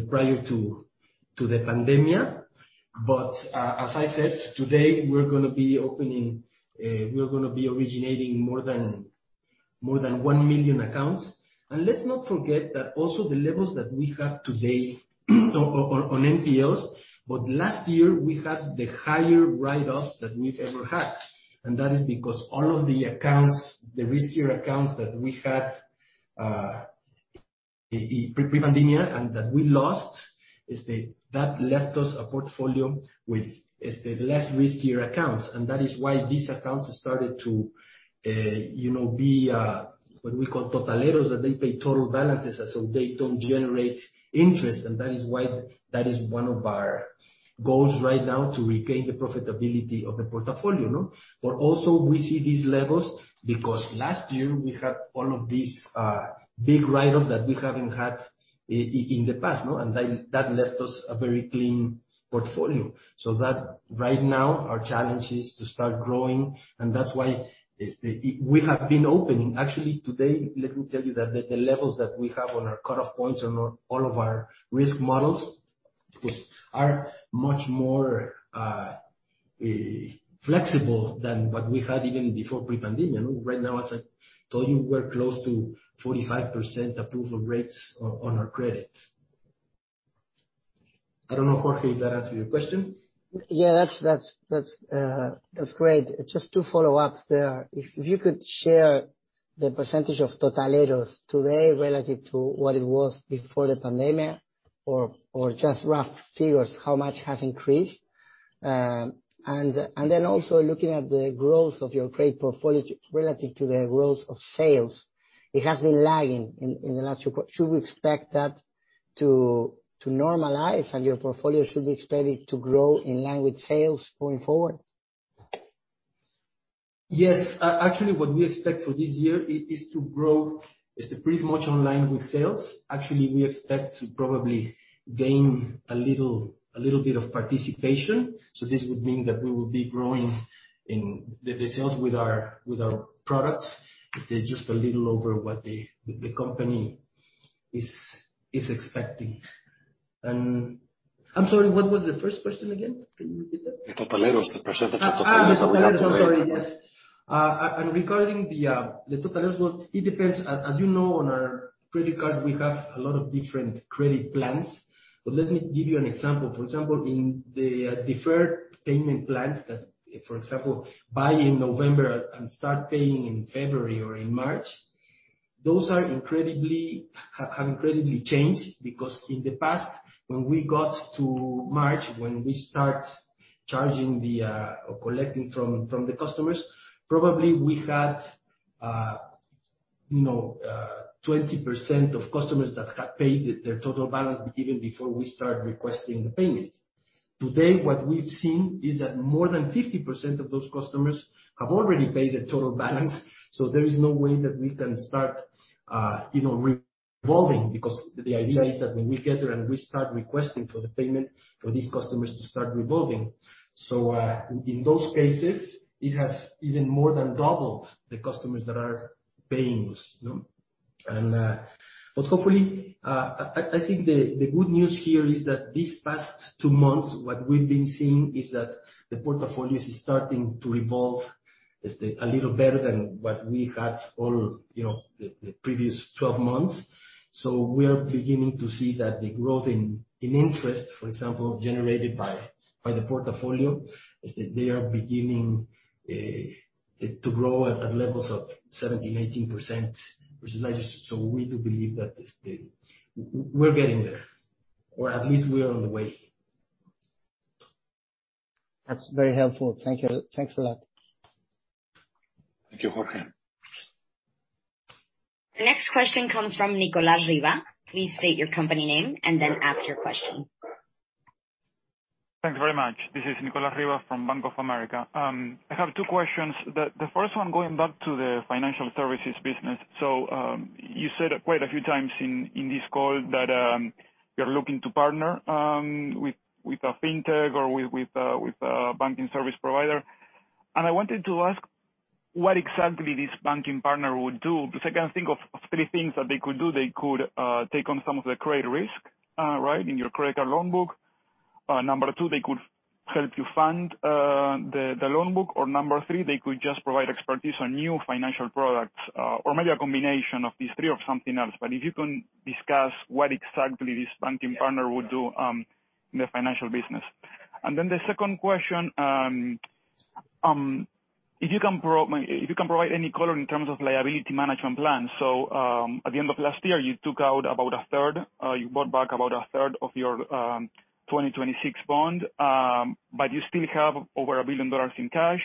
prior to the pandemic. As I said, today, we're gonna be opening we are gonna be originating more than one million accounts. Let's not forget that also the levels that we have today on NPLs, but last year we had the higher write-offs that we've ever had. That is because all of the accounts, the riskier accounts that we had pre-pandemic and that we lost that left us a portfolio with less riskier accounts. That is why these accounts started to you know be what we call totaleros, that they pay total balances and so they don't generate interest. That is why that is one of our goals right now, to regain the profitability of the portfolio. Also we see these levels because last year we had all of these big write-offs that we haven't had in the past, no. That left us a very clean portfolio. That right now our challenge is to start growing and that's why we have been opening. Actually, today, let me tell you that the levels that we have on our cut-off points on all of our risk models are much more flexible than what we had even before pre-pandemic. Right now, as I told you, we're close to 45% approval rates on our credit. I don't know, Jorge, if that answers your question.
Yeah, that's great. Just two follow-ups there. If you could share the percentage of totaleros today relative to what it was before the pandemic or just rough figures, how much has increased? And then also looking at the growth of your credit portfolio relative to the growth of sales, it has been lagging in the last quarter. Should we expect that to normalize and your portfolio should be expected to grow in line with sales going forward?
Yes. Actually, what we expect for this year is to grow pretty much in line with sales. Actually, we expect to probably gain a little bit of participation. This would mean that we will be growing in the sales with our products, just a little over what the company is expecting. I'm sorry, what was the first question again? Can you repeat that?
The percentage of totaleros.
The totaleros. I'm sorry. Yes. Regarding the totaleros, well, it depends. As you know, on our credit cards, we have a lot of different credit plans. Let me give you an example. For example, in the deferred payment plans that, for example, buy in November and start paying in February or in March, those have incredibly changed because in the past when we got to March, when we start charging or collecting from the customers, probably we had, you know, 20% of customers that had paid their total balance even before we start requesting the payment. Today, what we've seen is that more than 50% of those customers have already paid the total balance. There is no way that we can start, you know, revolving because the idea is that when we get there and we start requesting for the payment for these customers to start revolving. In those cases it has even more than doubled the customers that are paying, you know. Hopefully, I think the good news here is that this past two months, what we've been seeing is that the portfolios is starting to revolve a little better than what we had all, you know, the previous 12 months. We are beginning to see that the growth in interest, for example, generated by the portfolio is that they are beginning to grow at levels of 17%-18%, which is nice. We do believe that we're getting there or at least we're on the way.
That's very helpful. Thank you. Thanks a lot.
Thank you, Jorge.
The next question comes from Nicolas Riva. Please state your company name and then ask your question.
Thank you very much. This is Nicolas Riva from Bank of America. I have two questions. The first one going back to the financial services business. You said quite a few times in this call that you're looking to partner with a fintech or with a banking service provider. I wanted to ask what exactly this banking partner would do, because I can think of three things that they could do. They could take on some of the credit risk right in your credit or loan book. Number two, they could help you fund the loan book. Number three, they could just provide expertise on new financial products or maybe a combination of these three or something else. If you can discuss what exactly this banking partner would do in the financial business. Then the second question, if you can provide any color in terms of liability management plan. At the end of last year, you bought back about a third of your 2026 bond, but you still have over $1 billion in cash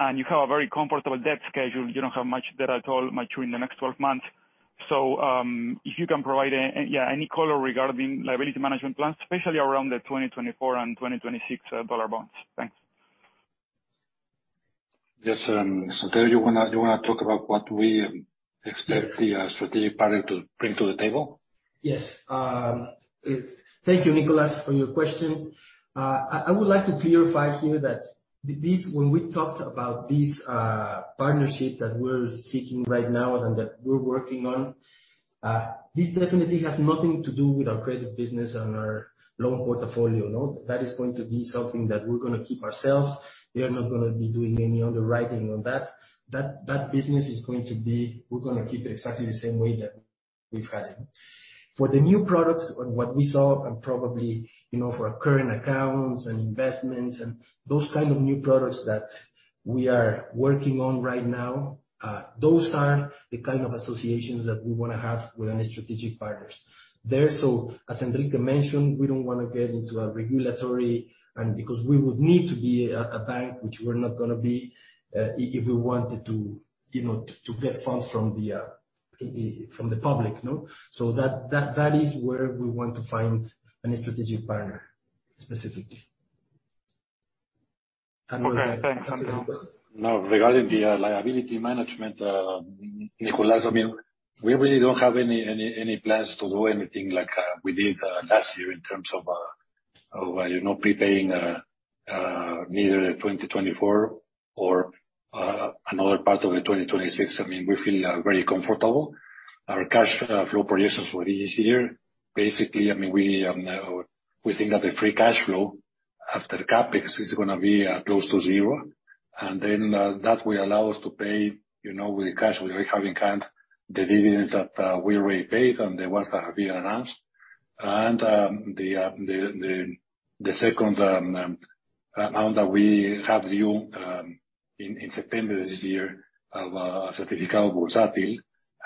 and you have a very comfortable debt schedule. You don't have much debt at all maturing in the next 12 months. If you can provide any color regarding liability management plans, especially around the 2024 and 2026 dollar bonds. Thanks.
Yes. Santiago, you wanna talk about what we expect the strategic partner to bring to the table?
Yes. Thank you, Nicolas, for your question. I would like to clarify here that when we talked about this partnership that we're seeking right now and that we're working on, this definitely has nothing to do with our credit business and our loan portfolio, no. That is going to be something that we're gonna keep ourselves. They are not gonna be doing any underwriting on that. That business is going to be. We're gonna keep it exactly the same way that we've had it. For the new products and what we saw and probably, you know, for our current accounts and investments and those kind of new products that we are working on right now, those are the kind of associations that we wanna have with any strategic partners. As Enrique mentioned, we don't wanna get into a regulatory arena because we would need to be a bank, which we're not gonna be, if we wanted to, you know, to get funds from the public, you know. That is where we want to find any strategic partner specifically.
Okay, thanks.
Enrique.
Now, regarding the liability management, Nicolas, I mean, we really don't have any plans to do anything like we did last year in terms of you know, prepaying neither the 2024 or another part of the 2026. I mean, we feel very comfortable. Our cash flow projections for this year, basically, I mean, we think that the free cash flow after CapEx is gonna be close to zero. That will allow us to pay, you know, with cash we have in hand, the dividends that we already paid and the ones that have been announced. The second amount that we have due in September this year of Certificado Bursátil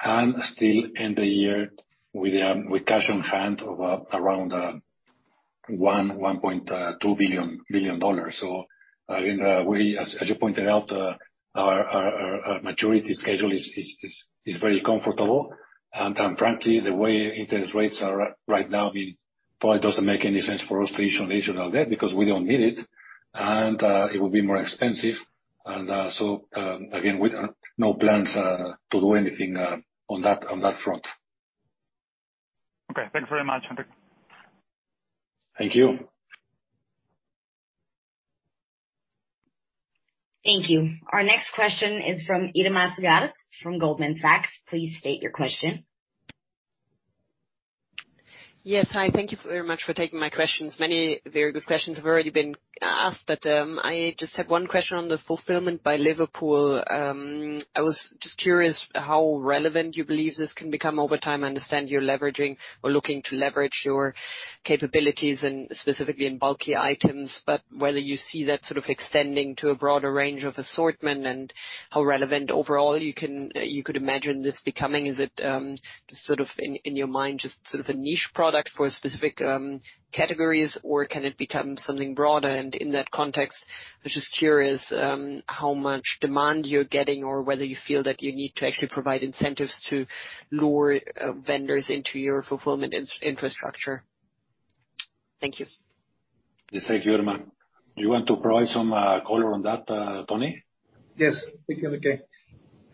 and still end the year with cash on hand of around $1.2 billion. I mean, as you pointed out, our maturity schedule is very comfortable. Quite frankly, the way interest rates are right now, I mean, probably doesn't make any sense for us to issue additional debt because we don't need it, and it would be more expensive. Again, we have no plans to do anything on that front. Okay. Thank you very much, Enrique.
Thank you.
Thank you. Our next question is from Irma Sgarz, from Goldman Sachs. Please state your question.
Yes. Hi, thank you very much for taking my questions. Many very good questions have already been asked, but I just had one question on the Fulfilled by Liverpool. I was just curious how relevant you believe this can become over time. I understand you're leveraging or looking to leverage your capabilities and specifically in bulky items, but whether you see that sort of extending to a broader range of assortment and how relevant overall you could imagine this becoming. Is it just sort of in your mind just sort of a niche product for specific categories, or can it become something broader? In that context, I'm just curious how much demand you're getting or whether you feel that you need to actually provide incentives to lure vendors into your fulfillment infrastructure. Thank you.
Yes, thank you, Irma. You want to provide some color on that, Tony?
Yes. Thank you, Enrique.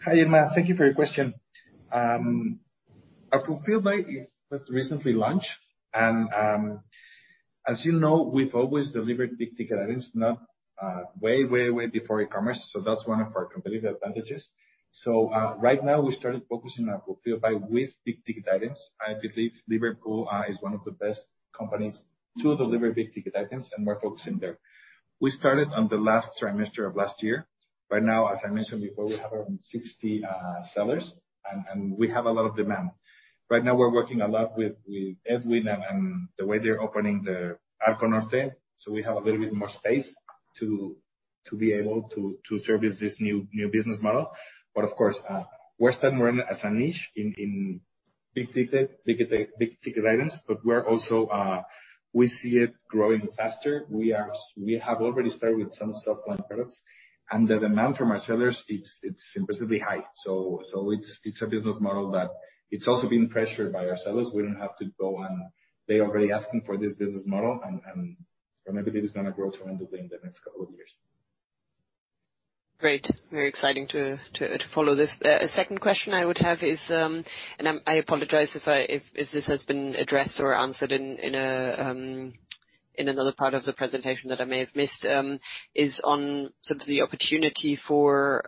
Hi, Irma. Thank you for your question. Our Fulfilled by Liverpool is just recently launched, and, as you know, we've always delivered big ticket items, you know, way before e-commerce, so that's one of our competitive advantages. Right now we started focusing on Fulfilled by Liverpool with big ticket items. I believe Liverpool is one of the best companies to deliver big ticket items, and we're focusing there. We started on the last trimester of last year. Right now, as I mentioned before, we have around 60 sellers and we have a lot of demand. Right now we're working a lot with Edwin and the way they're opening the Arco Norte, so we have a little bit more space to be able to service this new business model. Of course, we're still more as a niche in big ticket items, but we're also we see it growing faster. We have already started with some softline products, and the demand from our sellers, it's impressively high. It's a business model that it's also being pressured by our sellers. We don't have to go and they're already asking for this business model and I believe it's gonna grow tremendously in the next couple of years.
Great. Very exciting to follow this. A second question I would have is, I apologize if this has been addressed or answered in another part of the presentation that I may have missed, is on sort of the opportunity for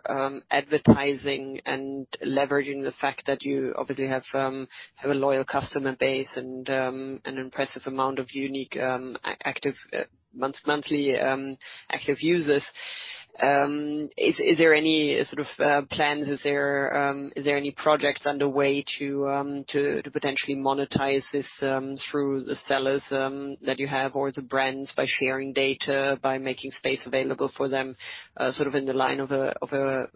advertising and leveraging the fact that you obviously have a loyal customer base and an impressive amount of unique monthly active users. Is there any sort of plans? Is there any projects underway to potentially monetize this through the sellers that you have or the brands by sharing data, by making space available for them, sort of in the line of a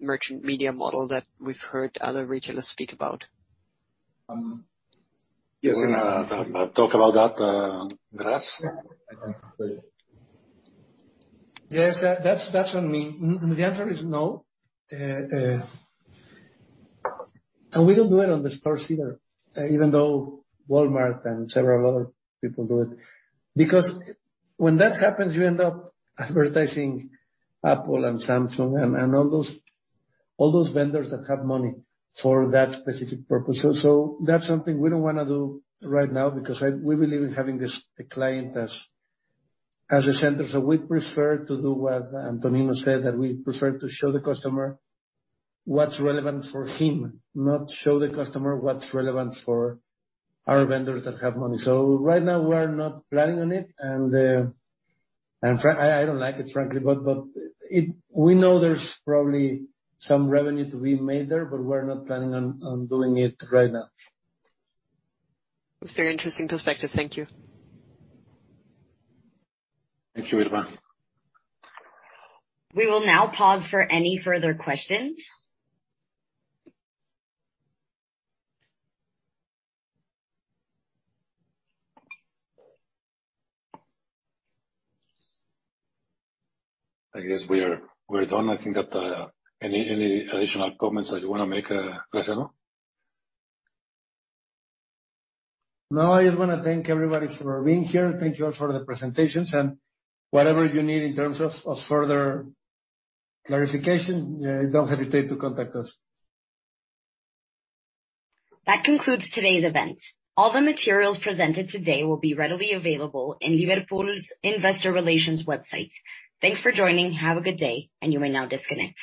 merchant media model that we've heard other retailers speak about?
You wanna talk about that, Gras?
Yeah. I can. Please. Yes. That, that's on me. And the answer is no. We don't do it on the stores either, even though Walmart and several other people do it. Because when that happens, you end up advertising Apple and Samsung and all those vendors that have money for that specific purpose. That's something we don't wanna do right now because we believe in having the client as a center. We prefer to do what Antonio said, that we prefer to show the customer what's relevant for him, not show the customer what's relevant for our vendors that have money. Right now we're not planning on it and I don't like it, frankly. It... We know there's probably some revenue to be made there, but we're not planning on doing it right now.
It's very interesting perspective. Thank you.
Thank you, Irma.
We will now pause for any further questions.
I guess we are done, I think. Any additional comments that you wanna make, Graciano?
No, I just wanna thank everybody for being here. Thank you all for the presentations and whatever you need in terms of further clarification, don't hesitate to contact us.
That concludes today's event. All the materials presented today will be readily available in Liverpool's Investor Relations website. Thanks for joining. Have a good day, and you may now disconnect.